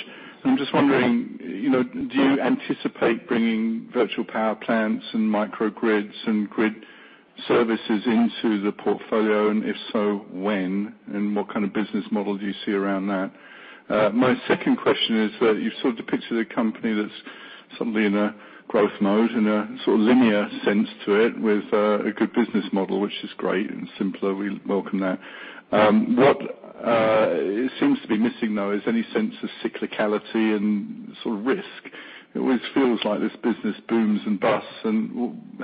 I'm just wondering, do you anticipate bringing virtual power plants and microgrids and grid services into the portfolio? If so, when? What kind of business model do you see around that? My second question is that you sort of depicted a company that's suddenly in a growth mode, in a sort of linear sense to it with a good business model, which is great and simpler, we welcome that. What seems to be missing, though, is any sense of cyclicality and sort of risk. It always feels like this business booms and busts,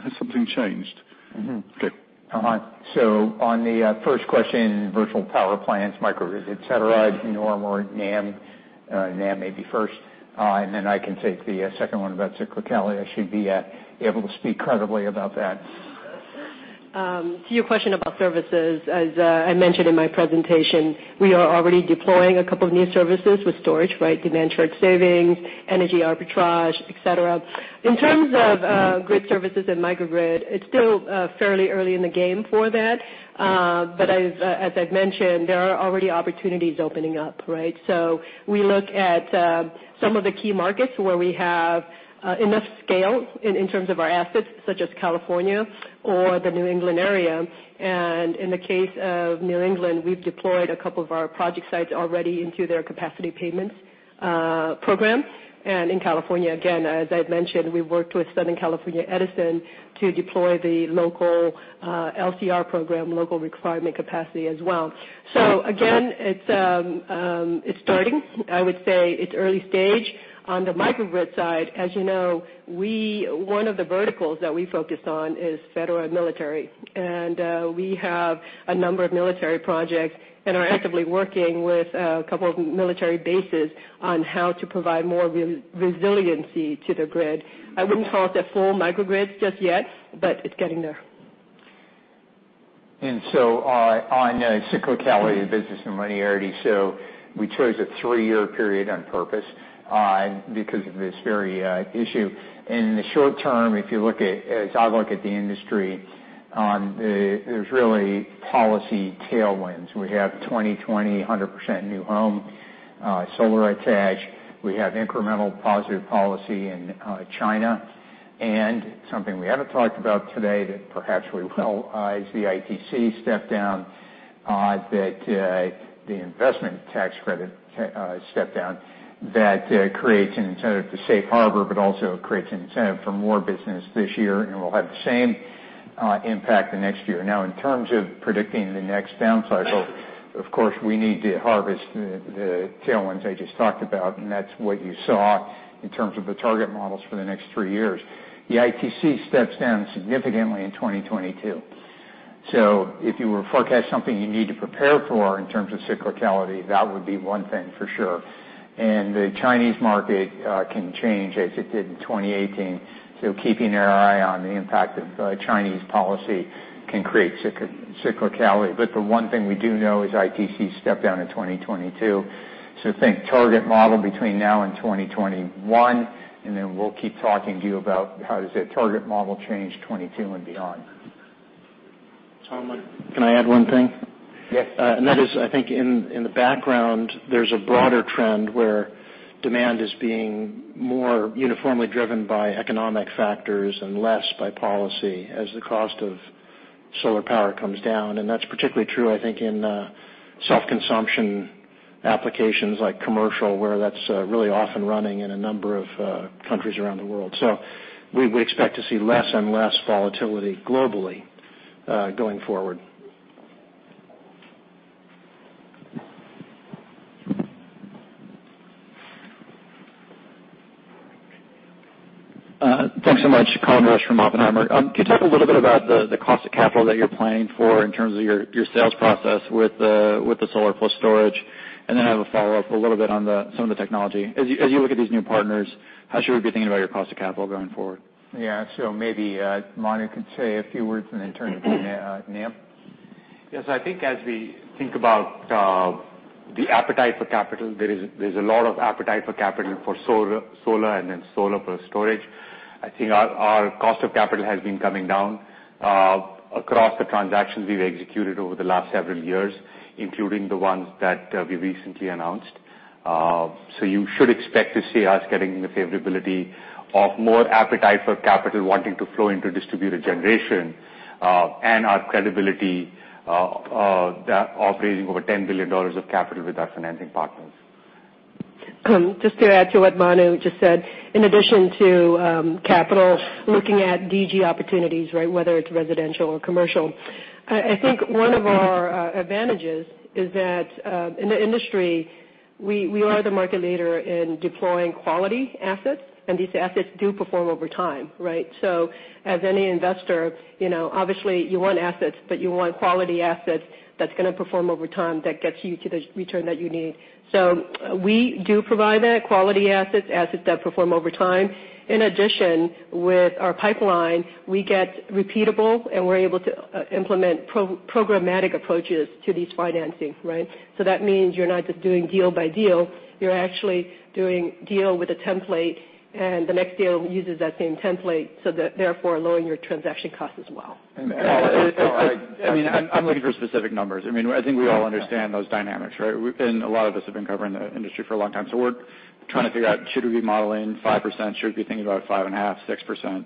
has something changed? Mmmh. Okay. On the first question, virtual power plants, microgrids, et cetera, Norm or Nam. Nam, maybe first, and then I can take the second one about cyclicality. I should be able to speak credibly about that. To your question about services, as I mentioned in my presentation, we are already deploying a couple of new services with storage, right? Demand charge savings, energy arbitrage, et cetera. In terms of grid services and microgrid, it's still fairly early in the game for that. As I've mentioned, there are already opportunities opening up, right? We look at some of the key markets where we have enough scale in terms of our assets, such as California or the New England area. In the case of New England, we've deployed a couple of our project sites already into their capacity payments programs. In California, again, as I've mentioned, we've worked with Southern California Edison to deploy the local LCR program, local requirement capacity as well. Again, it's starting. I would say it's early stage. On the microgrid side, as you know, one of the verticals that we focus on is federal and military. We have a number of military projects and are actively working with a couple of military bases on how to provide more resiliency to the grid. I wouldn't call it a full microgrid just yet, but it's getting there. On cyclicality of business and linearity. We chose a three-year period on purpose because of this very issue. In the short term, as I look at the industry, there's really policy tailwinds. We have 2020 100% new home solar attach. We have incremental positive policy in China. Something we haven't talked about today that perhaps we will is the ITC step down, the investment tax credit step down, that creates an incentive for Safe Harbor, but also creates an incentive for more business this year, and it will have the same impact the next year. Now, in terms of predicting the next down cycle, of course, we need to harvest the tailwinds I just talked about, and that's what you saw in terms of the target models for the next three years. The ITC steps down significantly in 2022. If you were to forecast something you need to prepare for in terms of cyclicality, that would be one thing for sure. The Chinese market can change as it did in 2018. Keeping our eye on the impact of Chinese policy can create cyclicality. The one thing we do know is ITC step down in 2022. Think target model between now and 2021, then we'll keep talking to you about how does that target model change 2022 and beyond. Tom, can I add one thing? Yes. That is, I think in the background, there's a broader trend where demand is being more uniformly driven by economic factors and less by policy as the cost of solar power comes down, that's particularly true, I think, in self-consumption applications like commercial, where that's really often running in a number of countries around the world. We would expect to see less and less volatility globally going forward. Thanks so much. Colin Rusch from Oppenheimer. Can you talk a little bit about the cost of capital that you're planning for in terms of your sales process with the solar plus storage? I have a follow-up, a little bit on some of the technology. As you look at these new partners, how should we be thinking about your cost of capital going forward? Yeah. Maybe Manu can say a few words and then turn it to Nam. Yes, I think as we think about the appetite for capital, there's a lot of appetite for capital for solar and then solar plus storage. I think our cost of capital has been coming down across the transactions we've executed over the last several years, including the ones that we recently announced. You should expect to see us getting the favorability of more appetite for capital wanting to flow into distributed generation, and our credibility of raising over $10 billion of capital with our financing partners. Just to add to what Manu just said, in addition to capital, looking at DG opportunities, whether it's residential or commercial. I think one of our advantages is that in the industry, we are the market leader in deploying quality assets, and these assets do perform over time. As any investor, obviously you want assets, but you want quality assets that's going to perform over time, that gets you to the return that you need. We do provide that, quality assets that perform over time. In addition, with our pipeline, we get repeatable and we're able to implement programmatic approaches to these financings. That means you're not just doing deal by deal, you're actually doing deal with a template, and the next deal uses that same template, so that therefore lowering your transaction cost as well. I'm looking for specific numbers. I think we all understand those dynamics, right? A lot of us have been covering the industry for a long time. We're trying to figure out, should we be modeling 5%? Should we be thinking about five and a half, 6%? Tom,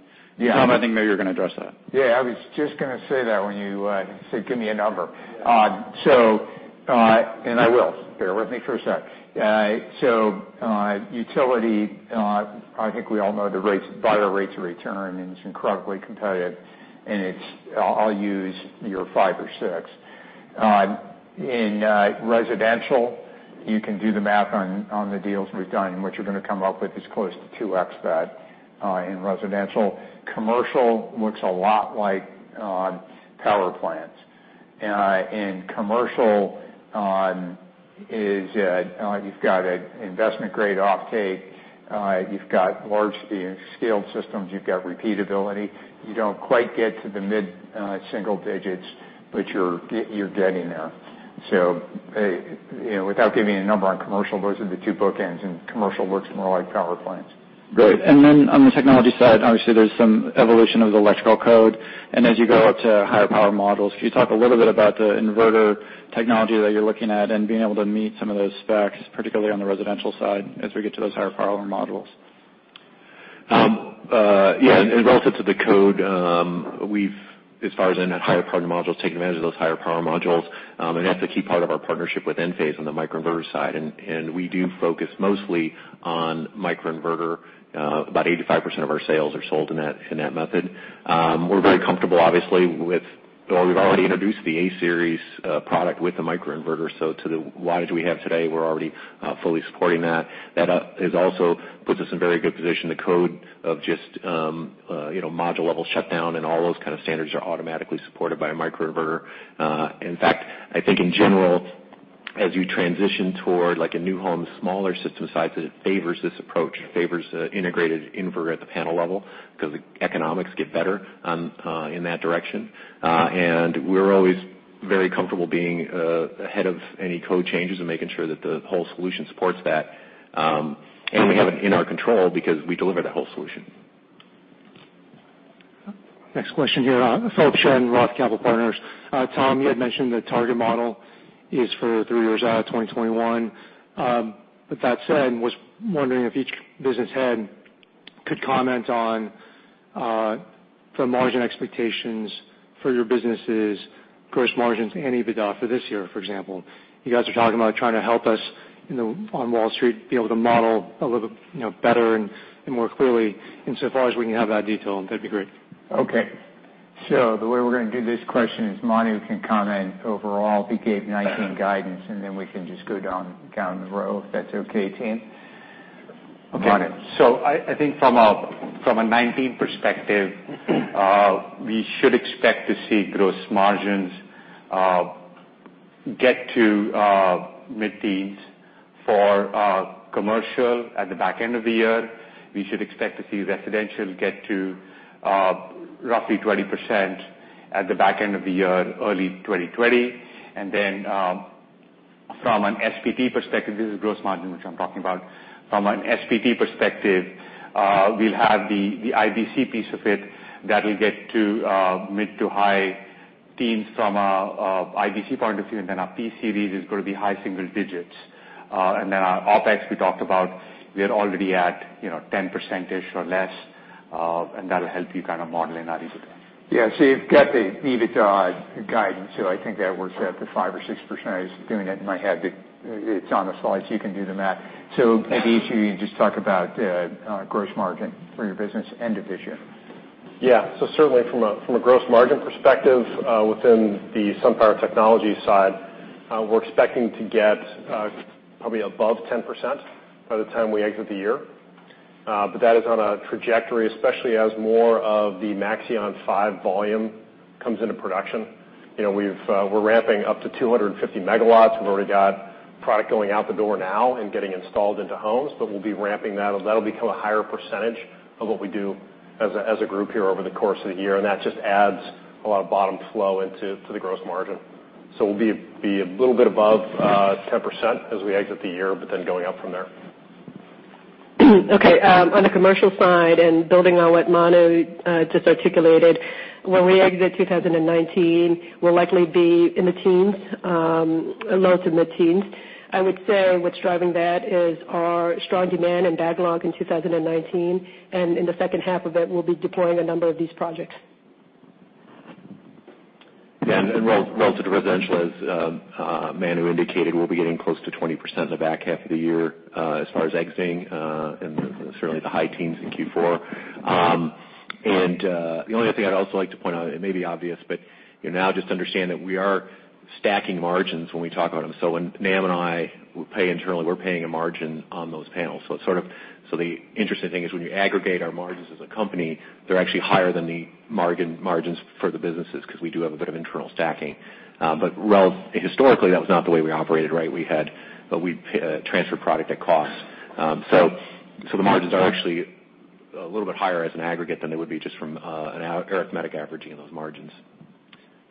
I think maybe you're going to address that. Yeah, I was just going to say that when you said give me a number. I will. Bear with me for a sec. Utility, I think we all know the rates, buyer rates of return. It's incredibly competitive. I'll use your five or six. In residential, you can do the math on the deals we've done, what you're going to come up with is close to 2x that in residential. Commercial looks a lot like power plants. In commercial, you've got an investment-grade off-take. You've got large-scale systems. You've got repeatability. You don't quite get to the mid-single digits, but you're getting there. Without giving you a number on commercial, those are the two bookends, commercial looks more like power plants. Great. Then on the technology side, obviously, there's some evolution of the electrical code. As you go up to higher power modules, can you talk a little bit about the inverter technology that you're looking at and being able to meet some of those specs, particularly on the residential side as we get to those higher power modules? Yeah. In relative to the code, we've, as far as in that higher power modules, taken advantage of those higher power modules. That's a key part of our partnership with Enphase on the microinverter side. We do focus mostly on microinverter. About 85% of our sales are sold in that method. We're very comfortable, obviously, with We've already introduced the A-Series product with the microinverter. To the wattage we have today, we're already fully supporting that. Also puts us in very good position. The code of just module-level shutdown and all those kind of standards are automatically supported by a microinverter. I think in general, as you transition toward a new home with smaller system sizes, it favors this approach. It favors the integrated inverter at the panel level because the economics get better in that direction. We're always very comfortable being ahead of any code changes and making sure that the whole solution supports that. We have it in our control because we deliver that whole solution. Next question here. Philip Shen, Roth Capital Partners. Tom, you had mentioned the target model is for three years out, 2021. With that said, was wondering if each business head could comment on the margin expectations for your businesses, gross margins and EBITDA for this year, for example. You guys are talking about trying to help us on Wall Street be able to model a little better and more clearly. Insofar as we can have that detail, that'd be great. Okay. The way we're going to do this question is Manu can comment overall. He gave 2019 guidance, then we can just go down the row, if that's okay, team. Manu I think from a 2019 perspective, we should expect to see gross margins get to mid-teens for commercial at the back end of the year. We should expect to see residential get to roughly 20% at the back end of the year, early 2020. From an SPT perspective, this is gross margin, which I'm talking about. From an SPT perspective, we'll have the IBC piece of it that will get to mid to high teens from an IBC point of view, our P-Series is going to be high single digits. Our OpEx, we talked about, we are already at 10%ish or less, and that'll help you kind of model and navigate. Yeah. You've got the EBIT guidance. I think that works out to 5% or 6%. I was doing it in my head, but it's on the slides, you can do the math. Maybe, Jeff, you just talk about gross margin for your business end of this year. Yeah. Certainly from a gross margin perspective, within the SunPower Technologies side, we're expecting to get probably above 10% by the time we exit the year. That is on a trajectory, especially as more of the Maxeon 5 volume comes into production. We're ramping up to 250 MW. We've already got product going out the door now and getting installed into homes, we'll be ramping that, and that'll become a higher percentage of what we do as a group here over the course of the year, and that just adds a lot of bottom flow into the gross margin. We'll be a little bit above 10% as we exit the year, but then going up from there. Okay. On the commercial side and building on what Manu just articulated, when we exit 2019, we'll likely be in the teens, low to mid-teens. I would say what's driving that is our strong demand and backlog in 2019, and in the second half of it, we'll be deploying a number of these projects. Relative to residential, as Manu indicated, we'll be getting close to 20% in the back half of the year, as far as exiting, and certainly the high teens in Q4. The only other thing I'd also like to point out, it may be obvious, but now just understand that we are stacking margins when we talk about them. When Nam and I, internally, we're paying a margin on those panels. The interesting thing is when you aggregate our margins as a company, they're actually higher than the margins for the businesses, because we do have a bit of internal stacking. Historically, that was not the way we operated. We transferred product at cost. The margins are actually a little bit higher as an aggregate than they would be just from an arithmetic averaging of those margins.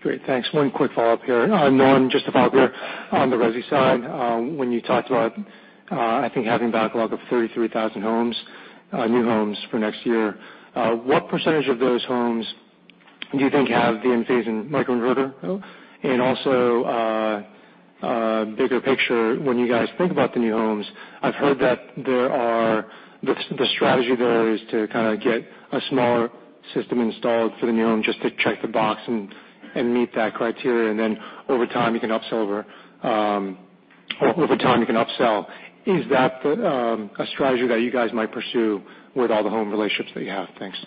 Great. Thanks. One quick follow-up here. Norm, just about where on the resi side, when you talked about, I think, having backlog of 33,000 new homes for next year, what percentage of those homes do you think have the Enphase microinverter? Also, bigger picture, when you guys think about the new homes, I've heard that the strategy there is to kind of get a smaller system installed for the new home just to check the box and meet that criteria, and then over time you can upsell. Is that a strategy that you guys might pursue with all the home relationships that you have? Thanks.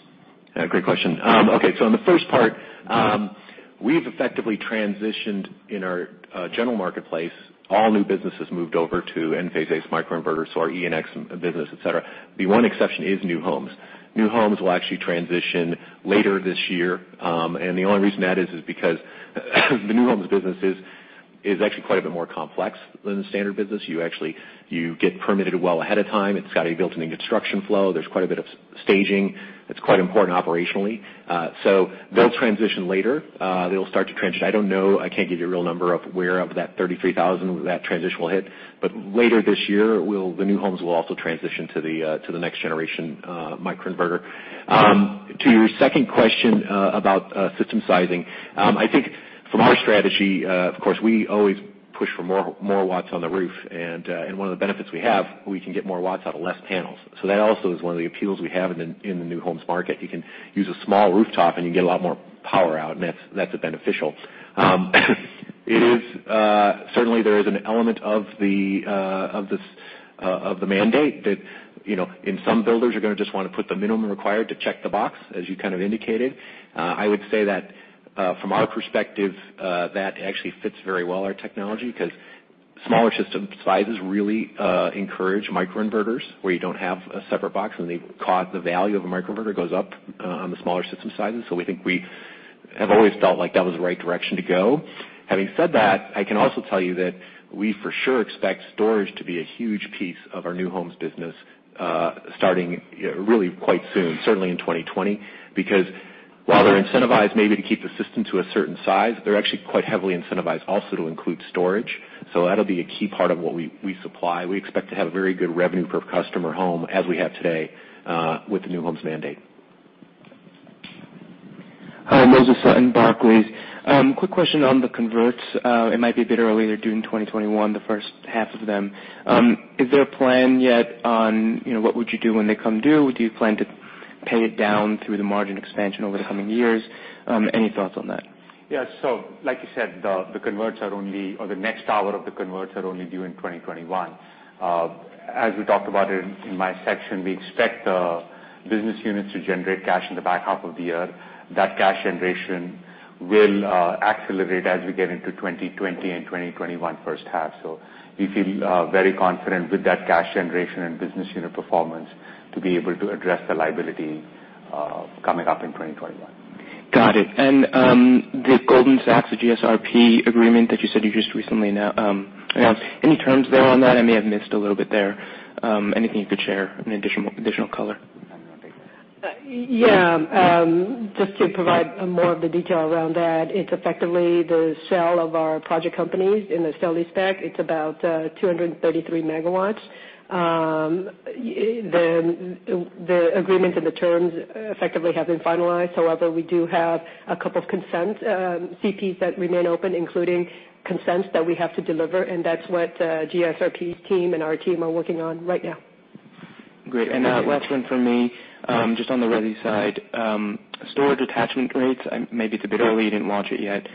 Great question. On the first part, we've effectively transitioned in our general marketplace, all new businesses moved over to Enphase-based microinverters, so our Equinox business, et cetera. The one exception is new homes. New homes will actually transition later this year, and the only reason that is because the new homes business is actually quite a bit more complex than the standard business. You get permitted well ahead of time. It's got to be built in the construction flow. There's quite a bit of staging. It's quite important operationally. They'll transition later. They'll start to transition. I don't know, I can't give you a real number of where of that 33,000 that transition will hit. Later this year, the new homes will also transition to the next generation microinverter. To your second question, about system sizing. I think from our strategy, of course, we always push for more watts on the roof, and one of the benefits we have, we can get more watts out of less panels. That also is one of the appeals we have in the new homes market. You can use a small rooftop, and you can get a lot more power out, and that's beneficial. Certainly, there is an element of the mandate that in some builders are going to just want to put the minimum required to check the box, as you kind of indicated. I would say that, from our perspective, that actually fits very well, our technology, because smaller system sizes really encourage microinverters, where you don't have a separate box, and the value of a microinverter goes up on the smaller system sizes. We think we have always felt like that was the right direction to go. Having said that, I can also tell you that we, for sure, expect storage to be a huge piece of our new homes business, starting really quite soon, certainly in 2020, because while they're incentivized maybe to keep the system to a certain size, they're actually quite heavily incentivized also to include storage. That'll be a key part of what we supply. We expect to have very good revenue per customer home as we have today, with the new homes mandate. Moses Sutton, Barclays. Quick question on the converts. It might be a bit early. They are due in 2021, the first half of them. Is there a plan yet on what would you do when they come due? Do you plan to pay it down through the margin expansion over the coming years? Any thoughts on that? Like you said, the converts are only, or the next tower of the converts are only due in 2021. We talked about in my section, we expect the business units to generate cash in the back half of the year. That cash generation will accelerate as we get into 2020 and 2021 first half. We feel very confident with that cash generation and business unit performance to be able to address the liability coming up in 2021. Got it. The Goldman Sachs, the GSRP agreement that you said you just recently announced, any terms there on that? I may have missed a little bit there. Anything you could share, any additional color? Just to provide more of the detail around that, it is effectively the sale of our project companies in the sale-leaseback. It is about 233 MW. The agreement and the terms effectively have been finalized. However, we do have a couple of consent, CPs that remain open, including consents that we have to deliver, and that is what the GSRP team and our team are working on right now. Last one from me, just on the resi side. Storage attachment rates, maybe it's a bit early, you didn't launch it yet.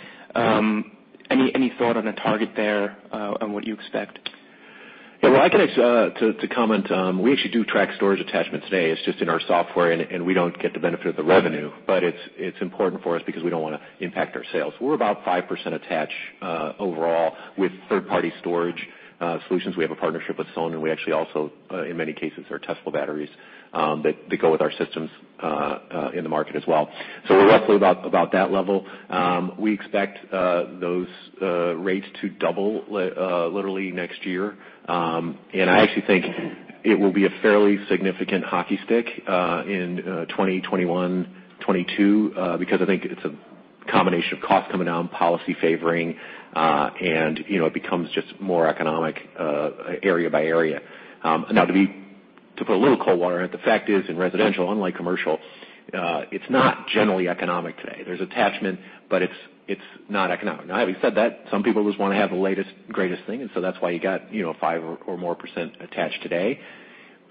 Any thought on a target there, on what you expect? Well, I can comment. We actually do track storage attachments today. It's just in our software, and we don't get the benefit of the revenue. It's important for us because we don't want to impact our sales. We're about 5% attach overall with third-party storage solutions. We have a partnership with sonnen, and we actually also, in many cases, they're Tesla batteries that go with our systems in the market as well. We're roughly about that level. We expect those rates to double literally next year. I actually think it will be a fairly significant hockey stick in 2021, 2022 because I think it's a combination of cost coming down, policy favoring, and it becomes just more economic area by area. To put a little cold water on it, the fact is, in residential, unlike commercial, it's not generally economic today. There's attachment, it's not economic. Having said that, some people just want to have the latest, greatest thing, that's why you got 5% or more attached today.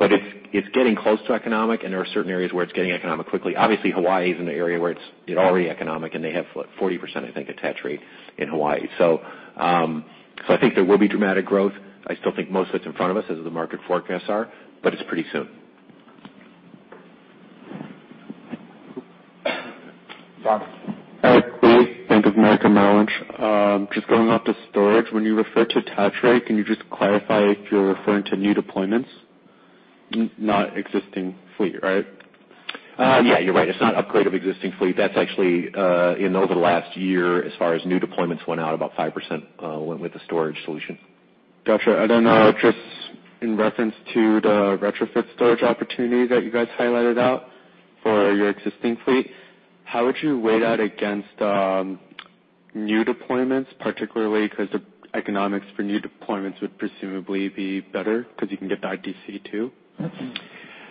It's getting close to economic, there are certain areas where it's getting economic quickly. Obviously, Hawaii is in the area where it's already economic, they have 40%, I think, attach rate in Hawaii. I think there will be dramatic growth. I still think most of it's in front of us, as the market forecasts are, but it's pretty soon. [inaudible] Eric Lee, Bank of America Merrill Lynch. Just going off the storage, when you refer to attach rate, can you just clarify if you're referring to new deployments, not existing fleet, right? Yeah, you're right. It's not upgrade of existing fleet. That's actually, in over the last year, as far as new deployments went out, about 5% went with the storage solution. Got you. Just in reference to the retrofit storage opportunity that you guys highlighted out for your existing fleet, how would you weigh that against new deployments, particularly because the economics for new deployments would presumably be better because you can get the ITC, too?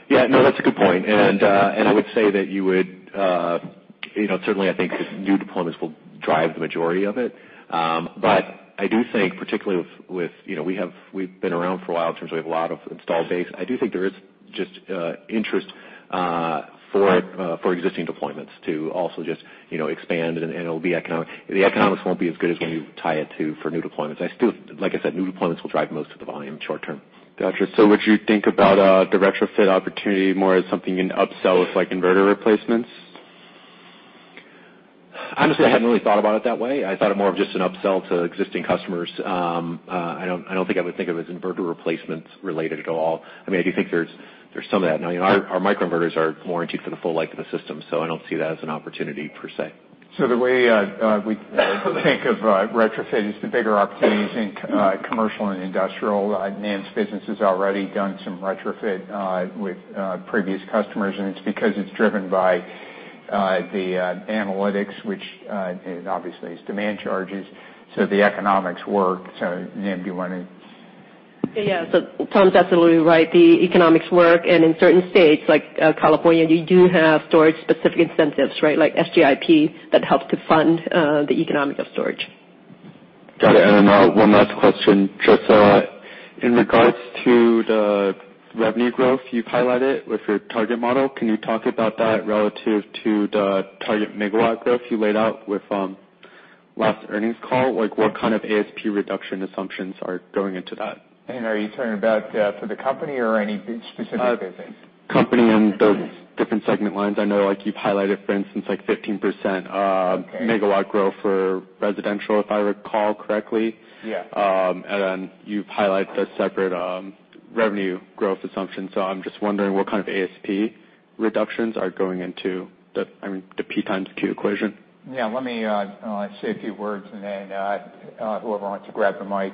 Yeah. No, that's a good point. I would say that certainly, I think new deployments will drive the majority of it. I do think, particularly with we've been around for a while in terms of we have a lot of installed base. I do think there is just interest for existing deployments to also just expand, and it'll be economic. The economics won't be as good as when you tie it to for new deployments. Like I said, new deployments will drive most of the volume short term. Got you. Would you think about the retrofit opportunity more as something you can upsell with inverter replacements? Honestly, I hadn't really thought about it that way. I thought it more of just an upsell to existing customers. I don't think I would think of it as inverter replacements related at all. I do think there's some of that. Now, our microinverters are warrantied for the full life of the system, so I don't see that as an opportunity, per se. The way we think of retrofit is the bigger opportunities in commercial and industrial. Nam's business has already done some retrofit with previous customers, because it's driven by the analytics, which obviously is demand charges. The economics work. Nam, do you want to Yeah. Tom's absolutely right. The economics work, in certain states, like California, you do have storage-specific incentives, right? Like SGIP that help to fund the economics of storage. Got it. Then one last question. Just in regards to the revenue growth you've highlighted with your target model, can you talk about that relative to the target megawatt growth you laid out with last earnings call? What kind of ASP reduction assumptions are going into that? Are you talking about for the company or any specific business? Company and those different segment lines. I know you've highlighted, for instance, 15% megawatt growth for residential, if I recall correctly. Yeah. You've highlighted a separate revenue growth assumption. I'm just wondering what kind of ASP reductions are going into the P times Q equation. Yeah, let me say a few words, and then whoever wants to grab the mic.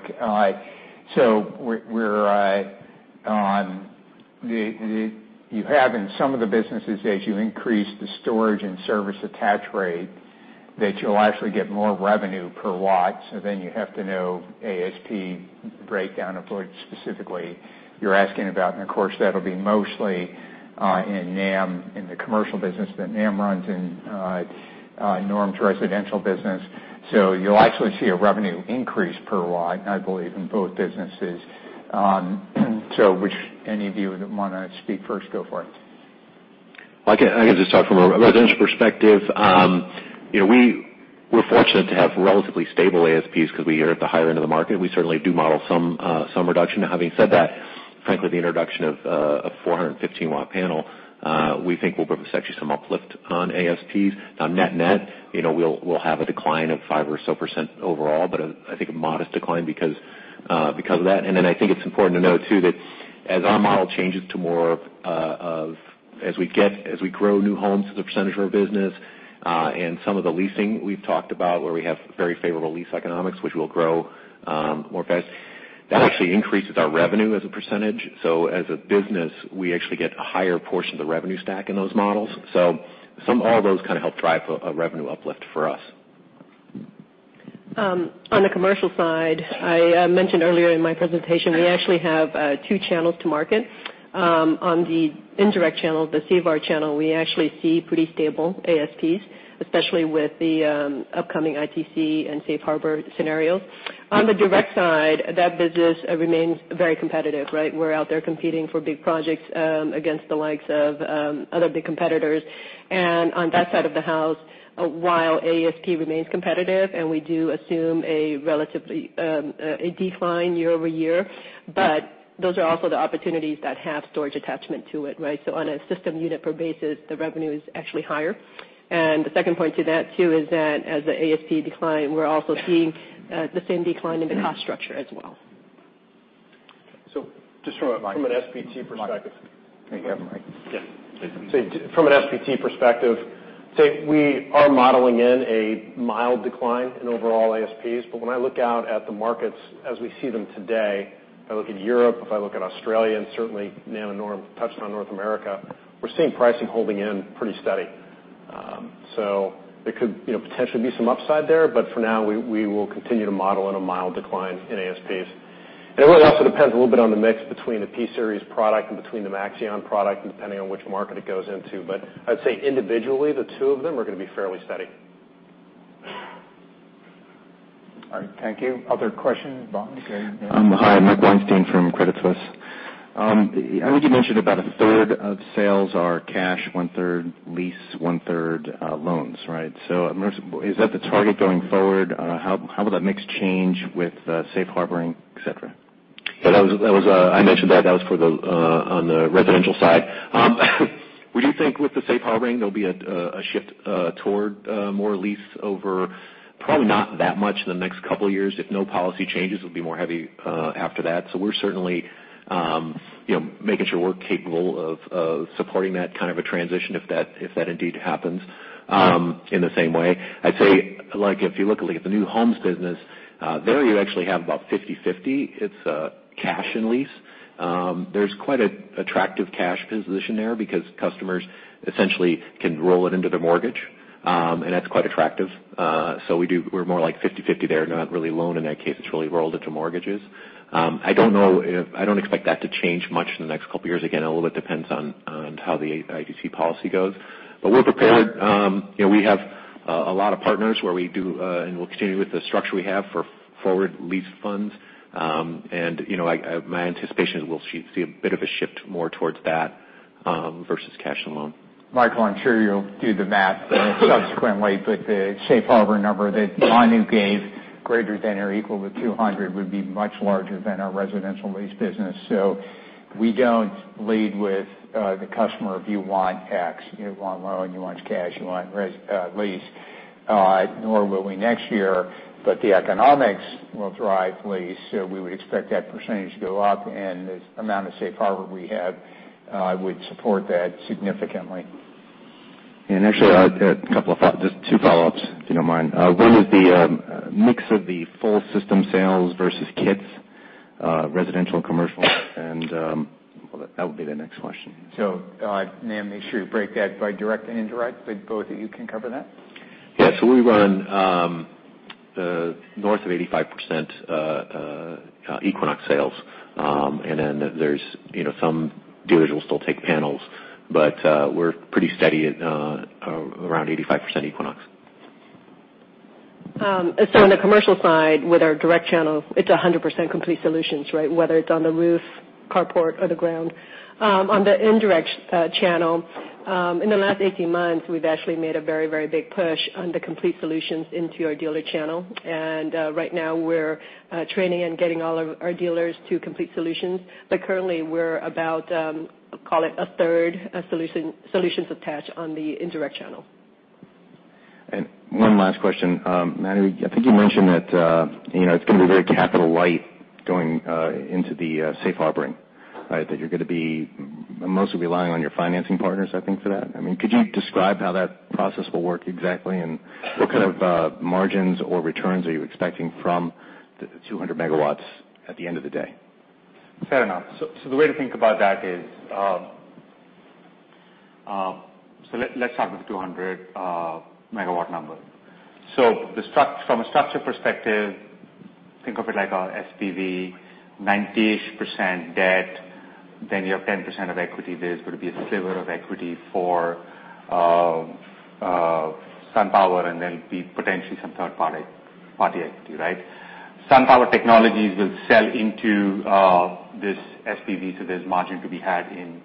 You have in some of the businesses, as you increase the storage and service attach rate, that you'll actually get more revenue per watt. You have to know ASP breakdown of what specifically you're asking about. Of course, that'll be mostly in Nam in the commercial business that Nam runs and Norm's residential business. You'll actually see a revenue increase per watt, I believe, in both businesses. Which any of you would want to speak first, go for it. I can just talk from a residential perspective. We're fortunate to have relatively stable ASPs because we are at the higher end of the market. We certainly do model some reduction. Having said that, frankly, the introduction of a 415-watt panel we think will provide actually some uplift on ASPs. Net net, we'll have a decline of 5% or so overall, but I think a modest decline because of that. Then I think it's important to note, too, that as our model changes to more of as we grow new homes as a percentage of our business and some of the leasing we've talked about where we have very favorable lease economics, which will grow more fast, that actually increases our revenue as a percentage. As a business, we actually get a higher portion of the revenue stack in those models. All those kind of help drive a revenue uplift for us. On the commercial side, I mentioned earlier in my presentation, we actually have two channels to market. On the indirect channel, the CVAR channel, we actually see pretty stable ASPs, especially with the upcoming ITC and Safe Harbor scenarios. On the direct side, that business remains very competitive. We're out there competing for big projects against the likes of other big competitors. On that side of the house, while ASP remains competitive and we do assume a decline year-over-year, those are also the opportunities that have storage attachment to it, right? On a system unit per basis, the revenue is actually higher. The second point to that too is that as the ASP decline, we're also seeing the same decline in the cost structure as well. Just from an SPT perspective. Mic. There you go, mic. Yes. From an SPT perspective, we are modeling in a mild decline in overall ASPs. When I look out at the markets as we see them today, if I look at Europe, if I look at Australia, and certainly Nam and Norm touched on North America, we're seeing pricing holding in pretty steady. There could potentially be some upside there, but for now, we will continue to model in a mild decline in ASPs. It really also depends a little bit on the mix between the P-Series product and between the Maxeon product, and depending on which market it goes into. I'd say individually, the two of them are going to be fairly steady. All right. Thank you. Other questions? Michael go ahead. Hi, Michael Weinstein from Credit Suisse. I think you mentioned about a third of sales are cash, one-third lease, one-third loans, right? Is that the target going forward? How will that mix change with Safe Harbor, et cetera? I mentioned that was on the residential side. Would you think with the Safe Harboring, there'll be a shift toward more lease over Probably not that much in the next couple of years. If no policy changes, it'll be more heavy after that. We're certainly making sure we're capable of supporting that kind of a transition if that indeed happens in the same way. I'd say, if you look at the new homes business, there you actually have about 50/50. It's a cash and lease. There's quite an attractive cash position there because customers essentially can roll it into their mortgage, and that's quite attractive. We're more like 50/50 there. Not really loan in that case. It's really rolled into mortgages. I don't expect that to change much in the next couple of years. Again, a little bit depends on how the ITC policy goes. We're prepared. We have a lot of partners where we do, and we'll continue with the structure we have for forward lease funds. My anticipation is we'll see a bit of a shift more towards that versus cash and loan. Michael, I'm sure you'll do the math subsequently. The safe harbor number that Manu gave greater than or equal to 200 would be much larger than our residential lease business. We don't lead with the customer if you want X, you want loan, you want cash, you want lease, nor will we next year. The economics will drive lease, so we would expect that percentage to go up, and the amount of safe harbor we have would support that significantly. Actually, just two follow-ups, if you don't mind. One is the mix of the full system sales versus kits, residential and commercial, and well, that would be the next question. Nam, make sure you break that by direct and indirect. Both of you can cover that. Yeah. We run north of 85% Equinox sales. Then there's some dealers will still take panels. We're pretty steady at around 85% Equinox. On the commercial side, with our direct channel, it's 100% complete solutions. Whether it's on the roof, carport or the ground. On the indirect channel, in the last 18 months, we've actually made a very big push on the complete solutions into our dealer channel. Right now we're training and getting all of our dealers to complete solutions. Currently we're about, call it a third solutions attach on the indirect channel. One last question. Manu, I think you mentioned that it's going to be very capital light going into the Safe Harbor. That you're going to be mostly relying on your financing partners, I think, for that. Could you describe how that process will work exactly, and what kind of margins or returns are you expecting from the 200 MW at the end of the day? Fair enough. The way to think about that is, let's start with the 200 MW number. From a structure perspective, think of it like a SPV, 90%-ish debt, you have 10% of equity. There's going to be a sliver of equity for SunPower, and there'll be potentially some third-party equity. SunPower Technologies will sell into this SPV, so there's margin to be had in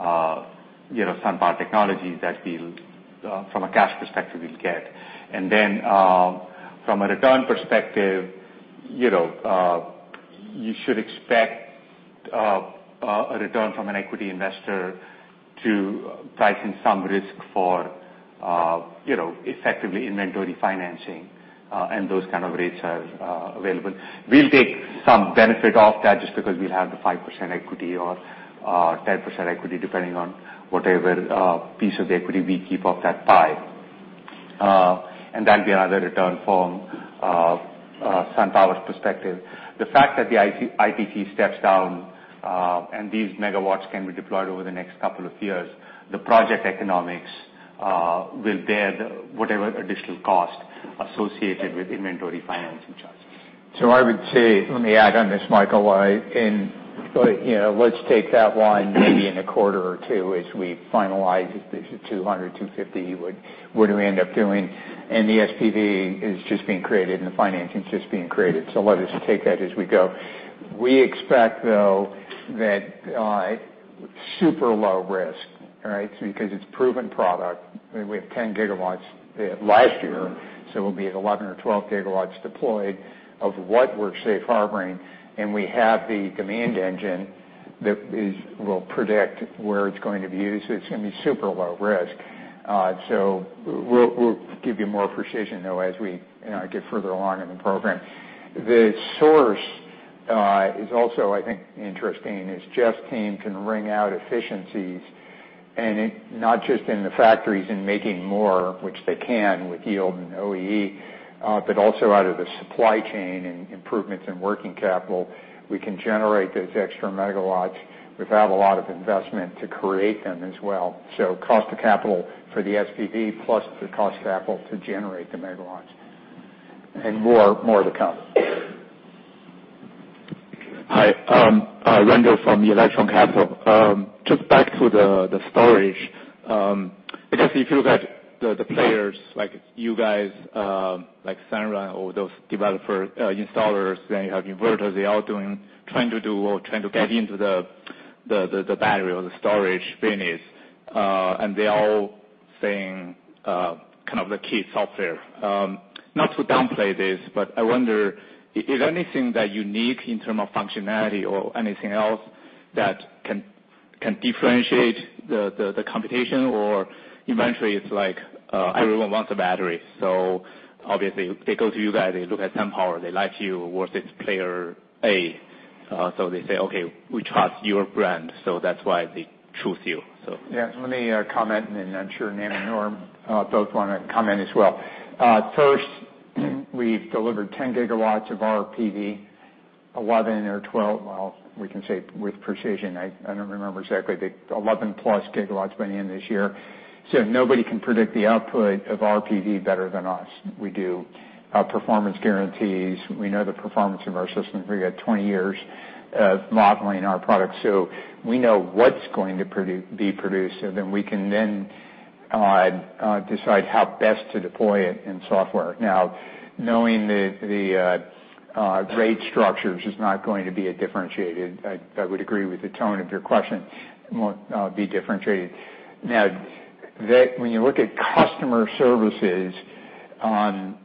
SunPower Technologies that from a cash perspective, we'll get. From a return perspective, you should expect a return from an equity investor to price in some risk for effectively inventory financing, and those kind of rates are available. We'll take some benefit off that just because we'll have the 5% equity or 10% equity, depending on whatever piece of the equity we keep of that pie. That'll be another return from SunPower's perspective. The fact that the ITC steps down, and these megawatts can be deployed over the next couple of years, the project economics with their whatever additional cost associated with inventory financing charges. I would say, let me add on this, Michael, Let's take that one maybe in a quarter or two as we finalize if this is 200, 250, what do we end up doing? The SPV is just being created, and the financing's just being created. Let us take that as we go. We expect, though, that super low risk, right? Because it's proven product, and we have 10 GW last year, so we'll be at 11 GW or 12 GW deployed of what we're safe harboring, and we have the demand engine that will predict where it's going to be used. It's going to be super low risk. We'll give you more precision, though, as we get further along in the program. The source is also, I think, interesting, as Jeff's team can wring out efficiencies, and not just in the factories in making more, which they can with yield and OEE, but also out of the supply chain and improvements in working capital. We can generate those extra megawatts without a lot of investment to create them as well. Cost of capital for the SPV plus the cost of capital to generate the megawatts. More to come. Hi. Randall from Electron Capital. Just back to the storage. I guess if you look at the players like you guys, like Sunrun or those developer installers, then you have inverters, they all trying to do or trying to get into the battery or the storage business. They're all saying kind of the key software. Not to downplay this, but I wonder, is there anything that you need in term of functionality or anything else that can differentiate the competition or eventually it's like everyone wants a battery. Obviously they go to you guys, they look at SunPower, they like you versus player A, so they say, "Okay, we trust your brand." That's why they choose you. Yeah. Let me comment and then I'm sure Nam and Norm both want to comment as well. First, we've delivered 10 GW of our PV, 11 or 12, well, we can say with precision, I don't remember exactly, but 11+ GW went in this year. Nobody can predict the output of our PV better than us. We do our performance guarantees. We know the performance of our system. We got 20 years of modeling our product. We know what's going to be produced, we can then decide how best to deploy it in software. Knowing the rate structures is not going to be a differentiated, I would agree with the tone of your question, won't be differentiated. When you look at customer services on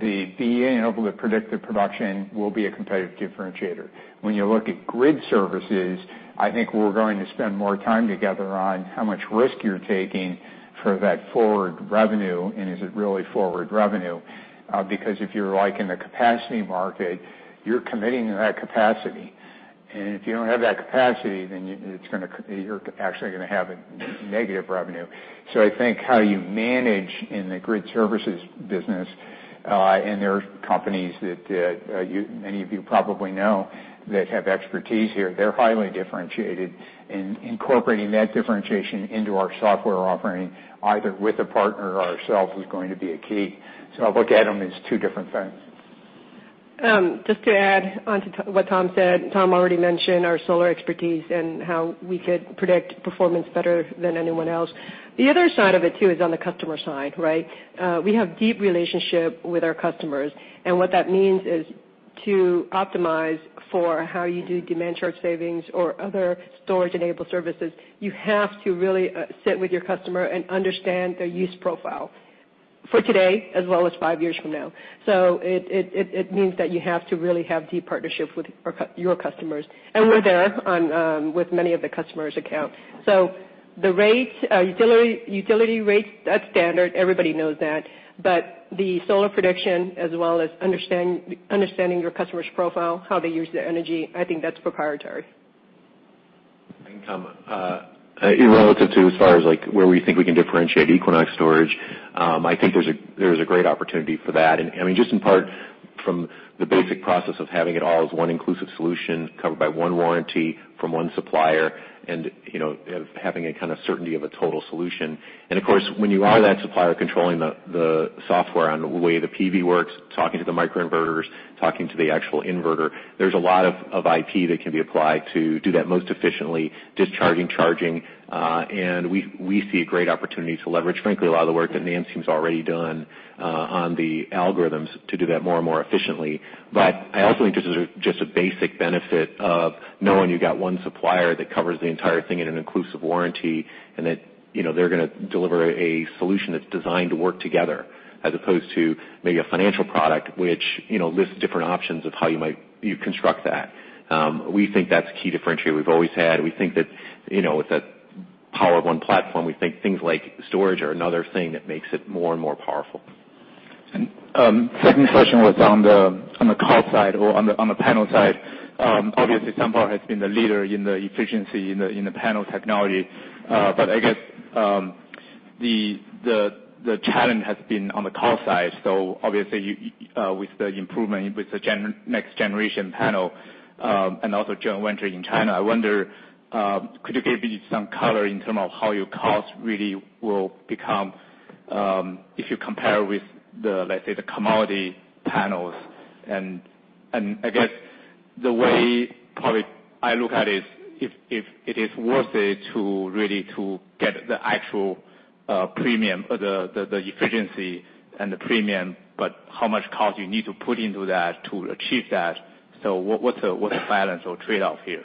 the being able to predict the production will be a competitive differentiator. When you look at grid services, I think we're going to spend more time together on how much risk you're taking for that forward revenue, and is it really forward revenue? Because if you're in the capacity market, you're committing to that capacity. If you don't have that capacity, then you're actually going to have a negative revenue. I think how you manage in the grid services business, and there's companies that many of you probably know that have expertise here. They're highly differentiated. Incorporating that differentiation into our software offering, either with a partner or ourselves, is going to be a key. I look at them as two different things. Just to add onto what Tom said, Tom already mentioned our solar expertise and how we could predict performance better than anyone else. The other side of it, too, is on the customer side, right? We have deep relationship with our customers, and what that means is to optimize for how you do demand charge savings or other storage-enabled services. You have to really sit with your customer and understand their use profile for today as well as five years from now. It means that you have to really have deep partnerships with your customers. We're there with many of the customers' accounts. The utility rates, that's standard. Everybody knows that. The solar prediction as well as understanding your customer's profile, how they use their energy, I think that's proprietary. I can comment. Relative to as far as where we think we can differentiate Equinox Storage, I think there is a great opportunity for that. Just in part from the basic process of having it all as one inclusive solution covered by one warranty from one supplier and having a kind of certainty of a total solution. Of course, when you are that supplier controlling the software on the way the PV works, talking to the microinverters, talking to the actual inverter, there's a lot of IP that can be applied to do that most efficiently, discharging, charging. We see a great opportunity to leverage, frankly, a lot of the work that Nancy's team's already done on the algorithms to do that more and more efficiently. I also think just a basic benefit of knowing you've got one supplier that covers the entire thing in an inclusive warranty, and that they're going to deliver a solution that's designed to work together as opposed to maybe a financial product which lists different options of how you construct that. We think that's a key differentiator we've always had. With that Power of One platform, we think things like storage are another thing that makes it more and more powerful. Second question was on the cost side or on the panel side. Obviously SunPower has been the leader in the efficiency in the panel technology. I guess the challenge has been on the cost side. Obviously with the improvement with the next generation panel, and also joint venturing in China, I wonder, could you give me some color in term of how your cost really will become if you compare with the, let's say, the commodity panels? I guess the way probably I look at it, if it is worth it to really get the actual premium, the efficiency and the premium, but how much cost you need to put into that to achieve that. What's the balance or trade-off here?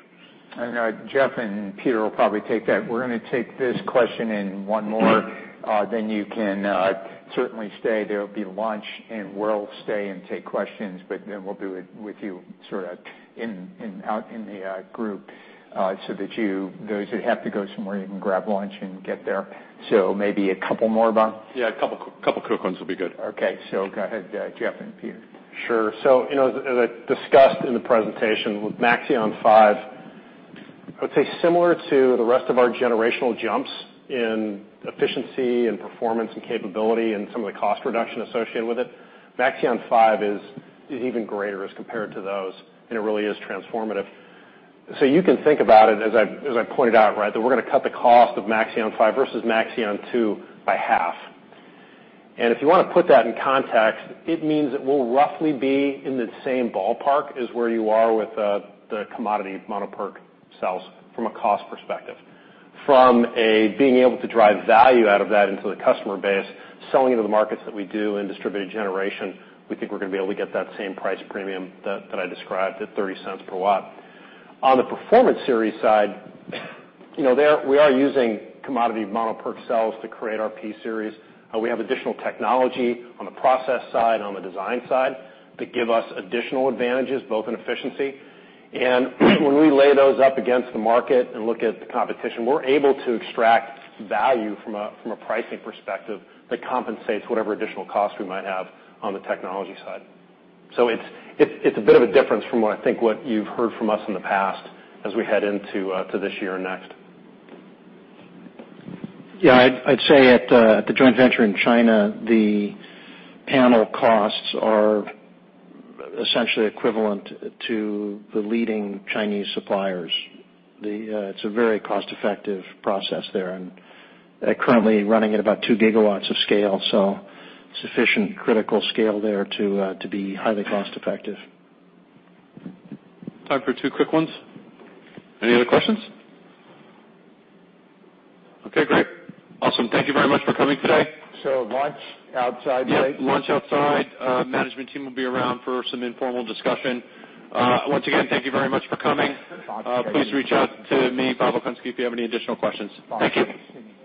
I know Jeff and Peter will probably take that. We're going to take this question and one more, then you can certainly stay. There will be lunch, and we'll stay and take questions, but then we'll do it with you sort of out in the group, so those who have to go somewhere, you can grab lunch and get there. Maybe a couple more, Bob? Yeah, a couple quick ones will be good. Okay. Go ahead, Jeff and Peter. Sure. As I discussed in the presentation with Maxeon 5, I would say similar to the rest of our generational jumps in efficiency and performance and capability and some of the cost reduction associated with it, Maxeon 5 is even greater as compared to those, and it really is transformative. You can think about it, as I pointed out, that we're going to cut the cost of Maxeon 5 versus Maxeon 2 by half. If you want to put that in context, it means it will roughly be in the same ballpark as where you are with the commodity mono PERC cells from a cost perspective. From being able to drive value out of that into the customer base, selling into the markets that we do in distributed generation, we think we're going to be able to get that same price premium that I described at $0.30 per watt. On the Performance Series side, we are using commodity mono PERC cells to create our P-Series. We have additional technology on the process side, on the design side, that give us additional advantages, both in efficiency. When we lay those up against the market and look at the competition, we're able to extract value from a pricing perspective that compensates whatever additional cost we might have on the technology side. It's a bit of a difference from what I think what you've heard from us in the past as we head into this year and next. Yeah, I'd say at the joint venture in China, the panel costs are essentially equivalent to the leading Chinese suppliers. It's a very cost-effective process there, and currently running at about two gigawatts of scale, sufficient critical scale there to be highly cost-effective. Time for two quick ones. Any other questions? Okay, great. Awesome. Thank you very much for coming today. Lunch outside today. Yeah, lunch outside. Management team will be around for some informal discussion. Once again, thank you very much for coming. Please reach out to me, Bob Okunski, if you have any additional questions. Thank you.